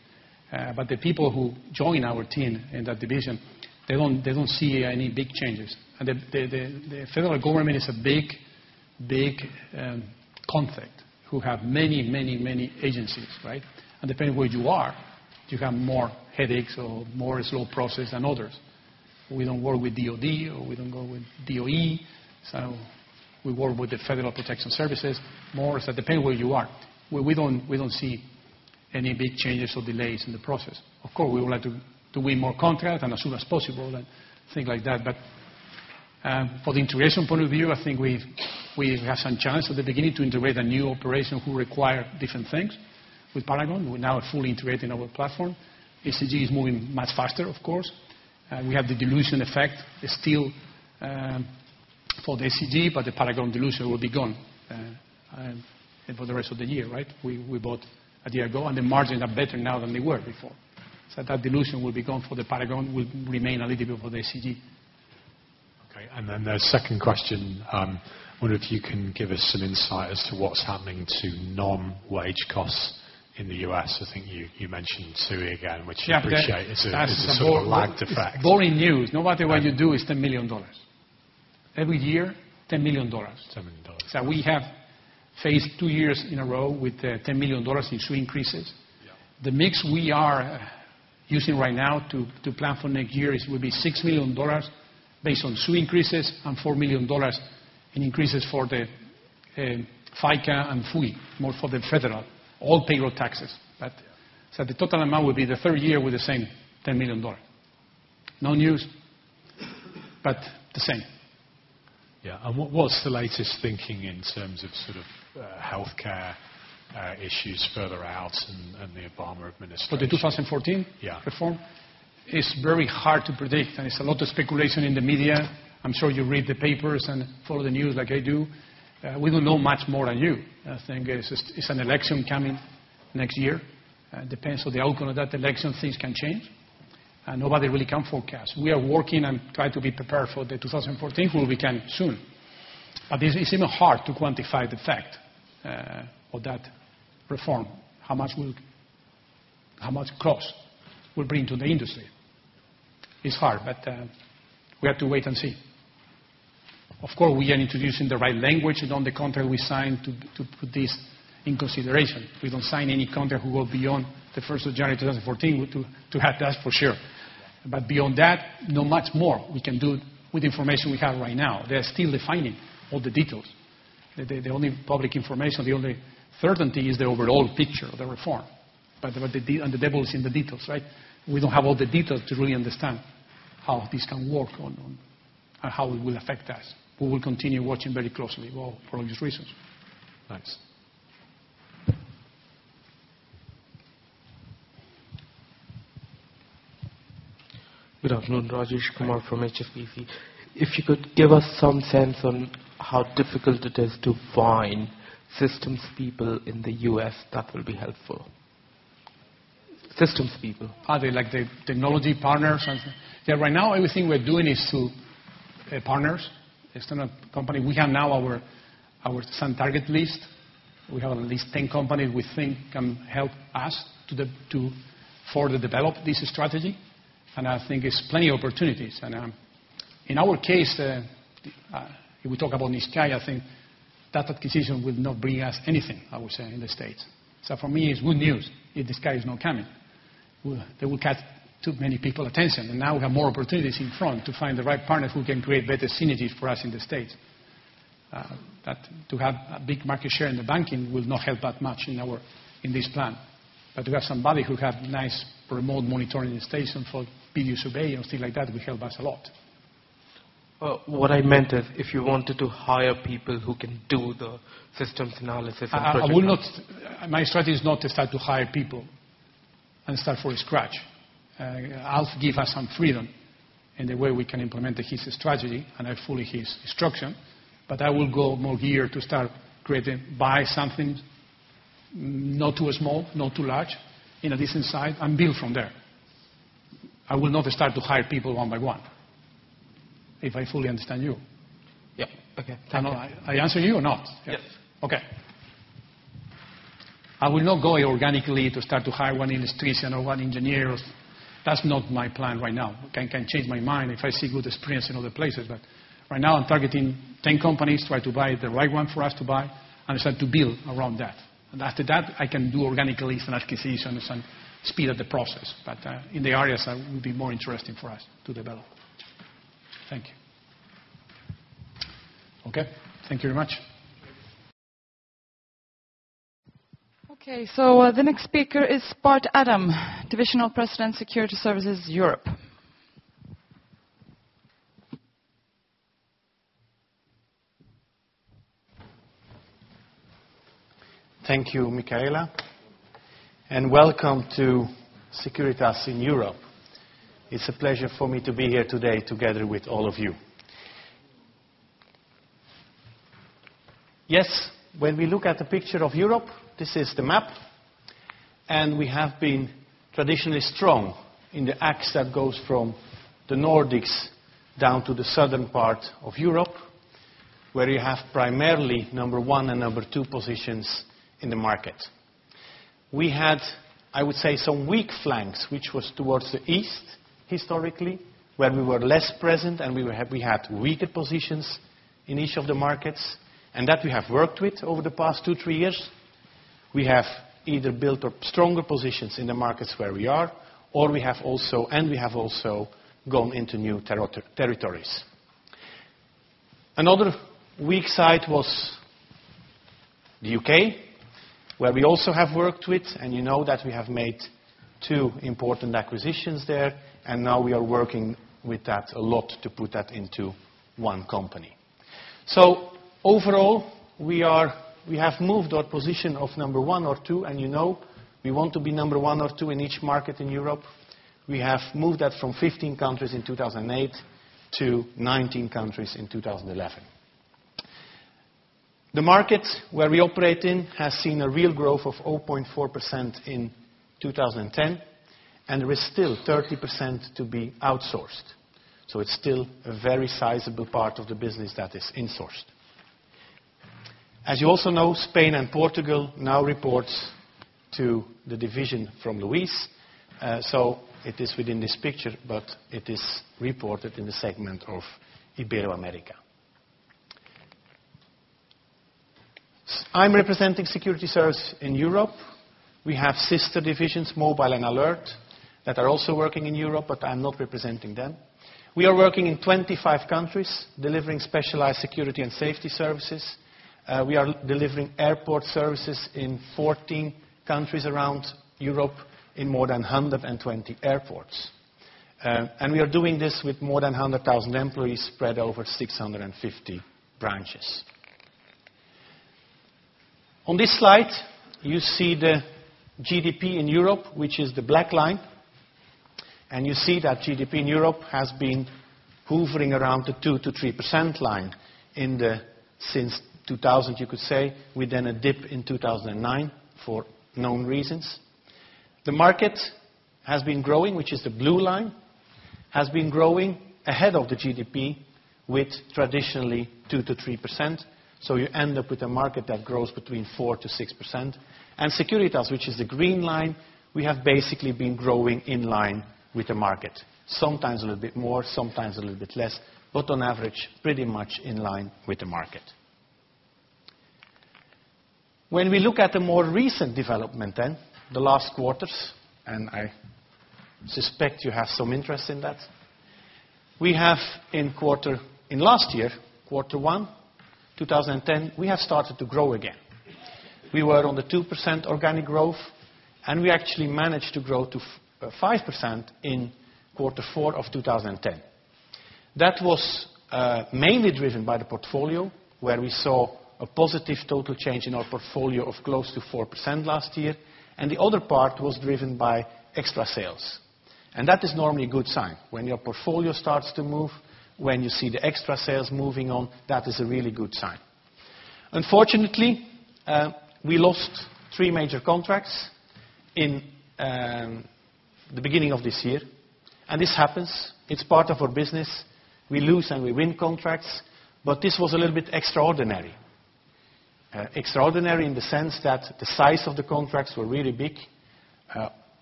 But the people who join our team in that division, they don't see any big changes. And the federal government is a big, big concept who have many, many, many agencies, right? And depending where you are, you have more headaches or more slow process than others. We don't work with DOD. Or we don't go with DOE. So we work with the Federal Protective Service more. So depending where you are, we don't see any big changes or delays in the process. Of course, we would like to win more contracts and as soon as possible and things like that. But from the integration point of view, I think we have some chance at the beginning to integrate a new operation who require different things with Paragon. We're now fully integrating our platform. SCG is moving much faster, of course. We have the dilution effect still for the SCG. But the Paragon dilution will be gone for the rest of the year, right? We bought a year ago. And the margins are better now than they were before. So that dilution will be gone for the Paragon. It will remain a little bit for the SCG. OK. And then the second question. I wonder if you can give us some insight as to what's happening to non-wage costs in the U.S. I think you mentioned SUI again, which I appreciate. It's a sort of lagged effect. Boring news. Nobody what you do is $10 million. Every year, $10 million. So we have faced two years in a row with $10 million in SUI increases. The mix we are using right now to plan for next year will be $6 million based on SUI increases and $4 million in increases for the FICA and FUI, more for the federal, all payroll taxes. So the total amount will be the third year with the same $10 million. No news. But the same. Yeah. What's the latest thinking in terms of sort of health care issues further out and the Obama administration? For the 2014 reform? Yeah. It's very hard to predict. It's a lot of speculation in the media. I'm sure you read the papers and follow the news like I do. We don't know much more than you. I think it's an election coming next year. It depends on the outcome of that election. Things can change. Nobody really can forecast. We are working and trying to be prepared for the 2014, who we can soon. It's even hard to quantify the effect of that reform, how much costs will bring to the industry. It's hard. We have to wait and see. Of course, we are introducing the right language and on the contract we signed to put this in consideration. We don't sign any contract who go beyond the 1st of January 2014 to have that, for sure. But beyond that, not much more we can do with the information we have right now. They are still defining all the details. The only public information, the only certainty is the overall picture of the reform. But the devil is in the details, right? We don't have all the details to really understand how this can work and how it will affect us. We will continue watching very closely for all these reasons. Nice. Good afternoon. Rajesh Kumar from HSBC. If you could give us some sense on how difficult it is to find systems people in the U.S., that would be helpful. Systems people. Are they like the technology partners? Yeah. Right now, everything we're doing is through partners. It's not a company. We have now our some target list. We have at least 10 companies we think can help us for the develop this strategy. And I think it's plenty of opportunities. And in our case, if we talk about Niscayah, I think that acquisition will not bring us anything, I would say, in the States. So for me, it's good news if Niscayah is not coming. They will catch too many people's attention. And now we have more opportunities in front to find the right partners who can create better synergies for us in the States. To have a big market share in the banking will not help that much in this plan. To have somebody who has nice remote monitoring stations for video surveillance and things like that will help us a lot. What I meant is, if you wanted to hire people who can do the systems analysis and projects. My strategy is not to start to hire people and start from scratch. Al gave us some freedom in the way we can implement his strategy and fully his instruction. But I will go more geared to start creating buy something not too small, not too large, in a decent size, and build from there. I will not start to hire people one by one, if I fully understand you. Yeah. OK. Thank you. I answered you or not? Yes. OK. I will not go organically to start to hire one industries or one engineer. That's not my plan right now. I can change my mind if I see good experience in other places. But right now, I'm targeting 10 companies, try to buy the right one for us to buy, and start to build around that. And after that, I can do organically some acquisitions and speed up the process. But in the areas, it will be more interesting for us to develop. Thank you. OK. Thank you very much. OK. So the next speaker is Bart Adam, Divisional President, Security Services Europe. Thank you, Micaela. Welcome to Securitas in Europe. It's a pleasure for me to be here today together with all of you. Yes. When we look at the picture of Europe, this is the map. We have been traditionally strong in the axis that goes from the Nordics down to the southern part of Europe, where you have primarily number one and number two positions in the market. We had, I would say, some weak flanks, which was towards the east historically, where we were less present. We had weaker positions in each of the markets. That we have worked with over the past two, three years. We have either built stronger positions in the markets where we are. Or we have also and we have also gone into new territories. Another weak side was the U.K., where we also have worked with. You know that we have made two important acquisitions there. Now we are working with that a lot to put that into one company. So overall, we have moved our position of number one or two. You know we want to be number one or two in each market in Europe. We have moved that from 15 countries in 2008 to 19 countries in 2011. The market where we operate in has seen a real growth of 0.4% in 2010. There is still 30% to be outsourced. So it's still a very sizable part of the business that is insourced. As you also know, Spain and Portugal now report to the division from Luis. So it is within this picture. But it is reported in the segment of Ibero-America. I'm representing Security Services in Europe. We have sister divisions, Mobile and Alert, that are also working in Europe. But I'm not representing them. We are working in 25 countries, delivering specialized security and safety services. We are delivering airport services in 14 countries around Europe in more than 120 airports. We are doing this with more than 100,000 employees spread over 650 branches. On this slide, you see the GDP in Europe, which is the black line. You see that GDP in Europe has been hovering around the 2%-3% line since 2000, you could say, with then a dip in 2009 for known reasons. The market has been growing, which is the blue line, has been growing ahead of the GDP with traditionally 2%-3%. So you end up with a market that grows between 4%-6%. Securitas, which is the green line, we have basically been growing in line with the market, sometimes a little bit more, sometimes a little bit less, but on average pretty much in line with the market. When we look at the more recent development then, the last quarters and I suspect you have some interest in that, we have in quarter one last year, quarter one, 2010, started to grow again. We were on the 2% organic growth. We actually managed to grow to 5% in quarter four of 2010. That was mainly driven by the portfolio, where we saw a positive total change in our portfolio of close to 4% last year. The other part was driven by extra sales. That is normally a good sign. When your portfolio starts to move, when you see the extra sales moving on, that is a really good sign. Unfortunately, we lost 3 major contracts in the beginning of this year. This happens. It's part of our business. We lose and we win contracts. This was a little bit extraordinary. Extraordinary in the sense that the size of the contracts were really big.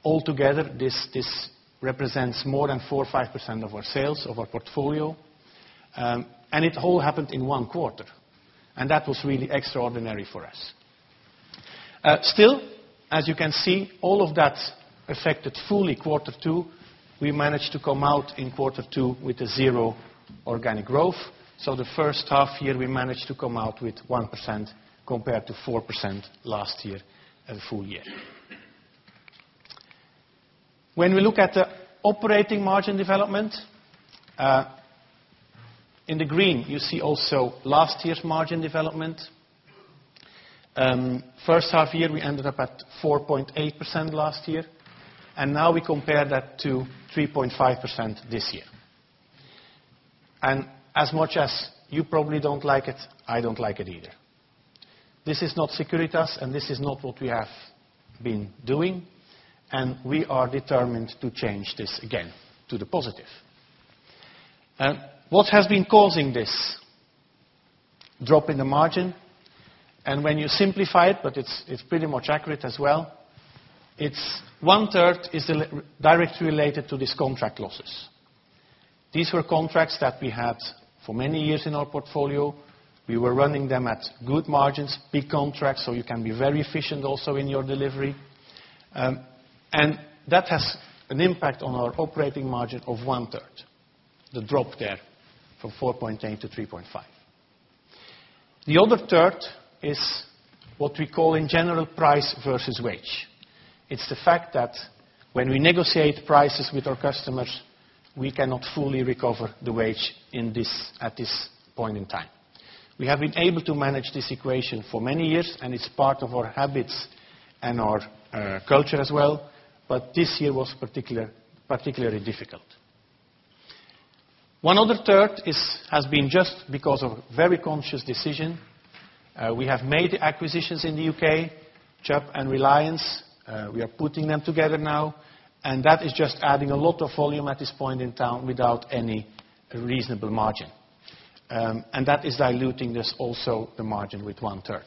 Altogether, this represents more than 4% or 5% of our sales, of our portfolio. It all happened in one quarter. That was really extraordinary for us. Still, as you can see, all of that affected fully quarter two. We managed to come out in quarter two with a zero organic growth. The first half year, we managed to come out with 1% compared to 4% last year as a full-year. When we look at the operating margin development, in the green, you see also last year's margin development. First half year, we ended up at 4.8% last year. Now we compare that to 3.5% this year. As much as you probably don't like it, I don't like it either. This is not Securitas. This is not what we have been doing. We are determined to change this again to the positive. What has been causing this drop in the margin? When you simplify it, but it's pretty much accurate as well,1/3 is directly related to these contract losses. These were contracts that we had for many years in our portfolio. We were running them at good margins, big contracts, so you can be very efficient also in your delivery. That has an impact on our operating margin of 1/3, the drop there from 4.8%-3.5%. The other third is what we call in general price versus wage. It's the fact that when we negotiate prices with our customers, we cannot fully recover the wage at this point in time. We have been able to manage this equation for many years. And it's part of our habits and our culture as well. But this year was particularly difficult. One other third has been just because of a very conscious decision. We have made the acquisitions in the UK, Chubb and Reliance. We are putting them together now. And that is just adding a lot of volume at this point in time without any reasonable margin. And that is diluting this also the margin with 1/3.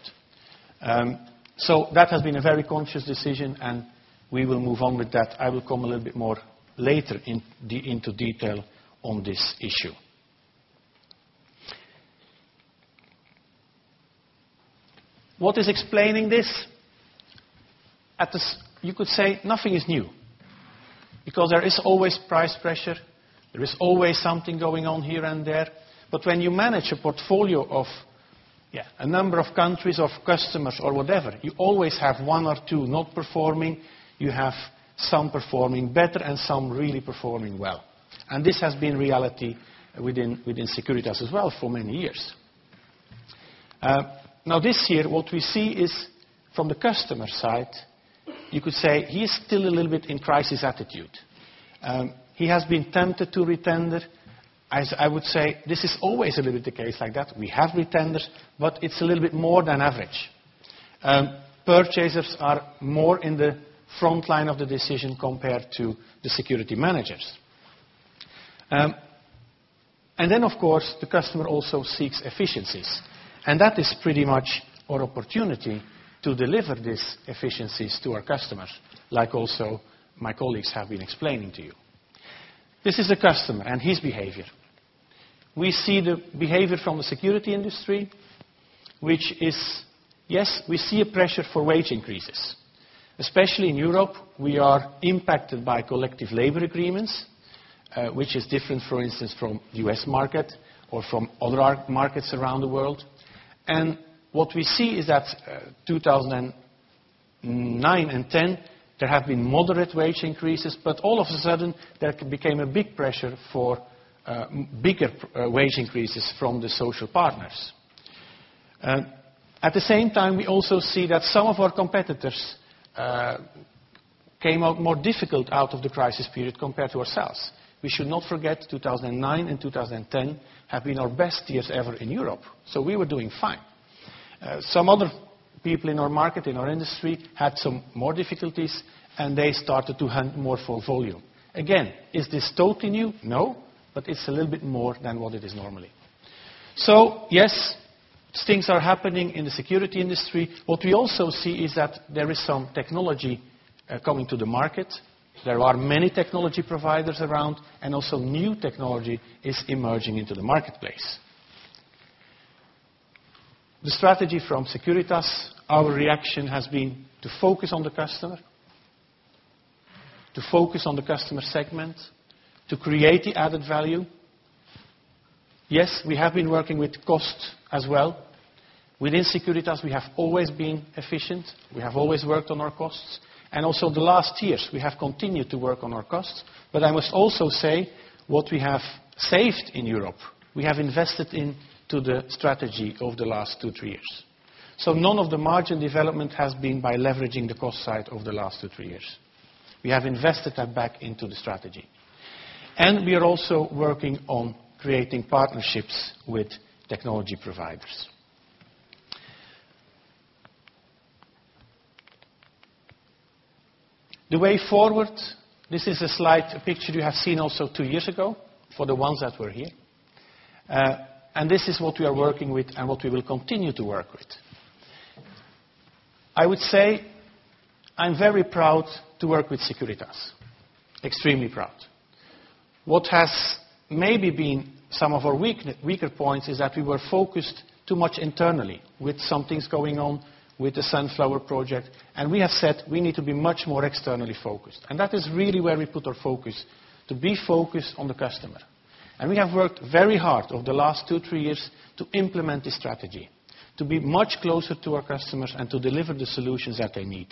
So that has been a very conscious decision. And we will move on with that. I will come a little bit more later into detail on this issue. What is explaining this? You could say nothing is new, because there is always price pressure. There is always something going on here and there. But when you manage a portfolio of a number of countries or customers or whatever, you always have one or two not performing. You have some performing better and some really performing well. And this has been reality within Securitas as well for many years. Now, this year, what we see is from the customer side, you could say he is still a little bit in crisis attitude. He has been tempted to retender. I would say this is always a little bit the case like that. We have retenders. But it's a little bit more than average. Purchasers are more in the front line of the decision compared to the security managers. Then, of course, the customer also seeks efficiencies. That is pretty much our opportunity to deliver these efficiencies to our customers, like also my colleagues have been explaining to you. This is a customer, and his behavior. We see the behavior from the security industry, which is, yes, we see a pressure for wage increases. Especially in Europe, we are impacted by collective labor agreements, which is different, for instance, from the U.S. market or from other markets around the world. What we see is that in 2009 and 2010, there have been moderate wage increases. But all of a sudden, there became a big pressure for bigger wage increases from the social partners. At the same time, we also see that some of our competitors came out more difficult out of the crisis period compared to ourselves. We should not forget 2009 and 2010 have been our best years ever in Europe. So we were doing fine. Some other people in our market, in our industry, had some more difficulties. And they started to hunt more for volume. Again, is this totally new? No. But it's a little bit more than what it is normally. So yes, things are happening in the security industry. What we also see is that there is some technology coming to the market. There are many technology providers around. And also new technology is emerging into the marketplace. The strategy from Securitas, our reaction has been to focus on the customer, to focus on the customer segment, to create the added value. Yes, we have been working with cost as well. Within Securitas, we have always been efficient. We have always worked on our costs. And also the last years, we have continued to work on our costs. But I must also say what we have saved in Europe, we have invested into the strategy over the last two, three years. So none of the margin development has been by leveraging the cost side over the last two, three years. We have invested that back into the strategy. And we are also working on creating partnerships with technology providers. The way forward, this is a slide, a picture you have seen also two years ago for the ones that were here. And this is what we are working with and what we will continue to work with. I would say I'm very proud to work with Securitas, extremely proud. What has maybe been some of our weaker points is that we were focused too much internally with some things going on with the Sunflower Project. And we have said we need to be much more externally focused. And that is really where we put our focus, to be focused on the customer. And we have worked very hard over the last two, three years to implement this strategy, to be much closer to our customers and to deliver the solutions that they need.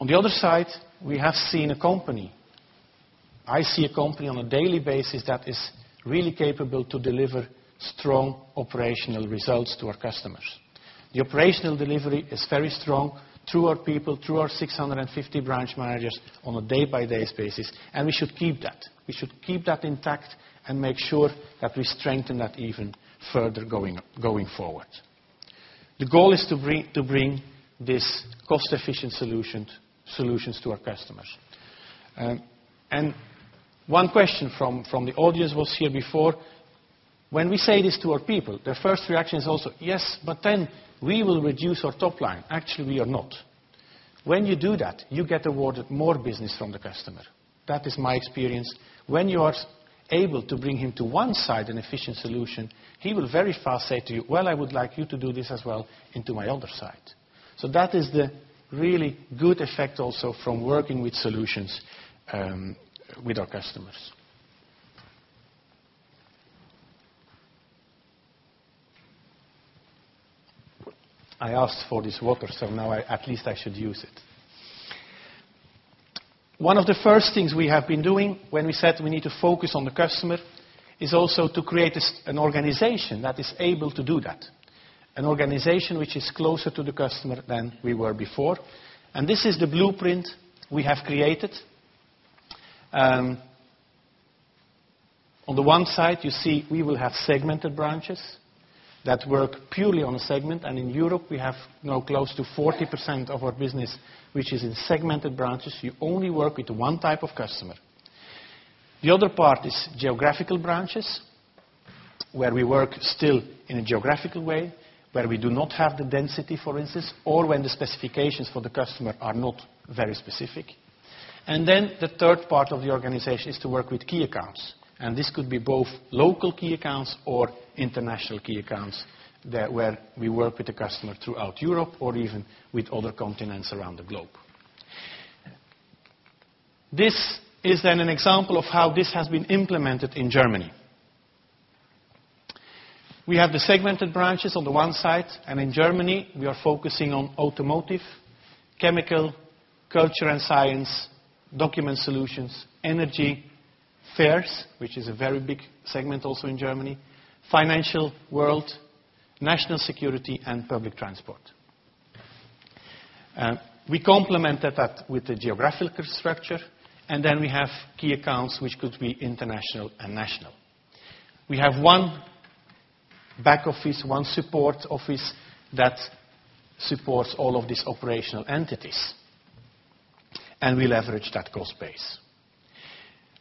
On the other side, we have seen a company I see a company on a daily basis that is really capable to deliver strong operational results to our customers. The operational delivery is very strong through our people, through our 650 branch managers on a day-by-day basis. And we should keep that. We should keep that intact and make sure that we strengthen that even further going forward. The goal is to bring these cost-efficient solutions to our customers. One question from the audience was here before. When we say this to our people, their first reaction is also yes, but then we will reduce our top line. Actually, we are not. When you do that, you get awarded more business from the customer. That is my experience. When you are able to bring him to one side, an efficient solution, he will very fast say to you, well, I would like you to do this as well into my other side. That is the really good effect also from working with solutions with our customers. I asked for this water. Now at least I should use it. One of the first things we have been doing when we said we need to focus on the customer is also to create an organization that is able to do that, an organization which is closer to the customer than we were before. This is the blueprint we have created. On the one side, you see we will have segmented branches that work purely on a segment. In Europe, we have now close to 40% of our business which is in segmented branches. You only work with one type of customer. The other part is geographical branches, where we work still in a geographical way, where we do not have the density, for instance, or when the specifications for the customer are not very specific. Then the third part of the organization is to work with key accounts. This could be both local key accounts or international key accounts where we work with the customer throughout Europe or even with other continents around the globe. This is then an example of how this has been implemented in Germany. We have the segmented branches on the one side. In Germany, we are focusing on automotive, chemical, culture and science, document solutions, energy, fairs, which is a very big segment also in Germany, financial world, national security, and public transport. We complemented that with the geographical structure. Then we have key accounts which could be international and national. We have one back office, one support office that supports all of these operational entities. We leverage that cost base.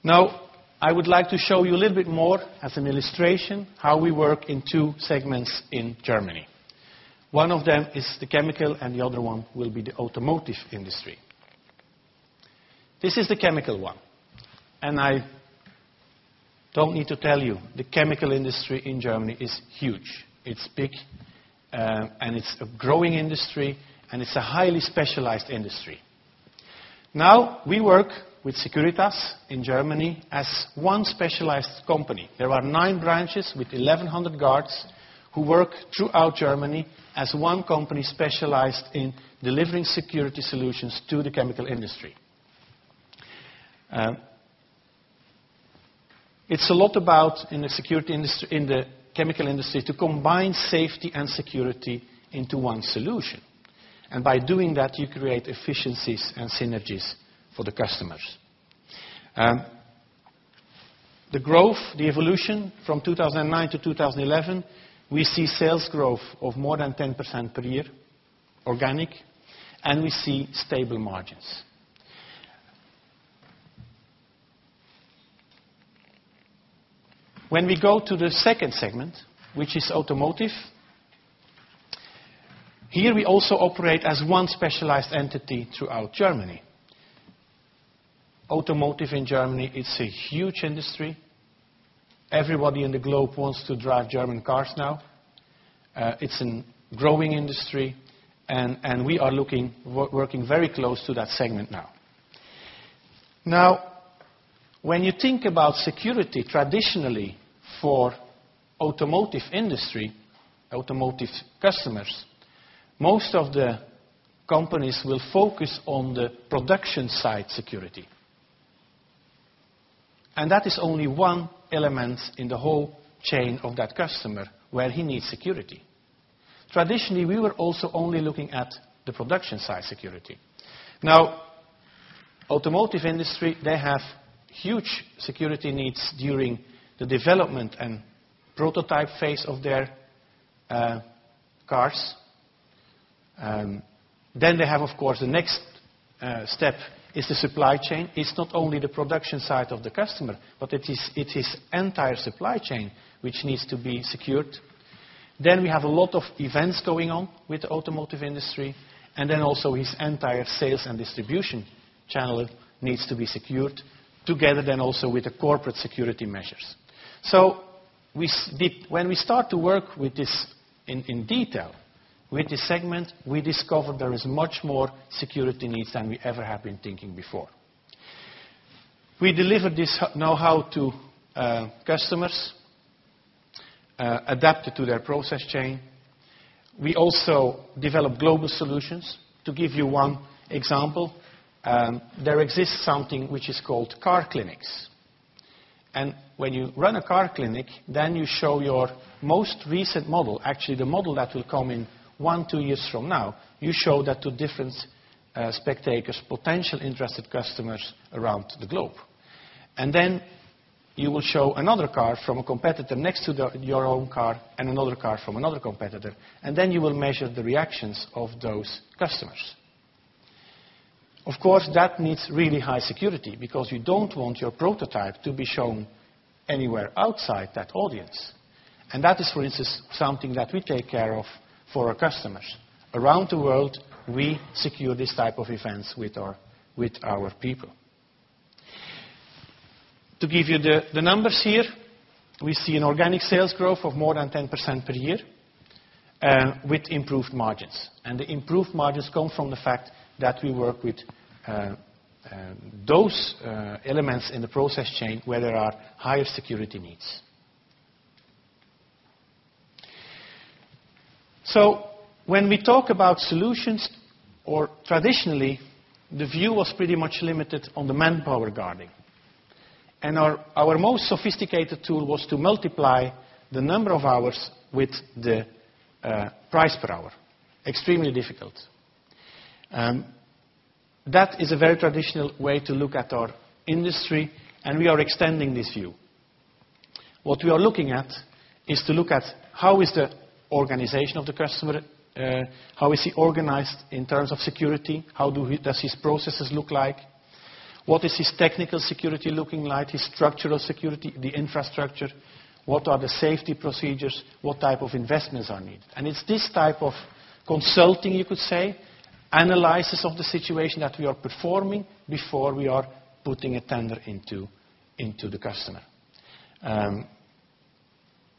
Now, I would like to show you a little bit more as an illustration how we work in two segments in Germany. One of them is the chemical. The other one will be the automotive industry. This is the chemical one. I don't need to tell you, the chemical industry in Germany is huge. It's big. It's a growing industry. It's a highly specialized industry. Now, we work with Securitas in Germany as one specialized company. There are nine branches with 1,100 guards who work throughout Germany as one company specialized in delivering security solutions to the chemical industry. It's a lot about in the chemical industry to combine safety and security into one solution. By doing that, you create efficiencies and synergies for the customers. The growth, the evolution from 2009 to 2011, we see sales growth of more than 10% per year, organic. We see stable margins. When we go to the second segment, which is automotive, here we also operate as one specialized entity throughout Germany. Automotive in Germany, it's a huge industry. Everybody in the globe wants to drive German cars now. It's a growing industry. And we are looking, working very close to that segment now. Now, when you think about security, traditionally for automotive industry, automotive customers, most of the companies will focus on the production side security. And that is only one element in the whole chain of that customer where he needs security. Traditionally, we were also only looking at the production side security. Now, automotive industry, they have huge security needs during the development and prototype phase of their cars. Then they have, of course, the next step is the supply chain. It's not only the production side of the customer, but it's his entire supply chain which needs to be secured. Then we have a lot of events going on with the automotive industry. Then also his entire sales and distribution channel needs to be secured together then also with the corporate security measures. So when we start to work with this in detail, with this segment, we discovered there is much more security needs than we ever have been thinking before. We deliver this know-how to customers, adapt it to their process chain. We also develop global solutions. To give you one example, there exists something which is called car clinics. When you run a car clinic, then you show your most recent model, actually the model that will come in one, two years from now. You show that to different spectators, potential interested customers around the globe. Then you will show another car from a competitor next to your own car and another car from another competitor. Then you will measure the reactions of those customers. Of course, that needs really high security, because you don't want your prototype to be shown anywhere outside that audience. That is, for instance, something that we take care of for our customers. Around the world, we secure this type of events with our people. To give you the numbers here, we see an organic sales growth of more than 10% per year with improved margins. The improved margins come from the fact that we work with those elements in the process chain where there are higher security needs. When we talk about solutions, or traditionally, the view was pretty much limited on the manpower guarding. Our most sophisticated tool was to multiply the number of hours with the price per hour. Extremely difficult. That is a very traditional way to look at our industry. We are extending this view. What we are looking at is to look at how is the organization of the customer, how is he organized in terms of security, how does his processes look like, what is his technical security looking like, his structural security, the infrastructure, what are the safety procedures, what type of investments are needed. And it's this type of consulting, you could say, analysis of the situation that we are performing before we are putting a tender into the customer.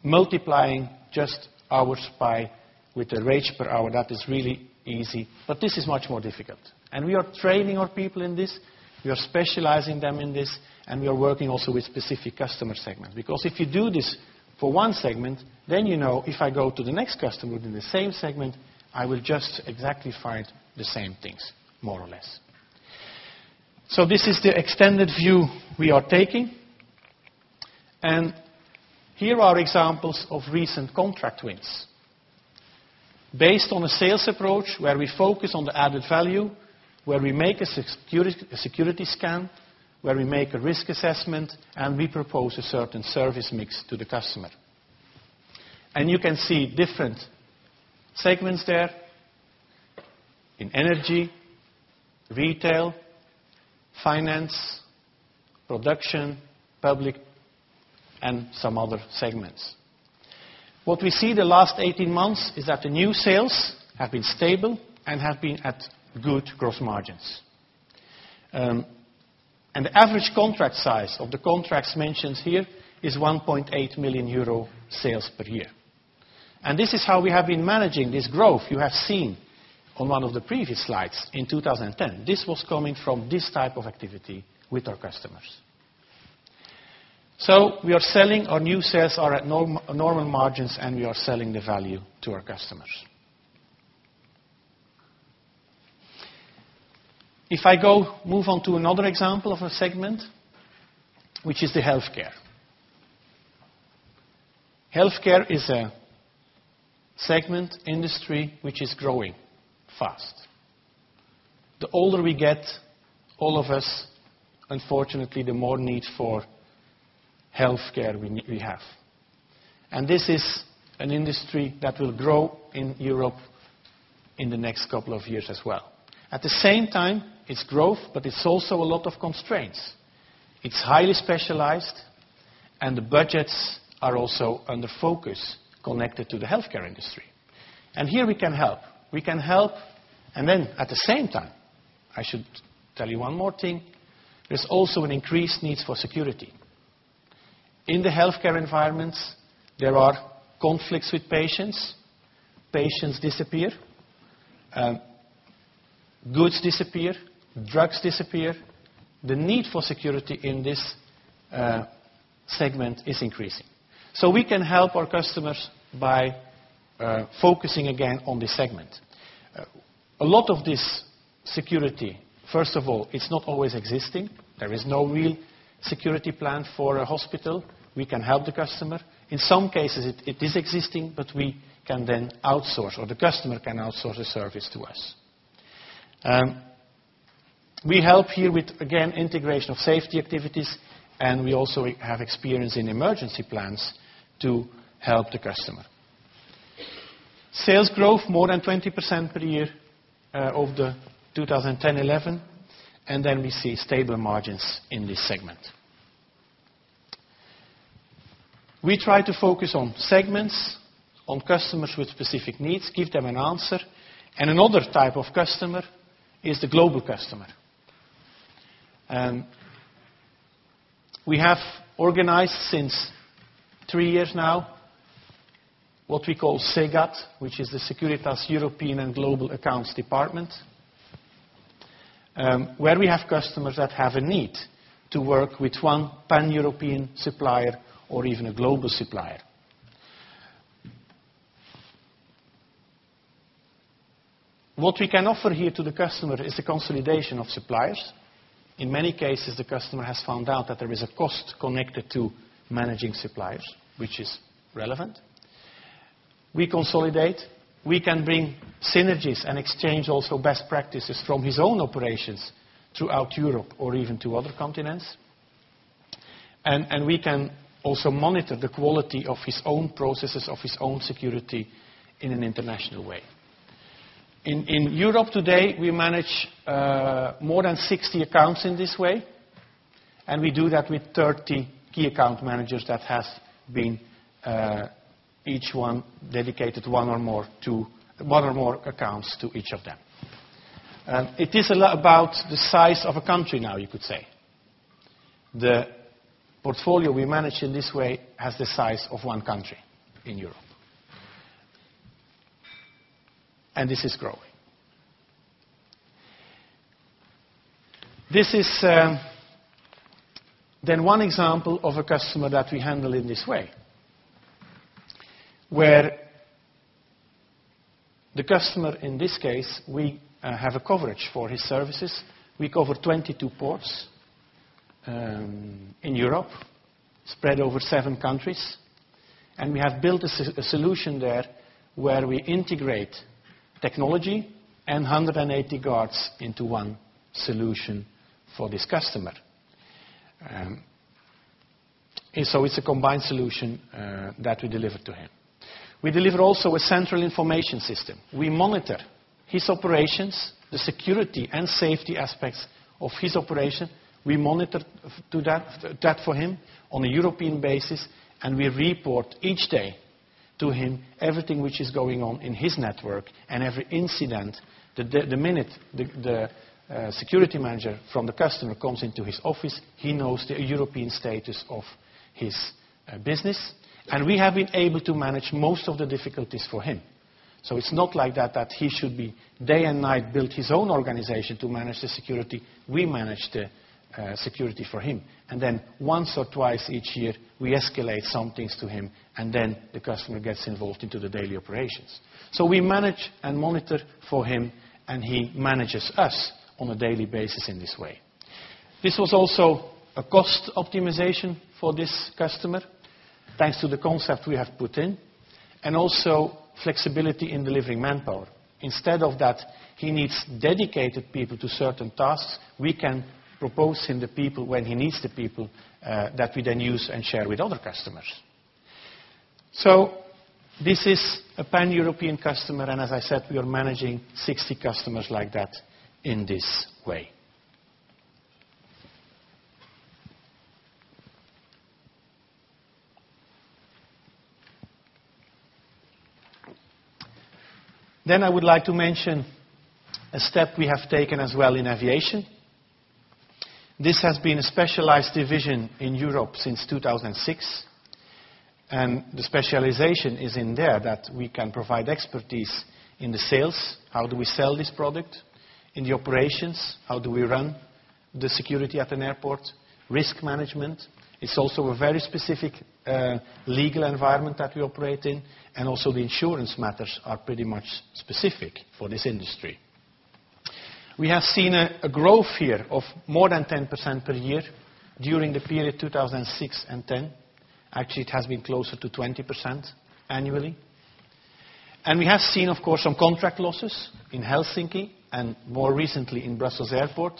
Multiplying just hours by with the rate per hour, that is really easy. But this is much more difficult. And we are training our people in this. We are specializing them in this. And we are working also with specific customer segments. Because if you do this for one segment, then you know if I go to the next customer within the same segment, I will just exactly find the same things, more or less. So this is the extended view we are taking. And here are examples of recent contract wins. Based on a sales approach where we focus on the added value, where we make a security scan, where we make a risk assessment, and we propose a certain service mix to the customer. And you can see different segments there in energy, retail, finance, production, public, and some other segments. What we see the last 18 months is that the new sales have been stable and have been at good gross margins. And the average contract size of the contracts mentioned here is 1.8 million euro sales per year. This is how we have been managing this growth you have seen on one of the previous slides in 2010. This was coming from this type of activity with our customers. So we are selling, our new sales are at normal margins. We are selling the value to our customers. If I go move on to another example of a segment, which is the health care. Health care is a segment, industry, which is growing fast. The older we get, all of us, unfortunately, the more need for health care we have. This is an industry that will grow in Europe in the next couple of years as well. At the same time, it's growth, but it's also a lot of constraints. It's highly specialized. The budgets are also under focus connected to the health care industry. Here we can help. We can help. Then at the same time, I should tell you one more thing. There's also an increased need for security. In the health care environments, there are conflicts with patients. Patients disappear. Goods disappear. Drugs disappear. The need for security in this segment is increasing. So we can help our customers by focusing again on this segment. A lot of this security, first of all, it's not always existing. There is no real security plan for a hospital. We can help the customer. In some cases, it is existing. But we can then outsource, or the customer can outsource a service to us. We help here with, again, integration of safety activities. And we also have experience in emergency plans to help the customer. Sales growth more than 20% per year of the 2010-2011. And then we see stable margins in this segment. We try to focus on segments, on customers with specific needs, give them an answer. Another type of customer is the global customer. We have organized since three years now what we call SEGAT, which is the Securitas European and Global Accounts Department, where we have customers that have a need to work with one pan-European supplier or even a global supplier. What we can offer here to the customer is a consolidation of suppliers. In many cases, the customer has found out that there is a cost connected to managing suppliers, which is relevant. We consolidate. We can bring synergies and exchange also best practices from his own operations throughout Europe or even to other continents. We can also monitor the quality of his own processes, of his own security in an international way. In Europe today, we manage more than 60 accounts in this way. We do that with 30 key account managers that have been each one dedicated one or more accounts to each of them. It is a lot about the size of a country now, you could say. The portfolio we manage in this way has the size of one country in Europe. This is growing. This is then one example of a customer that we handle in this way, where the customer, in this case, we have a coverage for his services. We cover 22 ports in Europe, spread over seven countries. We have built a solution there where we integrate technology and 180 guards into one solution for this customer. So it's a combined solution that we deliver to him. We deliver also a central information system. We monitor his operations, the security and safety aspects of his operation. We monitor that for him on a European basis. We report each day to him everything which is going on in his network and every incident. The minute the security manager from the customer comes into his office, he knows the European status of his business. We have been able to manage most of the difficulties for him. It's not like that that he should be day and night build his own organization to manage the security. We manage the security for him. Then once or twice each year, we escalate some things to him. Then the customer gets involved into the daily operations. We manage and monitor for him. He manages us on a daily basis in this way. This was also a cost optimization for this customer, thanks to the concept we have put in, and also flexibility in delivering manpower. Instead of that, he needs dedicated people to certain tasks. We can propose him the people when he needs the people that we then use and share with other customers. So this is a pan-European customer. And as I said, we are managing 60 customers like that in this way. Then I would like to mention a step we have taken as well in aviation. This has been a specialized division in Europe since 2006. And the specialization is in there that we can provide expertise in the sales, how do we sell this product, in the operations, how do we run the security at an airport, risk management. It's also a very specific legal environment that we operate in. And also the insurance matters are pretty much specific for this industry. We have seen a growth here of more than 10% per year during the period 2006 and 2010. Actually, it has been closer to 20% annually. We have seen, of course, some contract losses in Helsinki and more recently in Brussels Airport.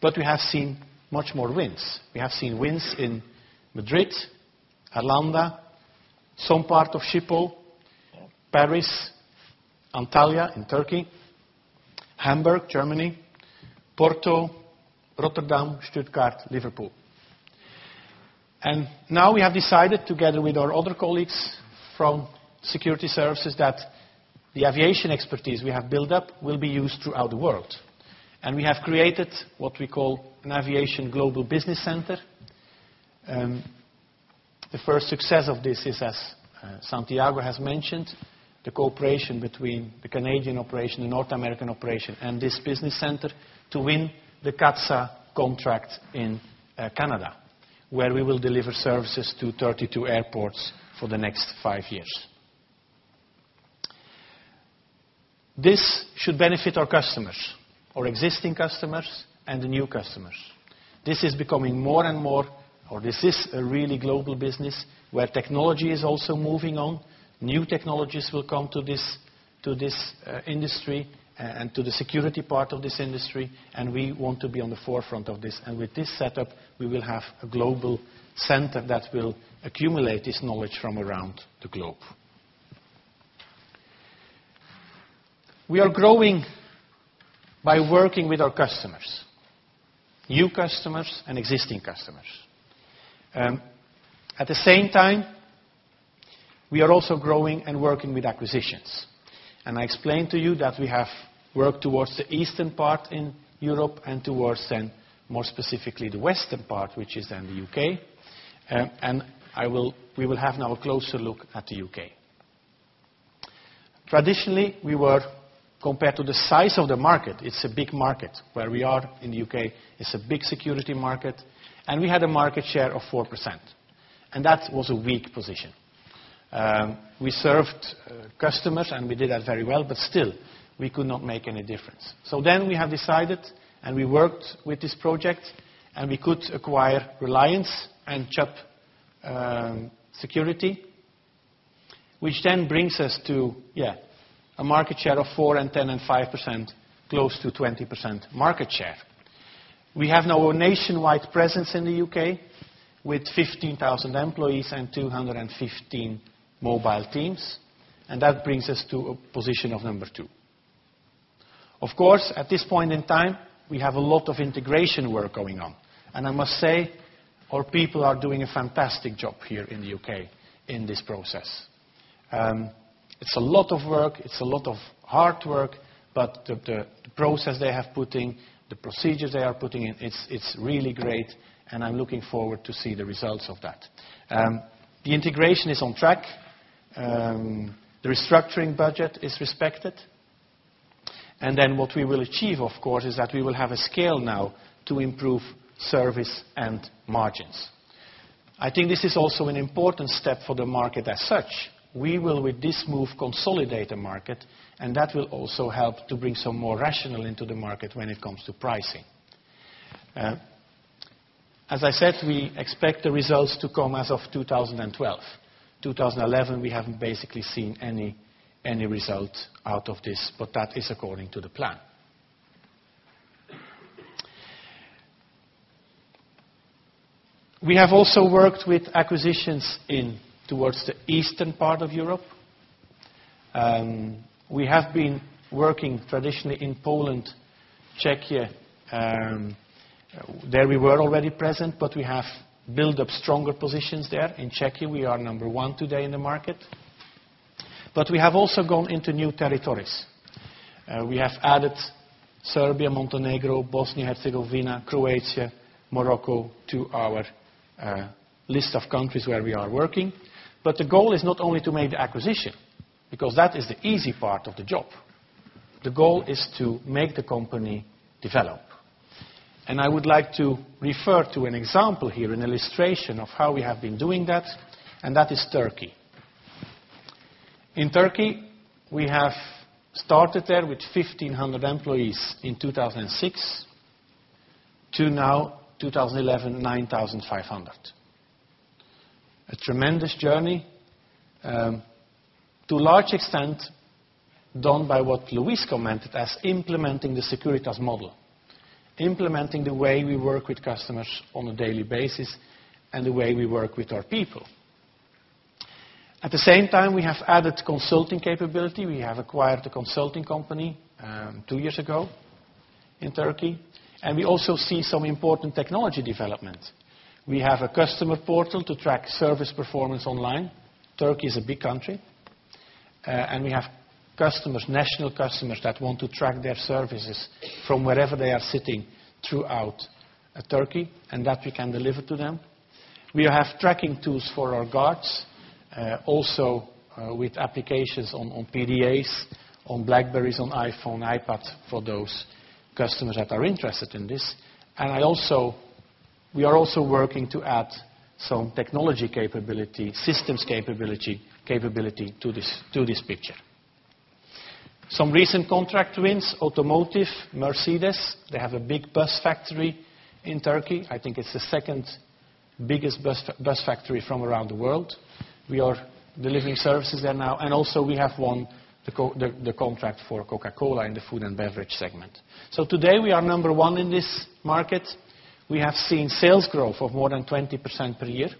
We have seen much more wins. We have seen wins in Madrid, Arlanda, some part of Schiphol, Paris, Antalya in Turkey, Hamburg, Germany, Porto, Rotterdam, Stuttgart, Liverpool. Now we have decided, together with our other colleagues from security services, that the aviation expertise we have built up will be used throughout the world. We have created what we call an Aviation Global Business Center. The first success of this is, as Santiago has mentioned, the cooperation between the Canadian operation, the North American operation, and this business center to win the CATSA contract in Canada, where we will deliver services to 32 airports for the next five years. This should benefit our customers, our existing customers and the new customers. This is becoming more and more, or this is a really global business, where technology is also moving on. New technologies will come to this industry and to the security part of this industry. We want to be on the forefront of this. With this setup, we will have a global center that will accumulate this knowledge from around the globe. We are growing by working with our customers, new customers and existing customers. At the same time, we are also growing and working with acquisitions. I explained to you that we have worked towards the eastern part in Europe and towards, then, more specifically the western part, which is then the UK. We will have now a closer look at the UK. Traditionally, we were, compared to the size of the market. It's a big market where we are in the UK. It's a big security market. We had a market share of 4%. That was a weak position. We served customers. We did that very well. But still, we could not make any difference. So then we have decided, and we worked with this project, and we could acquire Reliance and Chubb Security, which then brings us to, yeah, a market share of 4% and 10% and 5%, close to 20% market share. We have now a nationwide presence in the UK with 15,000 employees and 215 mobile teams. That brings us to a position of number two. Of course, at this point in time, we have a lot of integration work going on. I must say, our people are doing a fantastic job here in the UK in this process. It's a lot of work. It's a lot of hard work. But the process they have put in, the procedures they are putting in, it's really great. And I'm looking forward to see the results of that. The integration is on track. The restructuring budget is respected. And then what we will achieve, of course, is that we will have a scale now to improve service and margins. I think this is also an important step for the market as such. We will, with this move, consolidate the market. And that will also help to bring some more rationale into the market when it comes to pricing. As I said, we expect the results to come as of 2012. 2011, we haven't basically seen any result out of this. That is according to the plan. We have also worked with acquisitions towards the eastern part of Europe. We have been working traditionally in Poland, Czechia. There we were already present. But we have built up stronger positions there. In Czechia, we are number one today in the market. But we have also gone into new territories. We have added Serbia, Montenegro, Bosnia, Herzegovina, Croatia, Morocco to our list of countries where we are working. But the goal is not only to make the acquisition, because that is the easy part of the job. The goal is to make the company develop. And I would like to refer to an example here, an illustration of how we have been doing that. And that is Turkey. In Turkey, we have started there with 1,500 employees in 2006 to now, 2011, 9,500. A tremendous journey, to a large extent done by what Luis commented as implementing the Securitas model, implementing the way we work with customers on a daily basis and the way we work with our people. At the same time, we have added consulting capability. We have acquired a consulting company two years ago in Turkey. We also see some important technology development. We have a customer portal to track service performance online. Turkey is a big country. We have national customers that want to track their services from wherever they are sitting throughout Turkey. That we can deliver to them. We have tracking tools for our guards, also with applications on PDAs, on BlackBerries, on iPhone, iPads for those customers that are interested in this. We are also working to add some technology capability, systems capability to this picture. Some recent contract wins: automotive, Mercedes. They have a big bus factory in Turkey. I think it's the second biggest bus factory from around the world. We are delivering services there now. And also, we have won the contract for Coca-Cola in the food and beverage segment. So today, we are number one in this market. We have seen sales growth of more than 20% per year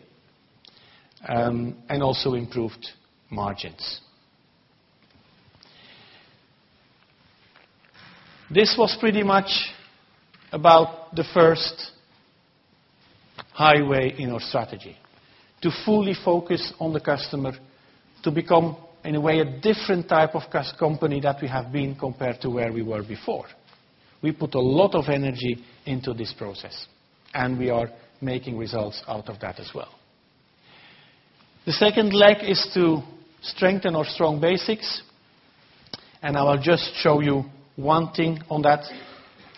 and also improved margins. This was pretty much about the first highway in our strategy, to fully focus on the customer, to become, in a way, a different type of company that we have been compared to where we were before. We put a lot of energy into this process. And we are making results out of that as well. The second leg is to strengthen our strong basics. And I will just show you one thing on that.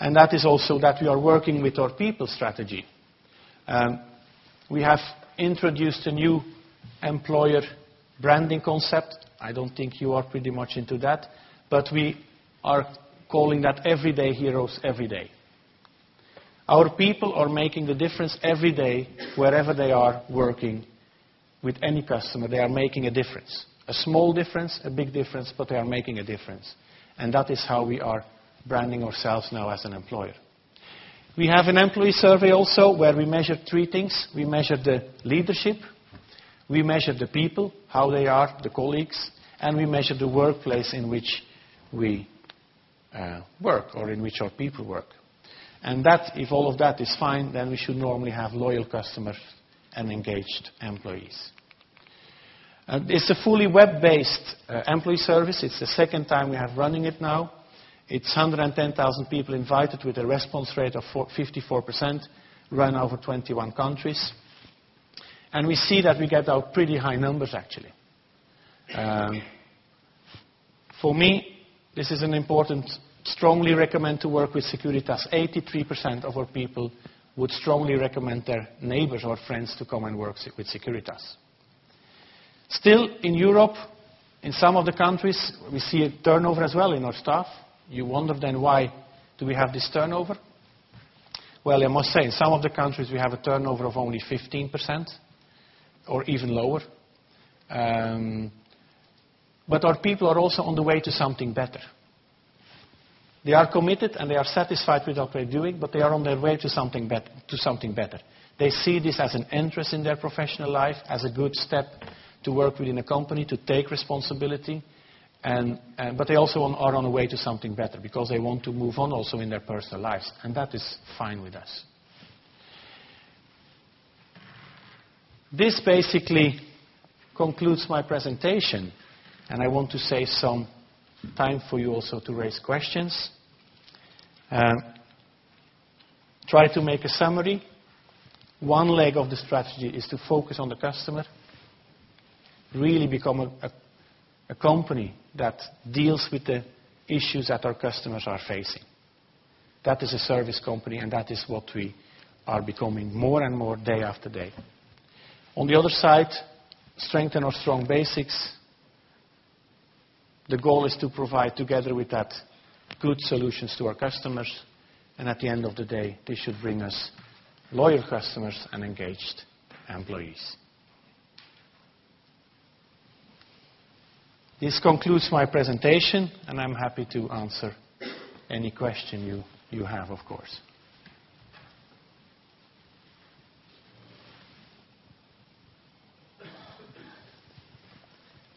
And that is also that we are working with our people strategy. We have introduced a new employer branding concept. I don't think you are pretty much into that. But we are calling that Everyday Heroes every day. Our people are making the difference every day, wherever they are working with any customer. They are making a difference, a small difference, a big difference. But they are making a difference. And that is how we are branding ourselves now as an employer. We have an employee survey also where we measure three things. We measure the leadership. We measure the people, how they are, the colleagues. And we measure the workplace in which we work or in which our people work. And if all of that is fine, then we should normally have loyal customers and engaged employees. It's a fully web-based employee service. It's the second time we have running it now. It's 110,000 people invited with a response rate of 54%, run over 21 countries. And we see that we get out pretty high numbers, actually. For me, this is an important strongly recommend to work with Securitas. 83% of our people would strongly recommend their neighbors or friends to come and work with Securitas. Still, in Europe, in some of the countries, we see a turnover as well in our staff. You wonder, then, why do we have this turnover? Well, I must say, in some of the countries, we have a turnover of only 15% or even lower. But our people are also on the way to something better. They are committed. And they are satisfied with what we're doing. But they are on their way to something better. They see this as an interest in their professional life, as a good step to work within a company, to take responsibility. But they also are on the way to something better because they want to move on also in their personal lives. And that is fine with us. This basically concludes my presentation. And I want to save some time for you also to raise questions. Try to make a summary. One leg of the strategy is to focus on the customer, really become a company that deals with the issues that our customers are facing. That is a service company. And that is what we are becoming more and more day after day. On the other side, strengthen our strong basics. The goal is to provide, together with that, good solutions to our customers. At the end of the day, this should bring us loyal customers and engaged employees. This concludes my presentation. I'm happy to answer any question you have, of course.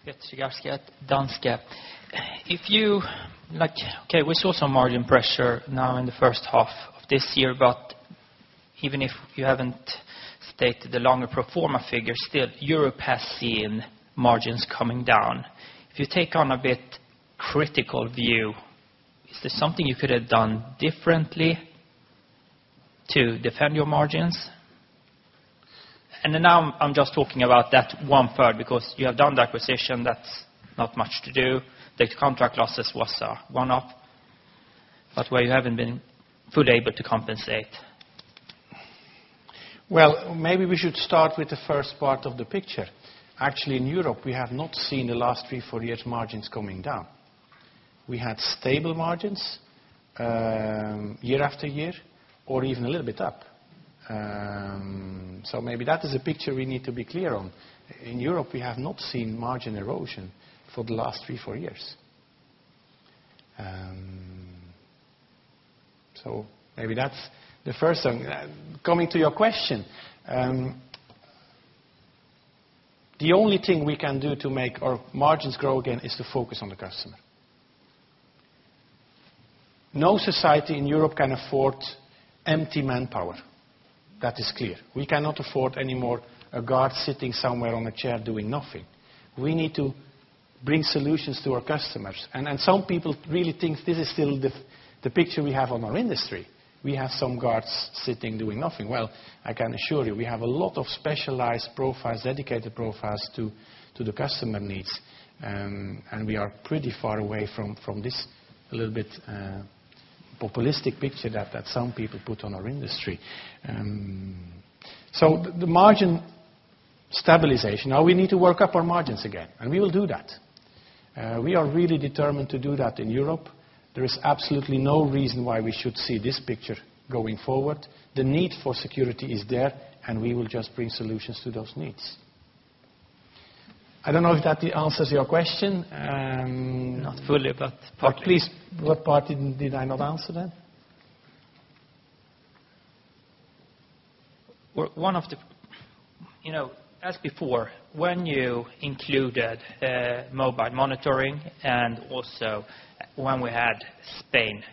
Yes, Gostowski, Danske. If you're OK, we saw some margin pressure now in the first half of this year. But even if you haven't stated the longer pro forma figures, still, Europe has seen margins coming down. If you take on a bit critical view, is there something you could have done differently to defend your margins? And now I'm just talking about that 1/3 because you have done the acquisition. That's not much to do. The contract losses was one up. But where you haven't been fully able to compensate. Well, maybe we should start with the first part of the picture. Actually, in Europe, we have not seen the last three, four years margins coming down. We had stable margins year after year or even a little bit up. So maybe that is a picture we need to be clear on. In Europe, we have not seen margin erosion for the last three, four years. So maybe that's the first thing. Coming to your question, the only thing we can do to make our margins grow again is to focus on the customer. No society in Europe can afford empty manpower. That is clear. We cannot afford anymore a guard sitting somewhere on a chair doing nothing. We need to bring solutions to our customers. And some people really think this is still the picture we have on our industry. We have some guards sitting doing nothing. Well, I can assure you, we have a lot of specialized profiles, dedicated profiles to the customer needs. And we are pretty far away from this a little bit populist picture that some people put on our industry. So the margin stabilization now, we need to work up our margins again. And we will do that. We are really determined to do that in Europe. There is absolutely no reason why we should see this picture going forward. The need for security is there. And we will just bring solutions to those needs. I don't know if that answers your question. Not fully, but partly. At least, what part did I not answer, then? As before, when you included mobile monitoring and also when we had Spain,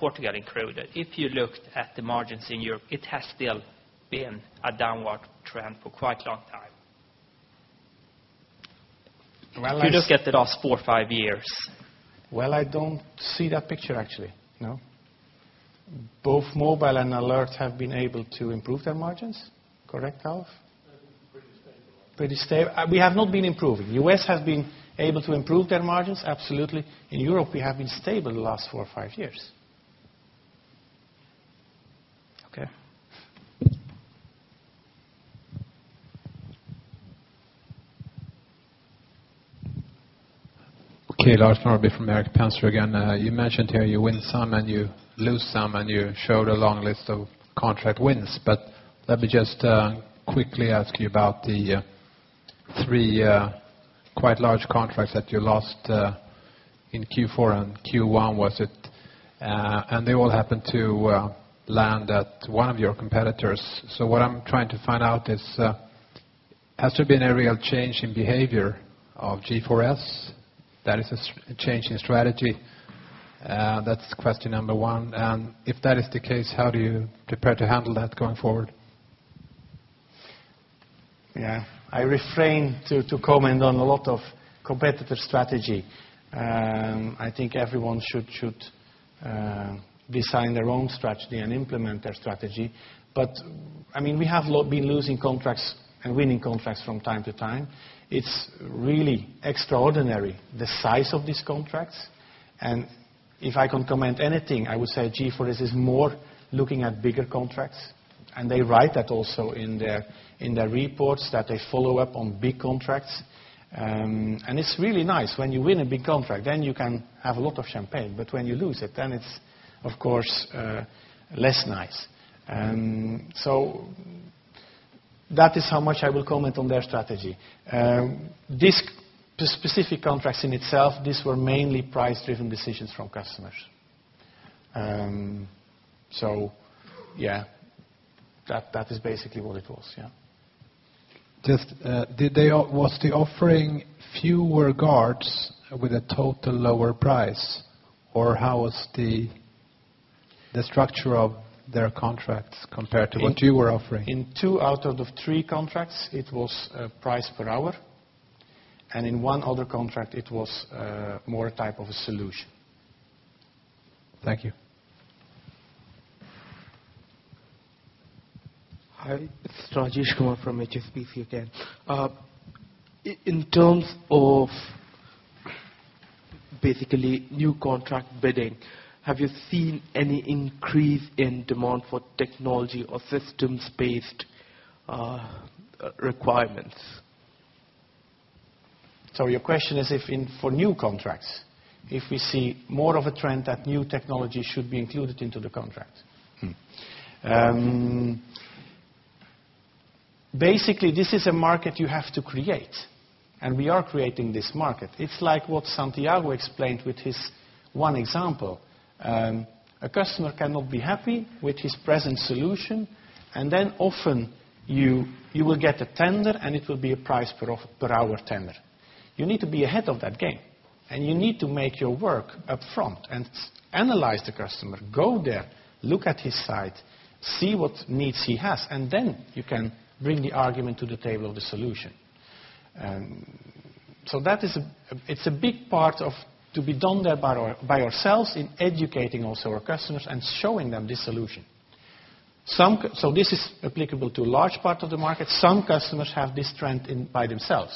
Portugal included, if you looked at the margins in Europe, it has still been a downward trend for quite a long time. If you look at the last four, five years. Well, I don't see that picture, actually, no. Both mobile and alert have been able to improve their margins, correct, Alf? Pretty stable. Pretty stable. We have not been improving. The U.S. has been able to improve their margins, absolutely. In Europe, we have been stable the last four or five years. OK. OK, Lars Norrby from Erik Penser, again. You mentioned here you win some and you lose some. And you showed a long list of contract wins. But let me just quickly ask you about the three quite large contracts that you lost in Q4 and Q1, was it? And they all happened to land at one of your competitors. So what I'm trying to find out is, has there been a real change in behavior of G4S? That is a change in strategy. That's question number one. And if that is the case, how do you prepare to handle that going forward? Yeah, I refrain to comment on a lot of competitor strategy. I think everyone should design their own strategy and implement their strategy. But I mean, we have been losing contracts and winning contracts from time to time. It's really extraordinary, the size of these contracts. And if I can comment anything, I would say G4S is more looking at bigger contracts. And they write that also in their reports, that they follow up on big contracts. And it's really nice. When you win a big contract, then you can have a lot of champagne. But when you lose it, then it's, of course, less nice. So that is how much I will comment on their strategy. These specific contracts in itself, these were mainly price-driven decisions from customers. So yeah, that is basically what it was, yeah. Just, was the offering fewer guards with a total lower price? Or how was the structure of their contracts compared to what you were offering? In two out of the three contracts, it was price per hour. In one other contract, it was more a type of a solution. Thank you. Hi, it's Rajesh Kumar from HSBC, again. In terms of, basically, new contract bidding, have you seen any increase in demand for technology or systems-based requirements? So your question is if, for new contracts, if we see more of a trend that new technology should be included into the contract. Basically, this is a market you have to create. We are creating this market. It's like what Santiago explained with his one example. A customer cannot be happy with his present solution. Then often, you will get a tender. And it will be a price per hour tender. You need to be ahead of that game. You need to make your work upfront and analyze the customer, go there, look at his side, see what needs he has. Then you can bring the argument to the table of the solution. So it's a big part of to be done there by ourselves in educating also our customers and showing them this solution. This is applicable to a large part of the market. Some customers have this trend by themselves.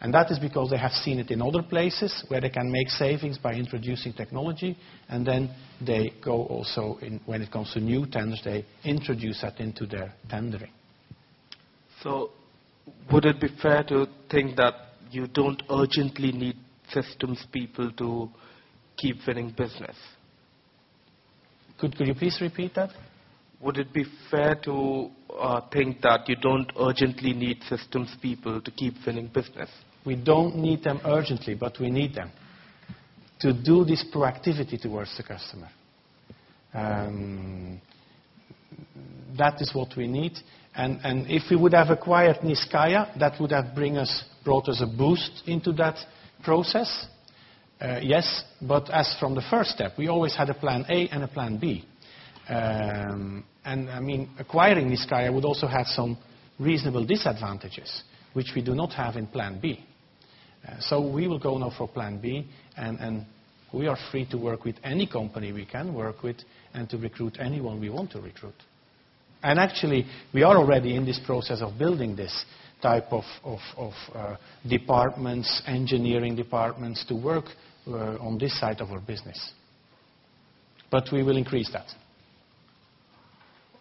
That is because they have seen it in other places where they can make savings by introducing technology. Then they go also when it comes to new tenders; they introduce that into their tendering. Would it be fair to think that you don't urgently need systems people to keep winning business? Could you please repeat that? Would it be fair to think that you don't urgently need systems people to keep winning business? We don't need them urgently. We need them to do this proactivity towards the customer. That is what we need. If we would have acquired Niscayah, that would have brought us a boost into that process, yes. As from the first step, we always had a Plan A and a Plan B. I mean, acquiring Niscayah would also have some reasonable disadvantages, which we do not have in Plan B. We will go now for Plan B. We are free to work with any company we can work with and to recruit anyone we want to recruit. Actually, we are already in this process of building this type of departments, engineering departments, to work on this side of our business. We will increase that.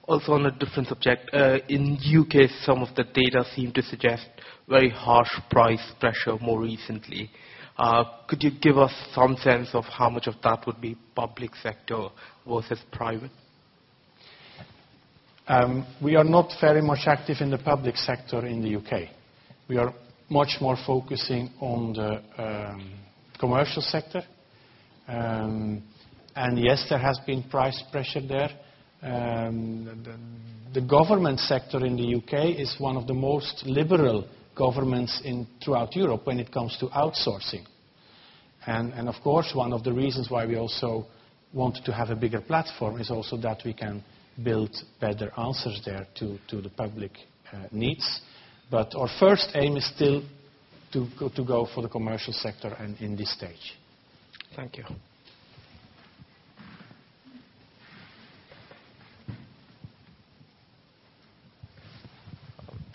Also on a different subject, in the U.K., some of the data seem to suggest very harsh price pressure more recently. Could you give us some sense of how much of that would be public sector versus private? We are not very much active in the public sector in the U.K. We are much more focusing on the commercial sector. Yes, there has been price pressure there. The government sector in the U.K. is one of the most liberal governments throughout Europe when it comes to outsourcing. Of course, one of the reasons why we also want to have a bigger platform is also that we can build better answers there to the public needs. But our first aim is still to go for the commercial sector in this stage. Thank you.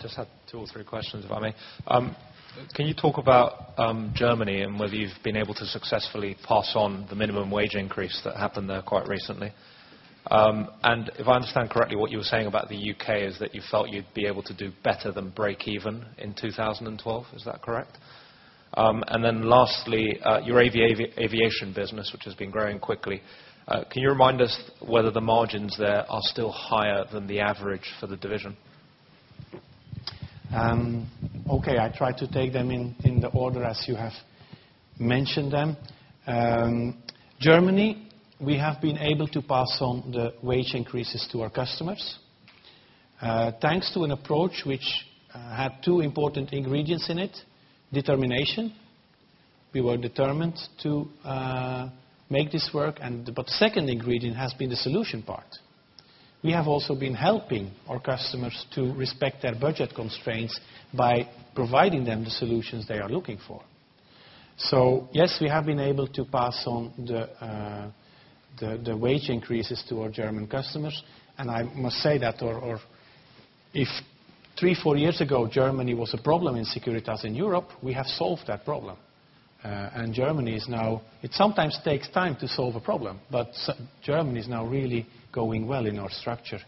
Just had two or three questions, if I may. Can you talk about Germany and whether you've been able to successfully pass on the minimum wage increase that happened there quite recently? And if I understand correctly, what you were saying about the UK is that you felt you'd be able to do better than break even in 2012. Is that correct? And then lastly, your aviation business, which has been growing quickly, can you remind us whether the margins there are still higher than the average for the division? OK, I try to take them in the order as you have mentioned them. Germany, we have been able to pass on the wage increases to our customers thanks to an approach which had two important ingredients in it: determination. We were determined to make this work. But the second ingredient has been the solution part. We have also been helping our customers to respect their budget constraints by providing them the solutions they are looking for. So yes, we have been able to pass on the wage increases to our German customers. And I must say that, three, four years ago, Germany was a problem in Securitas in Europe, we have solved that problem. And Germany is now. It sometimes takes time to solve a problem. But Germany is now really going well in our structure.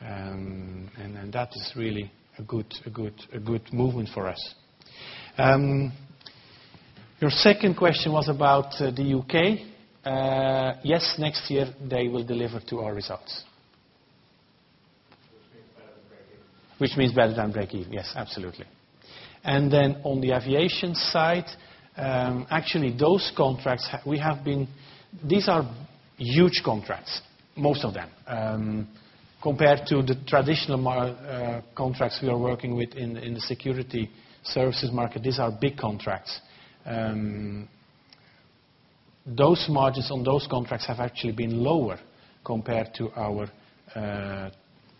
And that is really a good movement for us. Your second question was about the U.K. Yes, next year, they will deliver to our results. Which means better than break even. Which means better than break even, yes, absolutely. And then on the aviation side, actually, those contracts we have been—these are huge contracts, most of them, compared to the traditional contracts we are working with in the security services market. These are big contracts. Those margins on those contracts have actually been lower compared to our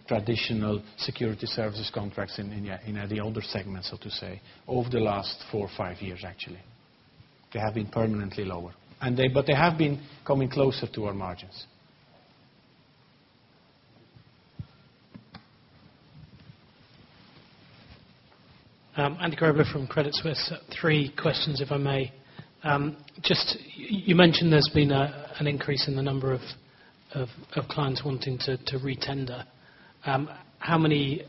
traditional security services contracts in the other segment, so to say, over the last four, five years, actually. They have been permanently lower. But they have been coming closer to our margins. Andy Grobler from Credit Suisse, three questions, if I may. You mentioned there's been an increase in the number of clients wanting to retender. How many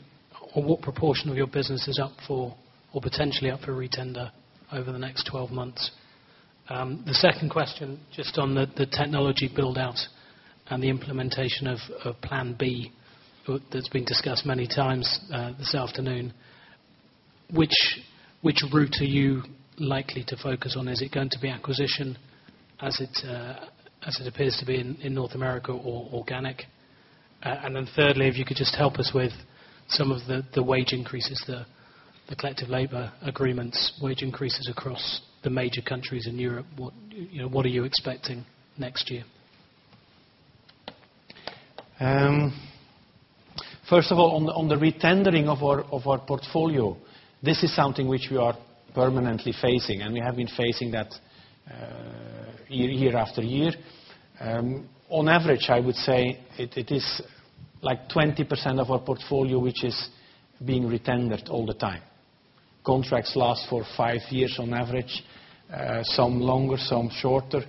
or what proportion of your business is up for or potentially up for retender over the next 12 months? The second question, just on the technology buildout and the implementation of Plan B that's been discussed many times this afternoon, which route are you likely to focus on? Is it going to be acquisition, as it appears to be in North America, or organic? And then thirdly, if you could just help us with some of the wage increases, the collective labor agreements, wage increases across the major countries in Europe, what are you expecting next year? First of all, on the retendering of our portfolio, this is something which we are permanently facing. We have been facing that year after year. On average, I would say it is like 20% of our portfolio which is being retendered all the time. Contracts last for five years on average, some longer, some shorter.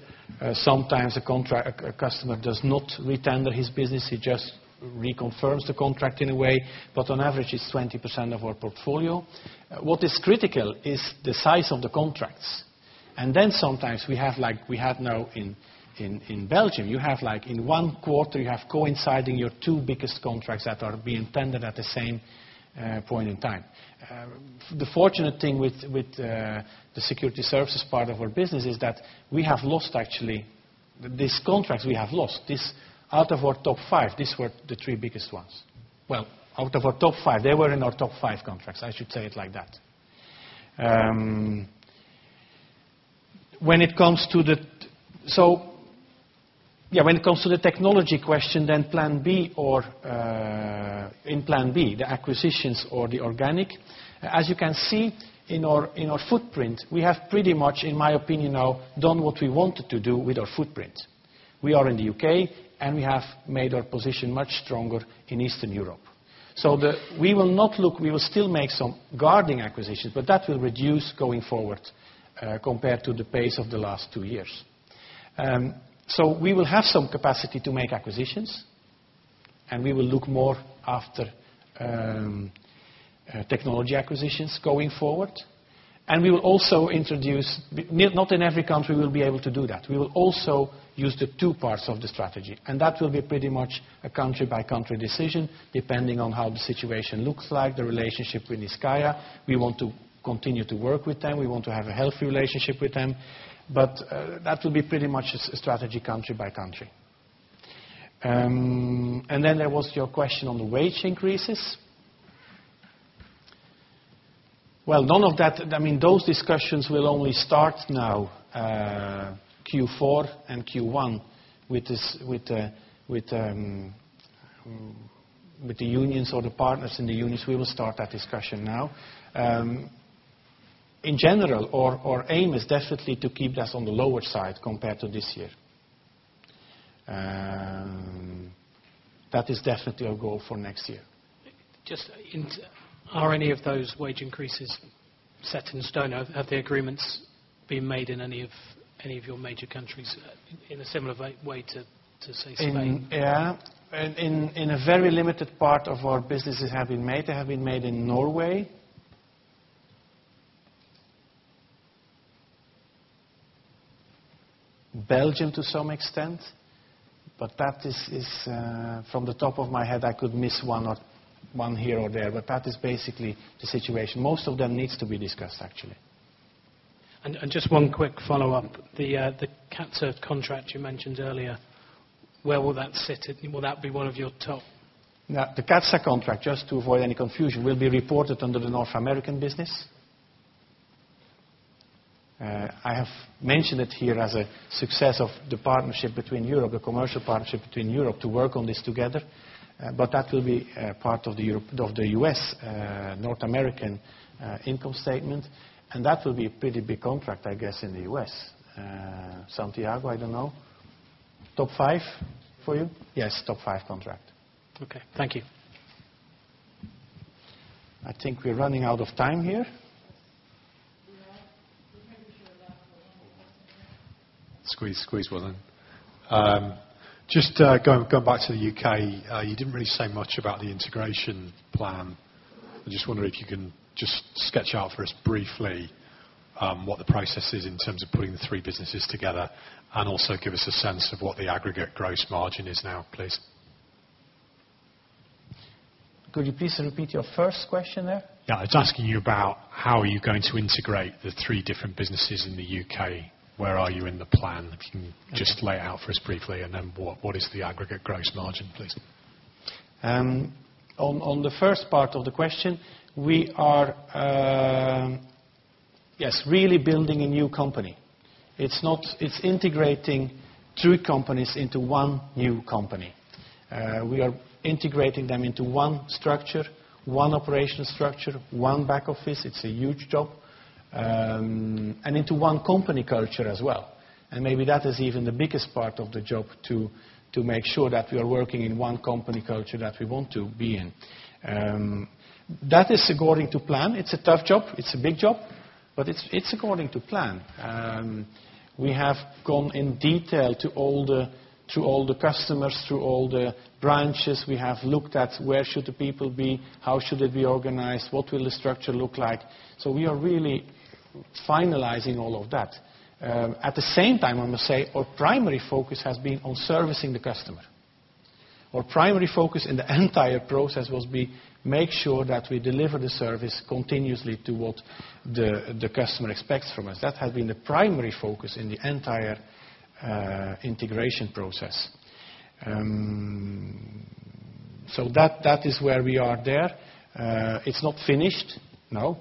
Sometimes a customer does not retender his business. He just reconfirms the contract in a way. On average, it's 20% of our portfolio. What is critical is the size of the contracts. And then sometimes we have like we had now in Belgium. In one quarter, you have coinciding your two biggest contracts that are being tendered at the same point in time. The fortunate thing with the security services part of our business is that we have lost. Actually, these contracts we have lost, these out of our top five, these were the three biggest ones. Well, out of our top five, they were in our top five contracts. I should say it like that. So yeah, when it comes to the technology question, then Plan B or in Plan B, the acquisitions or the organic, as you can see in our footprint, we have pretty much, in my opinion now, done what we wanted to do with our footprint. We are in the UK. And we have made our position much stronger in Eastern Europe. So we will not look we will still make some guarding acquisitions. But that will reduce going forward compared to the pace of the last two years. So we will have some capacity to make acquisitions. And we will look more after technology acquisitions going forward. And we will also introduce not in every country we will be able to do that. We will also use the two parts of the strategy. And that will be pretty much a country-by-country decision, depending on how the situation looks like, the relationship with Niscayah. We want to continue to work with them. We want to have a healthy relationship with them. But that will be pretty much a strategy country by country. And then there was your question on the wage increases. Well, none of that I mean, those discussions will only start now, Q4 and Q1, with the unions or the partners in the unions. We will start that discussion now. In general, our aim is definitely to keep us on the lower side compared to this year. That is definitely our goal for next year. Are any of those wage increases set in stone? Have the agreements been made in any of your major countries in a similar way to, say, Spain? Yeah. In a very limited part of our business, they have been made. They have been made in Norway, Belgium to some extent. But that is from the top of my head, I could miss one here or there. But that is basically the situation. Most of them need to be discussed, actually. Just one quick follow-up. The CATSA contract you mentioned earlier, where will that sit? Will that be one of your top? The CATSA contract, just to avoid any confusion, will be reported under the North American business. I have mentioned it here as a success of the partnership between Europe, the commercial partnership between Europe, to work on this together. But that will be part of the U.S. North American income statement. And that will be a pretty big contract, I guess, in the U.S. Santiago, I don't know. Top five for you? Yes, top five contract. OK, thank you. I think we're running out of time here. Squeeze, squeeze, Wellan. Just going back to the U.K., you didn't really say much about the integration plan. I just wonder if you can just sketch out for us briefly what the process is in terms of putting the three businesses together and also give us a sense of what the aggregate gross margin is now, please. Could you please repeat your first question there? Yeah, it's asking you about how are you going to integrate the three different businesses in the UK? Where are you in the plan? If you can just lay it out for us briefly. And then what is the aggregate gross margin, please? On the first part of the question, we are, yes, really building a new company. It's integrating three companies into one new company. We are integrating them into one structure, one operational structure, one back office. It's a huge job, and into one company culture as well. Maybe that is even the biggest part of the job, to make sure that we are working in one company culture that we want to be in. That is according to plan. It's a tough job. It's a big job. It's according to plan. We have gone into detail to all the customers, to all the branches. We have looked at where should the people be, how should it be organized, what will the structure look like. We are really finalizing all of that. At the same time, I must say, our primary focus has been on servicing the customer. Our primary focus in the entire process will be to make sure that we deliver the service continuously to what the customer expects from us. That has been the primary focus in the entire integration process. So that is where we are there. It's not finished, no.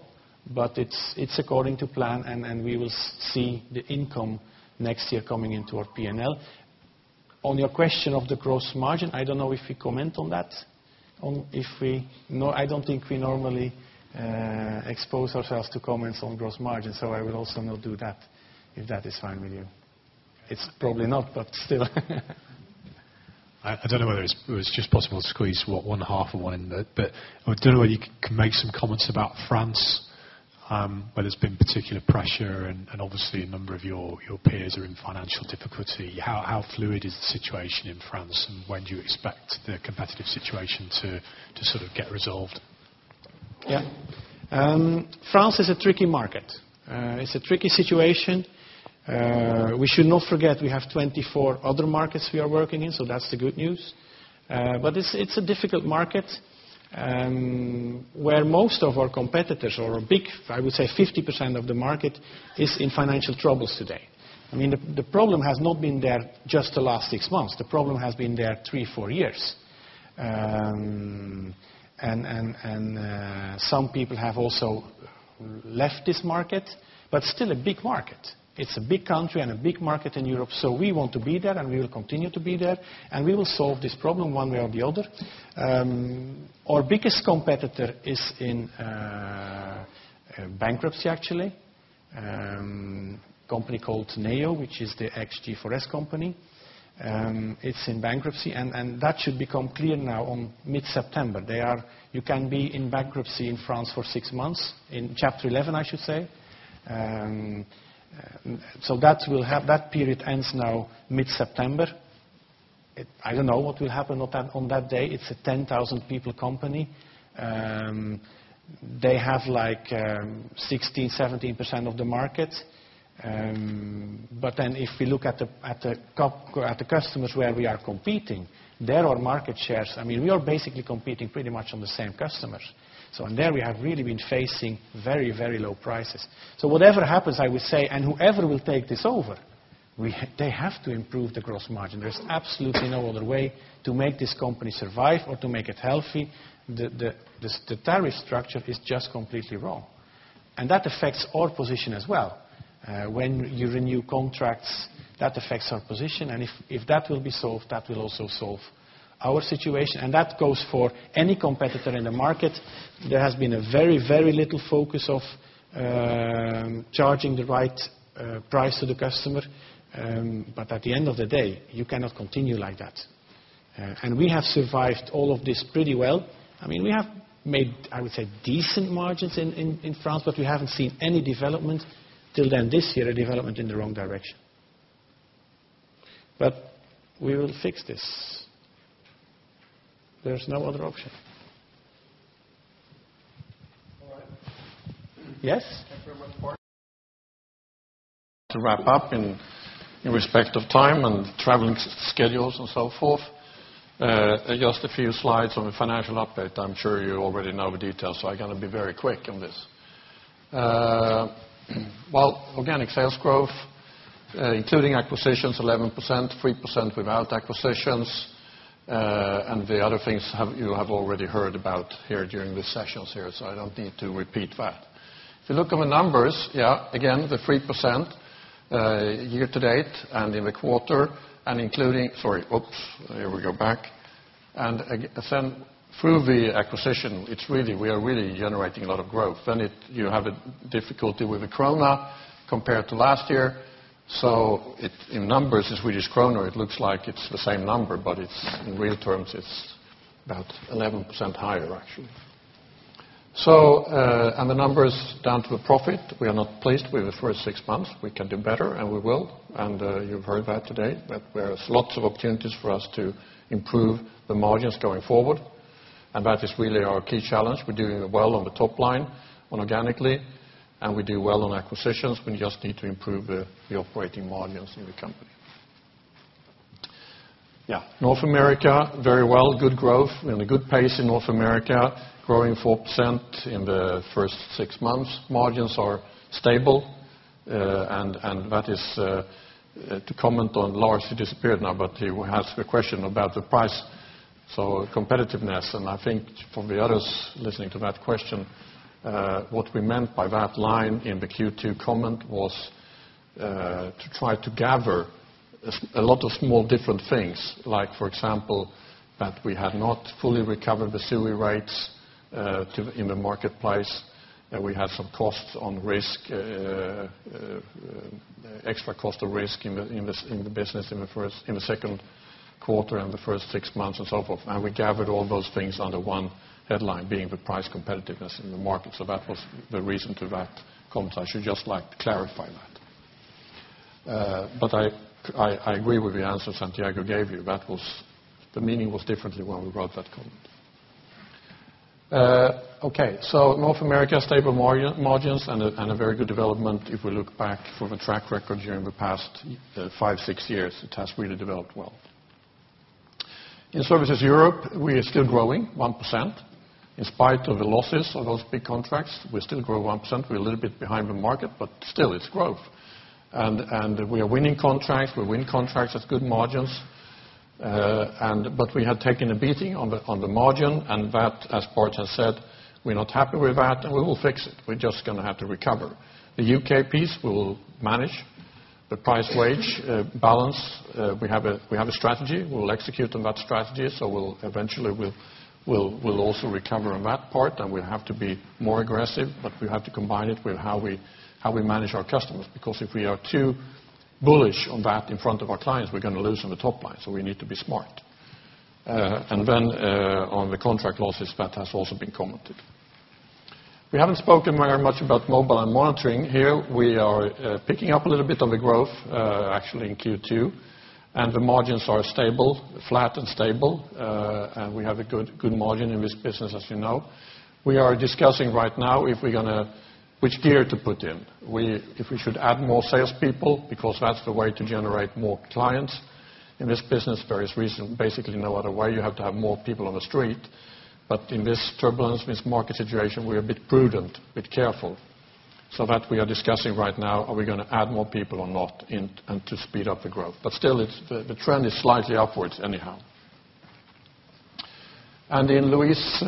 But it's according to plan. And we will see the income next year coming into our P&L. On your question of the gross margin, I don't know if we comment on that. I don't think we normally expose ourselves to comments on gross margin. So I will also not do that, if that is fine with you. It's probably not, but still. I don't know whether it's just possible to squeeze one half of one in there. But I don't know whether you can make some comments about France, whether there's been particular pressure. And obviously, a number of your peers are in financial difficulty. How fluid is the situation in France? And when do you expect the competitive situation to sort of get resolved? Yeah. France is a tricky market. It's a tricky situation. We should not forget we have 24 other markets we are working in. So that's the good news. But it's a difficult market where most of our competitors, or a big, I would say, 50% of the market, is in financial troubles today. I mean, the problem has not been there just the last six months. The problem has been there three, four years. And some people have also left this market. But still, a big market. It's a big country and a big market in Europe. So we want to be there. And we will continue to be there. And we will solve this problem one way or the other. Our biggest competitor is in bankruptcy, actually, a company called Neo, which is the ex-G4S company. It's in bankruptcy. And that should become clear now, on mid-September. You can be in bankruptcy in France for six months, in Chapter 11, I should say. So that period ends now mid-September. I don't know what will happen on that day. It's a 10,000-person company. They have like 16%-17% of the market. But then if we look at the customers where we are competing, their market shares I mean, we are basically competing pretty much on the same customers. So in there, we have really been facing very, very low prices. So whatever happens, I would say, and whoever will take this over, they have to improve the gross margin. There is absolutely no other way to make this company survive or to make it healthy. The tariff structure is just completely wrong. And that affects our position as well. When you renew contracts, that affects our position. If that will be solved, that will also solve our situation. That goes for any competitor in the market. There has been a very, very little focus on charging the right price to the customer. But at the end of the day, you cannot continue like that. We have survived all of this pretty well. I mean, we have made, I would say, decent margins in France. But we haven't seen any development till then. This year, a development in the wrong direction. We will fix this. There's no other option. All right. Yes? Thank you very much. To wrap up in respect of time and traveling schedules and so forth, just a few slides on the financial update. I'm sure you already know the details. So I'm going to be very quick on this. Well, organic sales growth, including acquisitions, 11%, 3% without acquisitions. And the other things you have already heard about here during these sessions here. So I don't need to repeat that. If you look at the numbers, yeah, again, the 3% year to date and in the quarter and including sorry, oops. Here we go back. And then through the acquisition, we are really generating a lot of growth. Then you have a difficulty with the krona compared to last year. So in numbers, in Swedish krona, it looks like it's the same number. But in real terms, it's about 11% higher, actually. The numbers down to the profit, we are not pleased with the first six months. We can do better. We will. You've heard that today. But there's lots of opportunities for us to improve the margins going forward. That is really our key challenge. We're doing well on the top line organically. We do well on acquisitions. We just need to improve the operating margins in the company. Yeah, North America, very well, good growth, and a good pace in North America, growing 4% in the first six months. Margins are stable. That is to comment on Lars who disappeared now. But he has a question about the price, so competitiveness. I think for the others listening to that question, what we meant by that line in the Q2 comment was to try to gather a lot of small, different things, like, for example, that we had not fully recovered the SUI rates in the marketplace. We had some costs on risk, extra cost of risk in the business in the second quarter and the first six months and so forth. We gathered all those things under one headline, being the price competitiveness in the market. So that was the reason to that comment. I should just clarify that. But I agree with the answer Santiago gave you. The meaning was differently when we wrote that comment. OK, so North America, stable margins, and a very good development if we look back from a track record during the past five, six years. It has really developed well. In Security Services Europe, we are still growing 1% in spite of the losses of those big contracts. We still grow 1%. We're a little bit behind the market. But still, it's growth. And we are winning contracts. We win contracts at good margins. But we have taken a beating on the margin. And that, as Bart has said, we're not happy with that. And we will fix it. We're just going to have to recover. The UK piece, we will manage. The price wage balance, we have a strategy. We will execute on that strategy. So eventually, we'll also recover on that part. And we have to be more aggressive. But we have to combine it with how we manage our customers. Because if we are too bullish on that in front of our clients, we're going to lose on the top line. So we need to be smart. Then on the contract losses, that has also been commented. We haven't spoken very much about mobile and monitoring here. We are picking up a little bit of the growth, actually, in Q2. The margins are stable, flat and stable. We have a good margin in this business, as you know. We are discussing right now which gear to put in, if we should add more salespeople, because that's the way to generate more clients. In this business, there is basically no other way. You have to have more people on the street. But in this turbulence, this market situation, we are a bit prudent, a bit careful. So that we are discussing right now, are we going to add more people or not and to speed up the growth. But still, the trend is slightly upwards anyhow. In Luis'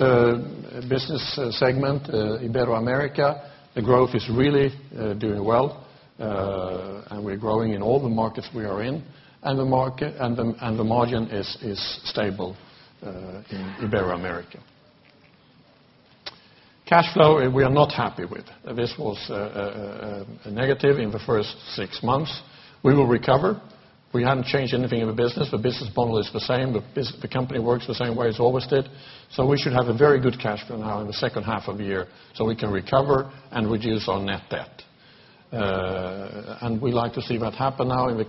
business segment, Ibero-America, the growth is really doing well. We're growing in all the markets we are in. The margin is stable in Ibero-America. Cash flow, we are not happy with. This was negative in the first six months. We will recover. We haven't changed anything in the business. The business model is the same. The company works the same way it's always did. So we should have a very good cash flow now in the second half of the year so we can recover and reduce our net debt. We'd like to see that happen now in the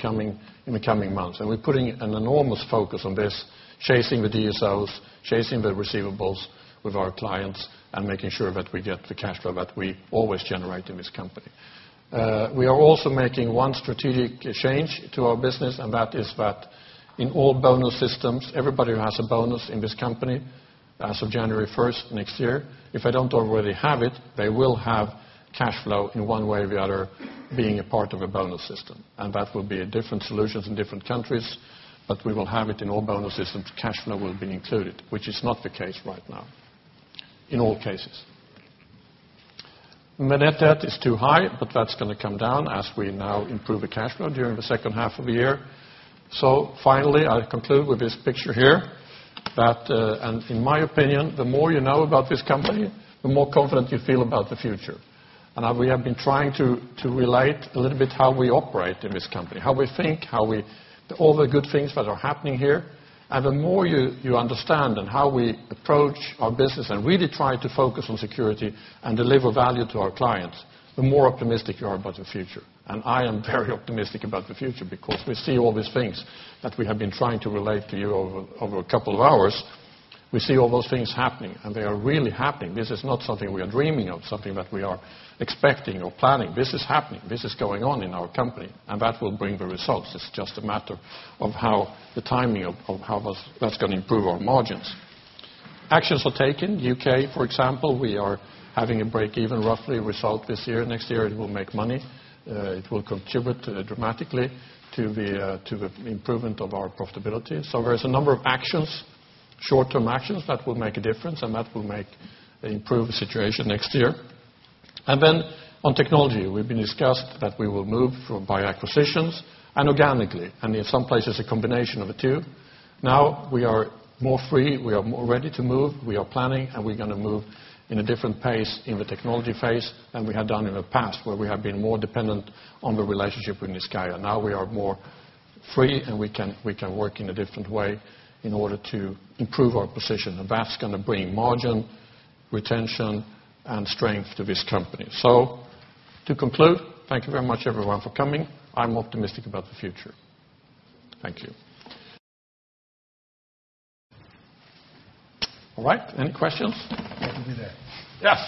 coming months. We're putting an enormous focus on this, chasing the DSOs, chasing the receivables with our clients, and making sure that we get the cash flow that we always generate in this company. We are also making one strategic change to our business. That is that in all bonus systems, everybody who has a bonus in this company as of January 1 next year, if they don't already have it, they will have cash flow in one way or the other, being a part of a bonus system. That will be different solutions in different countries. We will have it in all bonus systems. Cash flow will be included, which is not the case right now, in all cases. The net debt is too high. That's going to come down as we now improve the cash flow during the second half of the year. Finally, I conclude with this picture here. In my opinion, the more you know about this company, the more confident you feel about the future. We have been trying to relate a little bit how we operate in this company, how we think, all the good things that are happening here. The more you understand and how we approach our business and really try to focus on security and deliver value to our clients, the more optimistic you are about the future. I am very optimistic about the future because we see all these things that we have been trying to relate to you over a couple of hours. We see all those things happening. They are really happening. This is not something we are dreaming of, something that we are expecting or planning. This is happening. This is going on in our company. That will bring the results. It's just a matter of the timing of how that's going to improve our margins. Actions are taken. UK, for example, we are having a break-even, roughly, result this year. Next year, it will make money. It will contribute dramatically to the improvement of our profitability. So there's a number of actions, short-term actions, that will make a difference. And that will improve the situation next year. And then on technology, we've discussed that we will move by acquisitions and organically and in some places, a combination of the two. Now we are more free. We are more ready to move. We are planning. And we're going to move in a different pace in the technology phase than we had done in the past, where we have been more dependent on the relationship with Niscayah. Now we are more free. And we can work in a different way in order to improve our position. And that's going to bring margin, retention, and strength to this company. So to conclude, thank you very much, everyone, for coming. I'm optimistic about the future. Thank you. All right, any questions? I'll be there. Yes.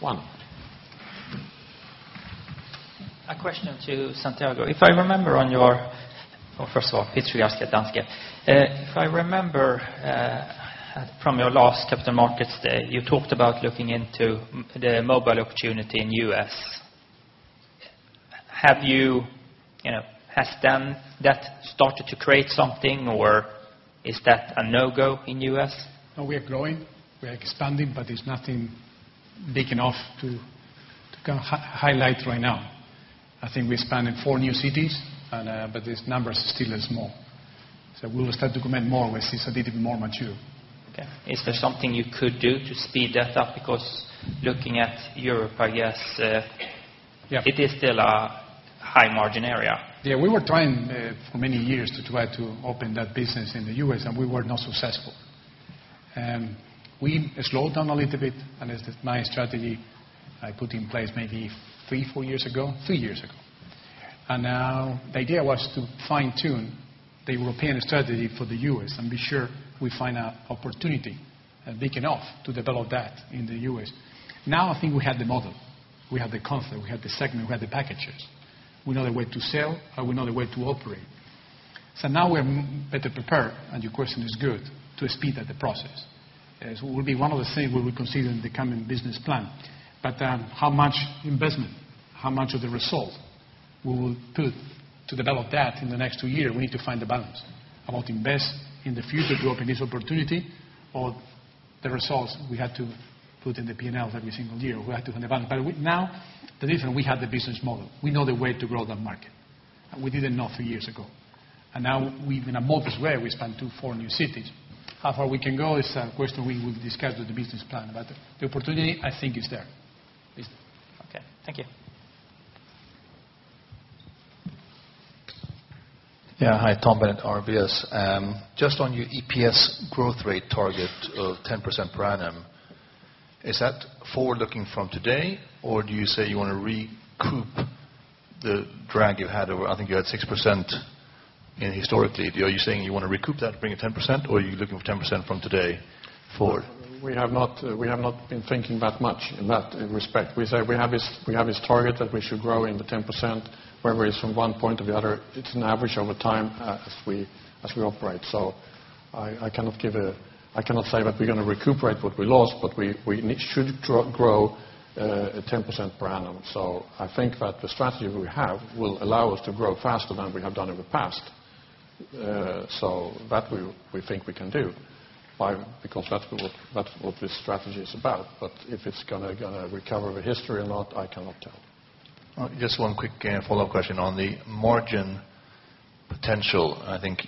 One. A question to Santiago. If I remember correctly, well, first of all, Petri Gostowski, Danske. If I remember from your last Capital Markets Day, you talked about looking into the mobile opportunity in the U.S. Has that started to create something? Or is that a no-go in the U.S.? No, we are growing. We are expanding. But there's nothing big enough to highlight right now. I think we're expanding four new cities. But this number is still small. So we will start to commit more once it's a little bit more mature. OK, is there something you could do to speed that up? Because looking at Europe, I guess, it is still a high-margin area. Yeah, we were trying for many years to try to open that business in the U.S. We were not successful. We slowed down a little bit. It's my strategy I put in place maybe 3, 4 years ago, 3 years ago. Now the idea was to fine-tune the European strategy for the U.S. and be sure we find an opportunity big enough to develop that in the U.S. Now I think we have the model. We have the concept. We have the segment. We have the packages. We know the way to sell. We know the way to operate. So now we are better prepared. Your question is good, to speed up the process. It will be one of the things we will consider in the coming business plan. But how much investment, how much of the result we will put to develop that in the next 2 years, we need to find the balance about invest in the future to open this opportunity or the results we have to put in the P&L every single year. We have to find the balance. But now the difference, we have the business model. We know the way to grow that market. And we didn't know 3 years ago. And now we're in a mode where we spend 2-4 new cities. How far we can go is a question we will discuss with the business plan. But the opportunity, I think, is there. OK, thank you. Yeah, hi, Tom Bennett, RBS. Just on your EPS growth rate target of 10% per annum, is that forward-looking from today? Or do you say you want to recoup the drag you've had over I think you had 6% historically. Are you saying you want to recoup that, bring it 10%? Or are you looking for 10% from today forward? We have not been thinking that much in that respect. We have this target that we should grow in the 10%. Whether it's from one point or the other, it's an average over time as we operate. So I cannot say that we're going to recuperate what we lost. But we should grow 10% per annum. So I think that the strategy we have will allow us to grow faster than we have done in the past. So that we think we can do because that's what this strategy is about. But if it's going to recover the history or not, I cannot tell. Just one quick follow-up question on the margin potential. I think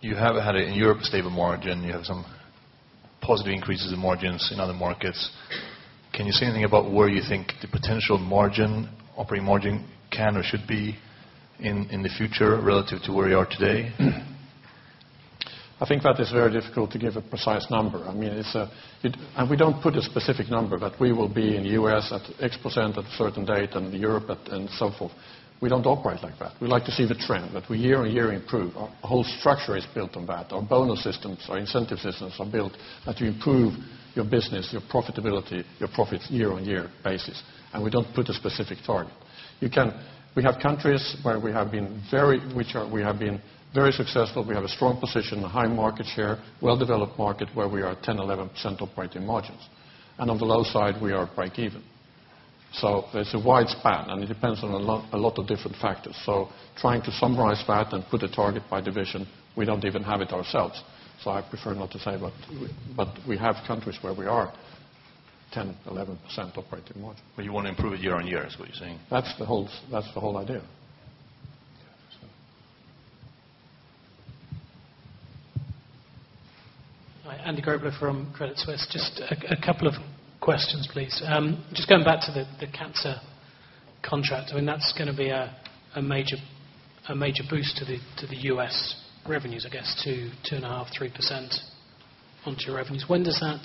you have had it in Europe, stable margin. You have some positive increases in margins in other markets. Can you say anything about where you think the potential margin, operating margin, can or should be in the future relative to where you are today? I think that is very difficult to give a precise number. I mean, we don't put a specific number that we will be in the US at X% at a certain date and Europe and so forth. We don't operate like that. We like to see the trend, that we year-on-year improve. Our whole structure is built on that. Our bonus systems, our incentive systems are built that you improve your business, your profitability, your profits year-on-year basis. We don't put a specific target. We have countries where we have been very successful. We have a strong position, a high market share, well-developed market where we are 10%, 11% operating margins. On the low side, we are break-even. It's a wide span. It depends on a lot of different factors. So trying to summarize that and put a target by division, we don't even have it ourselves. So I prefer not to say. But we have countries where we are 10%, 11% operating margin. You want to improve it year on year, is what you're saying? That's the whole idea. Hi, Andy Grobler from Credit Suisse. Just a couple of questions, please. Just going back to the Kaiser contract, I mean, that's going to be a major boost to the US revenues, I guess, 2.5%-3% onto your revenues. When does that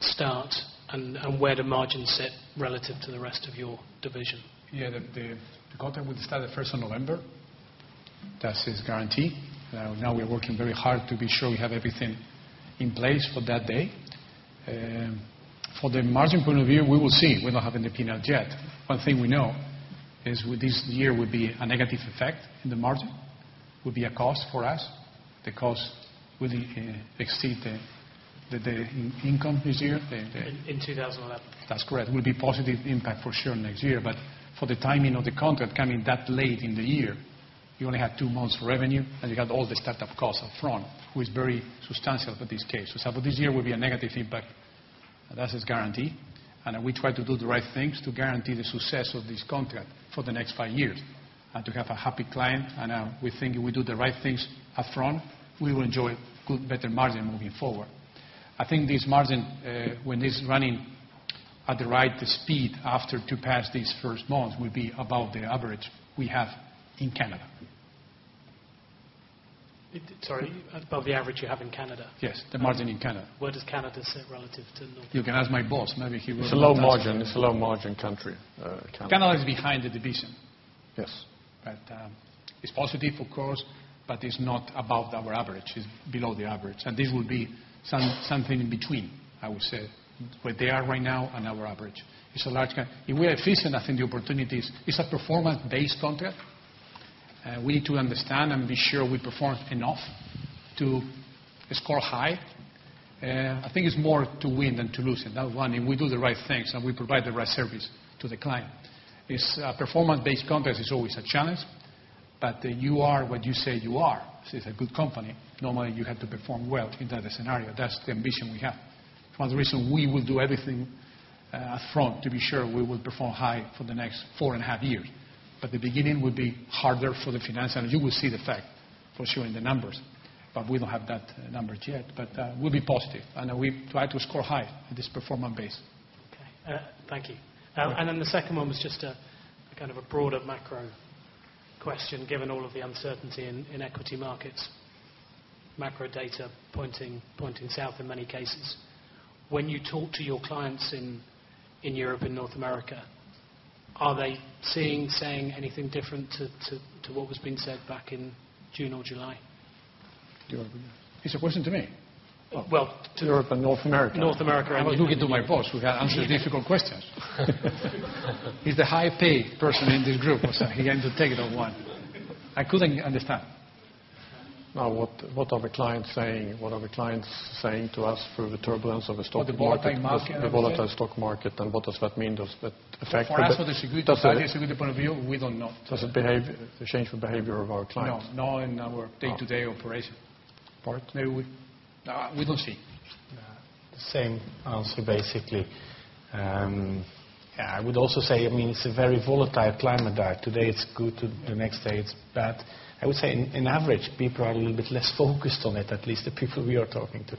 start? And where do margins sit relative to the rest of your division? Yeah, the contract will start the 1st of November. That's his guarantee. Now we are working very hard to be sure we have everything in place for that day. From the margin point of view, we will see. We don't have any P&L yet. One thing we know is this year would be a negative effect in the margin. It would be a cost for us. The cost will exceed the income this year. In 2011? That's correct. It will be a positive impact for sure next year. But for the timing of the contract coming that late in the year, you only have two months of revenue. And you have all the startup costs up front, which is very substantial for this case. So this year will be a negative impact. That's his guarantee. And we try to do the right things to guarantee the success of this contract for the next five years and to have a happy client. And we think if we do the right things up front, we will enjoy better margin moving forward. I think this margin, when it's running at the right speed after we pass these first months, will be above the average we have in Canada. Sorry, above the average you have in Canada? Yes, the margin in Canada. Where does Canada sit relative to North America? You can ask my boss. Maybe he will. It's a low margin. It's a low-margin country, Canada. Canada is behind the division. Yes. It's positive, of course. It's not above our average. It's below the average. This will be something in between, I would say, where they are right now and our average. It's a large country. If we are efficient, I think the opportunity is it's a performance-based contract. We need to understand and be sure we perform enough to score high. I think it's more to win than to lose in that one. If we do the right things and we provide the right service to the client, performance-based contracts are always a challenge. But you are what you say you are. This is a good company. Normally, you have to perform well in that scenario. That's the ambition we have. It's one of the reasons we will do everything up front to be sure we will perform high for the next 4.5 years. The beginning will be harder for the finance. You will see the effect for sure in the numbers. We don't have that number yet. We'll be positive. We try to score high in this performance-based. OK, thank you. Then the second one was just kind of a broader macro question, given all of the uncertainty in equity markets, macro data pointing south in many cases. When you talk to your clients in Europe and North America, are they seeing, saying anything different to what was being said back in June or July? It's a question to me? Well. Europe and North America. North America. I'll look into my boss. We have answered difficult questions. He's the high-paid person in this group. He came to take that one. I couldn't understand. Now, what are the clients saying? What are the clients saying to us through the turbulence of the stock market? The volatile market. The volatile stock market. What does that mean? Does that affect? For us, from the disagreement point of view, we don't know. Does it change the behavior of our clients? No, not in our day-to-day operation. Part? We don't see. The same answer, basically. Yeah, I would also say, I mean, it's a very volatile climate there. Today it's good. The next day it's bad. I would say, on average, people are a little bit less focused on it, at least the people we are talking to.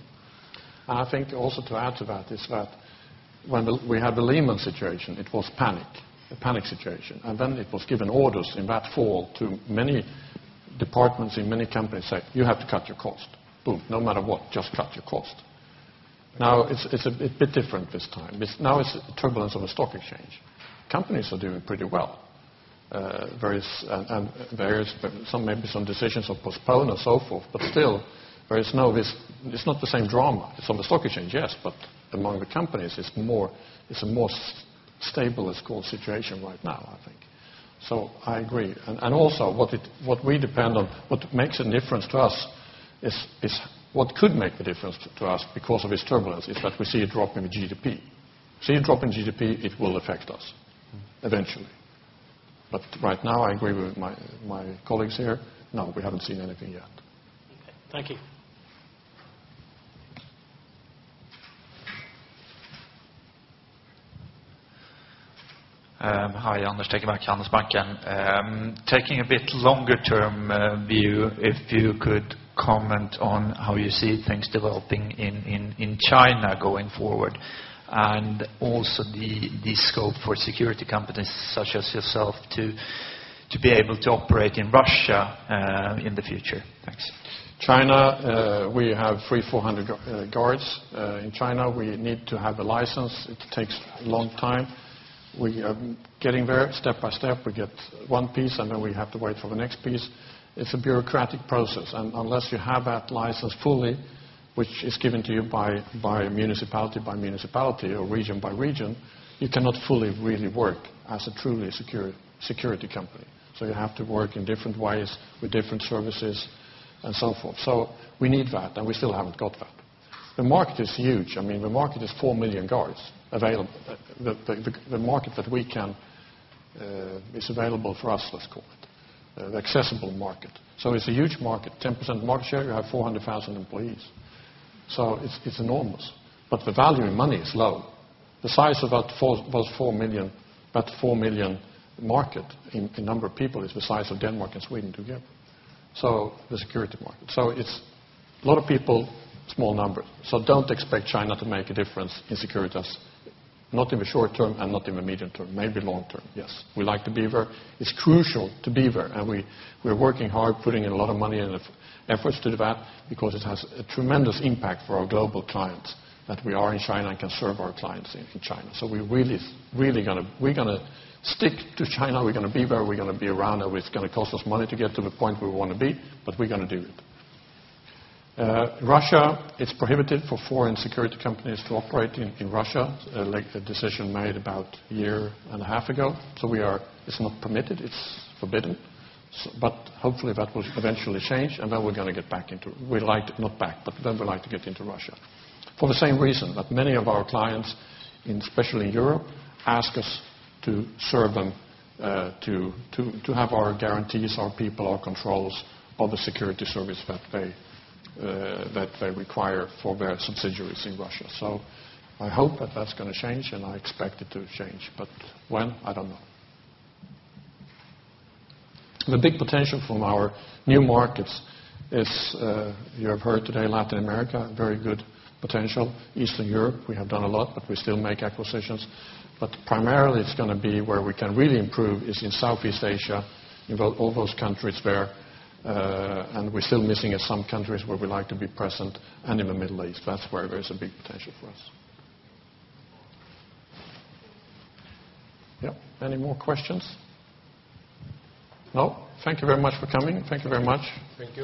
And I think also to add to that is that when we had the Lehman situation, it was panic, a panic situation. And then it was given orders in that fall to many departments in many companies saying, "You have to cut your cost. Boom. No matter what, just cut your cost." Now it's a bit different this time. Now it's turbulence of the stock exchange. Companies are doing pretty well. And maybe some decisions are postponed and so forth. But still, there is no it's not the same drama. It's on the stock exchange, yes. But among the companies, it's a more stable, as it's called, situation right now, I think. So I agree. And also, what we depend on what makes a difference to us is what could make a difference to us because of this turbulence is that we see it dropping the GDP. See it dropping GDP. It will affect us eventually. But right now, I agree with my colleagues here. No, we haven't seen anything yet. OK, thank you. Hi, Anders. Thank you, back to Handelsbanken. Taking a bit longer-term view, if you could comment on how you see things developing in China going forward and also the scope for security companies such as yourself to be able to operate in Russia in the future? Thanks. China, we have 3,400 guards in China. We need to have a license. It takes a long time. We are getting there step by step. We get one piece. Then we have to wait for the next piece. It's a bureaucratic process. Unless you have that license fully, which is given to you by municipality by municipality or region by region, you cannot fully really work as a truly security company. So you have to work in different ways with different services and so forth. So we need that. We still haven't got that. The market is huge. I mean, the market is four million guards available. The market that we can is available for us, let's call it, the accessible market. So it's a huge market. 10% market share. You have 400,000 employees. So it's enormous. But the value in money is low. The size of that four million that four million market in number of people is the size of Denmark and Sweden together, so the security market. So it's a lot of people, small numbers. So don't expect China to make a difference in security, not in the short term and not in the medium term, maybe long term, yes. We like to be there. It's crucial to be there. And we are working hard, putting in a lot of money and efforts to do that because it has a tremendous impact for our global clients that we are in China and can serve our clients in China. So we're really going to stick to China. We're going to be there. We're going to be around. And it's going to cost us money to get to the point where we want to be. But we're going to do it. Russia, it's prohibited for foreign security companies to operate in Russia, a decision made about a year and a half ago. So it's not permitted. It's forbidden. But hopefully, that will eventually change. And then we're going to get back into we'd like not back. But then we'd like to get into Russia for the same reason that many of our clients, especially in Europe, ask us to serve them, to have our guarantees, our people, our controls of the security service that they require for their subsidiaries in Russia. So I hope that that's going to change. And I expect it to change. But when, I don't know. The big potential from our new markets is you have heard today, Latin America, very good potential. Eastern Europe, we have done a lot. But we still make acquisitions. But primarily, it's going to be where we can really improve is in Southeast Asia, in all those countries where. And we're still missing in some countries where we like to be present and in the Middle East. That's where there's a big potential for us. Yeah, any more questions? No? Thank you very much for coming. Thank you very much. Thank you.